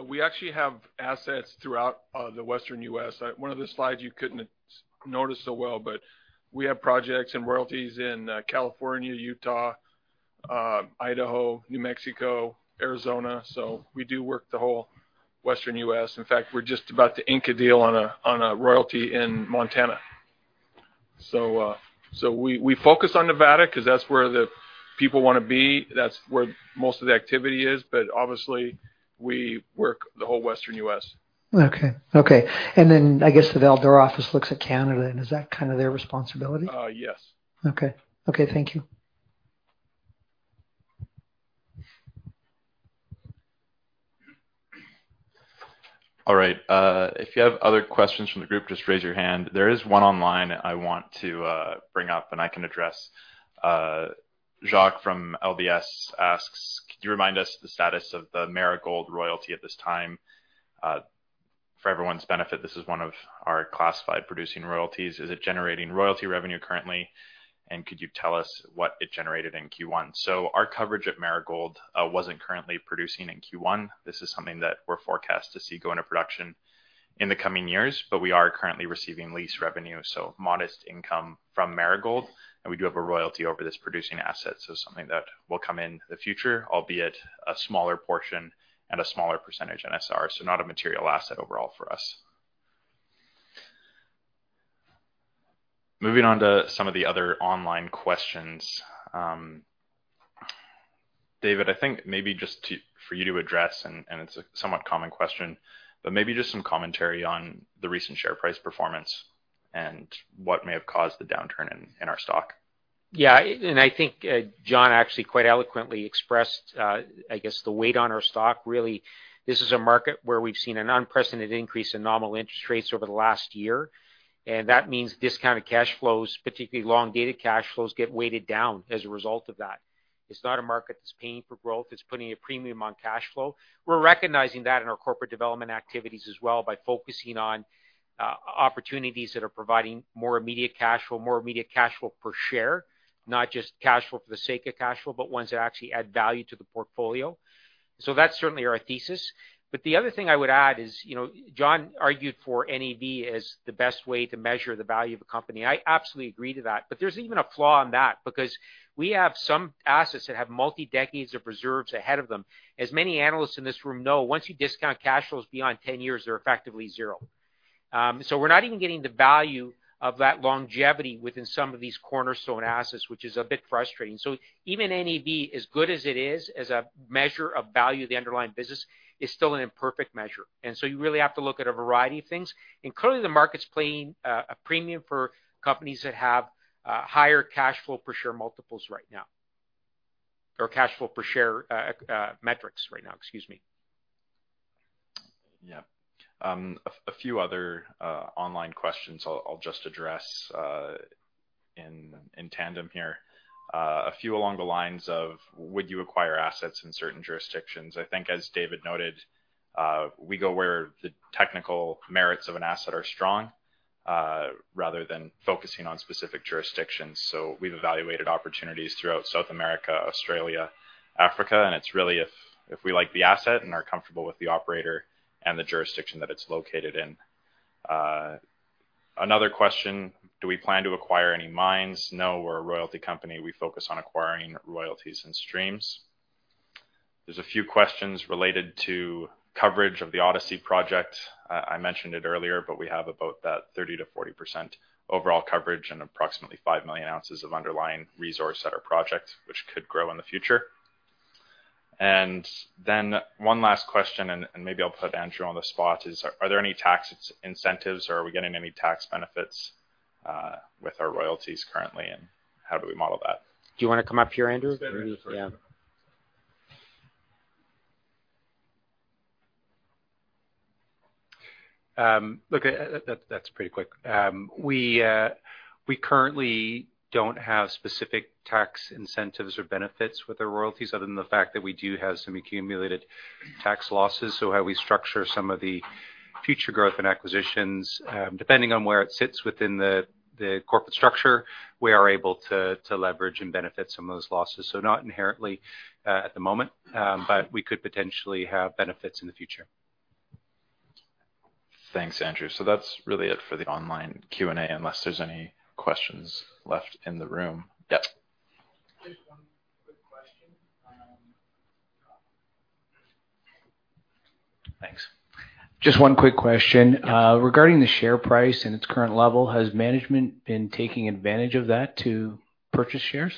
We actually have assets throughout the Western U.S. One of the slides you couldn't notice so well, but we have projects and royalties in California, Utah, Idaho, New Mexico, Arizona. We do work the whole Western U.S. In fact, we're just about to ink a deal on a royalty in Montana. We focus on Nevada 'cause that's where the people wanna be, that's where most of the activity is. Obviously, we work the whole Western U.S. Okay. Then I guess the Val-d'Or office looks at Canada, and is that kind of their responsibility? Yes. Okay. Okay, thank you. All right. If you have other questions from the group, just raise your hand. There is one online I want to bring up, and I can address. Jacques from LBS asks, "Could you remind us the status of the Marigold royalty at this time? For everyone's benefit, this is one of our classified producing royalties. Is it generating royalty revenue currently, and could you tell us what it generated in Q1?" Our coverage at Marigold wasn't currently producing in Q1. This is something that we're forecast to see go into production in the coming years. We are currently receiving lease revenue, so modest income from Marigold. We do have a royalty over this producing asset, so something that will come in the future, albeit a smaller portion and a smaller percentage NSR. Not a material asset overall for us. Moving on to some of the other online questions. David, I think maybe for you to address, and it's a somewhat common question, but maybe just some commentary on the recent share price performance and what may have caused the downturn in our stock. Yeah. I think John actually quite eloquently expressed, I guess, the weight on our stock. This is a market where we've seen an unprecedented increase in nominal interest rates over the last year, and that means discounted cash flows, particularly long-dated cash flows, get weighted down as a result of that. It's not a market that's paying for growth. It's putting a premium on cash flow. We're recognizing that in our corporate development activities as well by focusing on opportunities that are providing more immediate cash flow, more immediate cash flow per share. Not just cash flow for the sake of cash flow, but ones that actually add value to the portfolio. That's certainly our thesis. The other thing I would add is, you know, John argued for NAV as the best way to measure the value of a company. I absolutely agree to that, but there's even a flaw in that because we have some assets that have multi decades of reserves ahead of them. As many analysts in this room know, once you discount cash flows beyond 10 years, they're effectively zero. We're not even getting the value of that longevity within some of these cornerstone assets, which is a bit frustrating. Even NAV, as good as it is as a measure of value of the underlying business, is still an imperfect measure. You really have to look at a variety of things. Clearly, the market's playing a premium for companies that have higher cash flow per share multiples right now, or cash flow per share metrics right now. Excuse me. Yeah. A few other online questions I'll just address in tandem here. A few along the lines of would you acquire assets in certain jurisdictions? I think as David noted, we go where the technical merits of an asset are strong, rather than focusing on specific jurisdictions. We've evaluated opportunities throughout South America, Australia, Africa, and it's really if we like the asset and are comfortable with the operator and the jurisdiction that it's located in. Another question, do we plan to acquire any mines? No, we're a royalty company. We focus on acquiring royalties and streams. There's a few questions related to coverage of the Odyssey project. I mentioned it earlier, but we have about that 30%-40% overall coverage and approximately 5 million ounces of underlying resource at our project, which could grow in the future. Then one last question, and maybe I'll put Andrew on the spot, is are there any tax incentives or are we getting any tax benefits with our royalties currently, and how do we model that? Do you wanna come up here, Andrew? Look, that's pretty quick. We currently don't have specific tax incentives or benefits with our royalties other than the fact that we do have some accumulated tax losses. How we structure some of the future growth and acquisitions, depending on where it sits within the corporate structure, we are able to leverage and benefit some of those losses. Not inherently at the moment, but we could potentially have benefits in the future. Thanks, Andrew. That's really it for the online Q&A, unless there's any questions left in the room. Yep. Just one quick question. Regarding the share price and its current level, has management been taking advantage of that to purchase shares?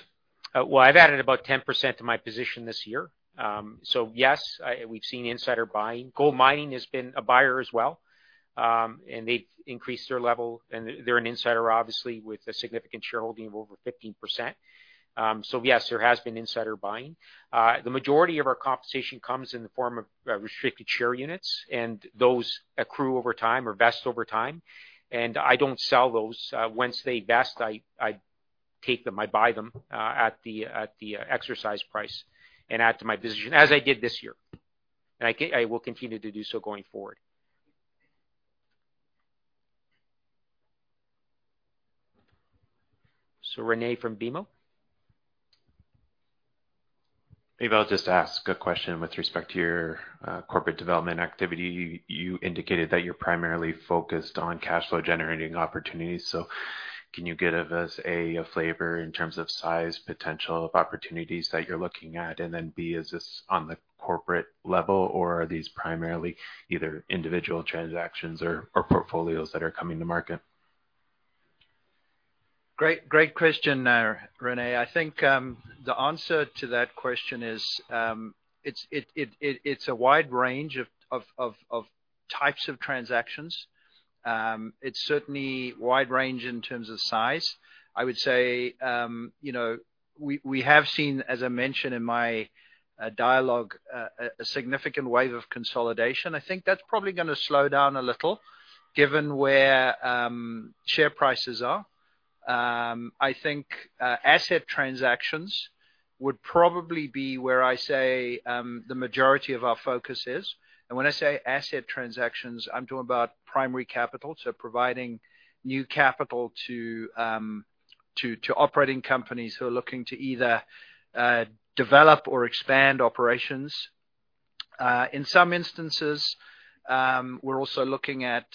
Well, I've added about 10% to my position this year. Yes, we've seen insider buying. GoldMining has been a buyer as well, and they've increased their level. They're an insider obviously with a significant shareholding of over 15%. Yes, there has been insider buying. The majority of our compensation comes in the form of restricted share units, and those accrue over time or vest over time. I don't sell those. Once they vest, I take them, I buy them at the exercise price and add to my position, as I did this year. I will continue to do so going forward. Rene from BMO. Maybe I'll just ask a question with respect to your corporate development activity. You indicated that you're primarily focused on cash flow generating opportunities. Can you give us a flavor in terms of size, potential of opportunities that you're looking at? B, is this on the corporate level, or are these primarily either individual transactions or portfolios that are coming to market? Great question there, Rene. I think the answer to that question is it's a wide range of types of transactions. It's certainly wide range in terms of size. I would say, you know, we have seen, as I mentioned in my dialogue, a significant wave of consolidation. I think that's probably gonna slow down a little given where share prices are. I think asset transactions would probably be where I say the majority of our focus is. When I say asset transactions, I'm talking about primary capital, so providing new capital to operating companies who are looking to either develop or expand operations. In some instances, we're also looking at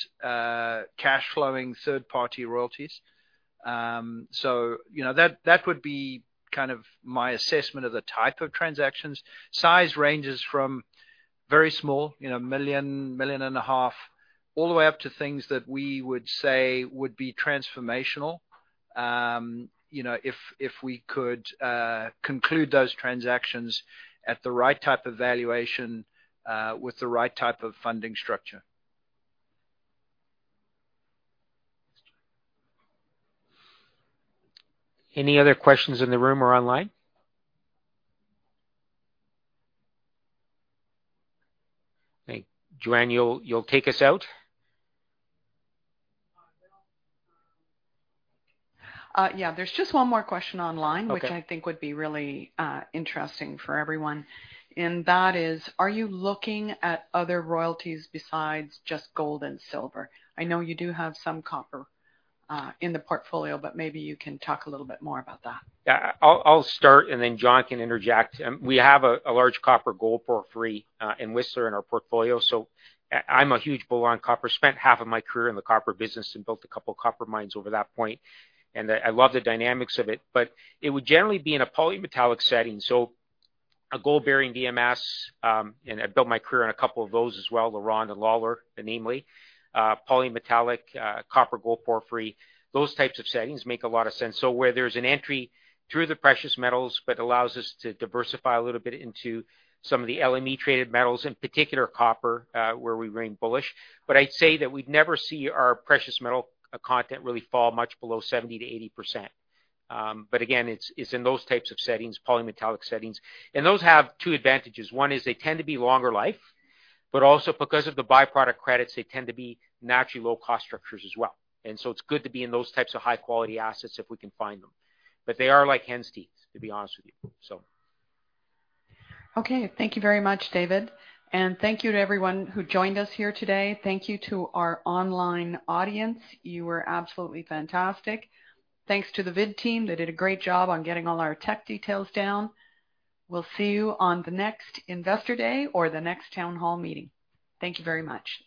cash flowing third party royalties. You know, that would be kind of my assessment of the type of transactions. Size ranges from very small, you know, $1 million, $1.5 million, all the way up to things that we would say would be transformational, you know, if we could conclude those transactions at the right type of valuation, with the right type of funding structure. Any other questions in the room or online? I think, Joanne, you'll take us out. Yeah, there's just one more question online which I think would be really, interesting for everyone, and that is, are you looking at other royalties besides just gold and silver? I know you do have some copper, in the portfolio, but maybe you can talk a little bit more about that. Yeah, I'll start and then Joanne can interject. We have a large copper gold porphyry in Whistler in our portfolio. I'm a huge bull on copper. Spent half of my career in the copper business and built a couple copper mines over that point, and I love the dynamics of it. It would generally be in a polymetallic setting. A gold-bearing VMS, and I built my career on a couple of those as well, LaRonde and Lalor, namely, polymetallic copper gold porphyry. Those types of settings make a lot of sense. Where there's an entry through the precious metals, but allows us to diversify a little bit into some of the LME traded metals, in particular copper, where we remain bullish. I'd say that we'd never see our precious metal content really fall much below 70%-80%. Again, it's in those types of settings, polymetallic settings. Those have two advantages. One is they tend to be longer life. Also because of the byproduct credits, they tend to be naturally low cost structures as well. It's good to be in those types of high quality assets if we can find them. They are like hen's teeth, to be honest with you. Okay. Thank you very much, David. Thank you to everyone who joined us here today. Thank you to our online audience. You were absolutely fantastic. Thanks to the VID team. They did a great job on getting all our tech details down. We'll see you on the next Investor Day or the next town hall meeting. Thank you very much.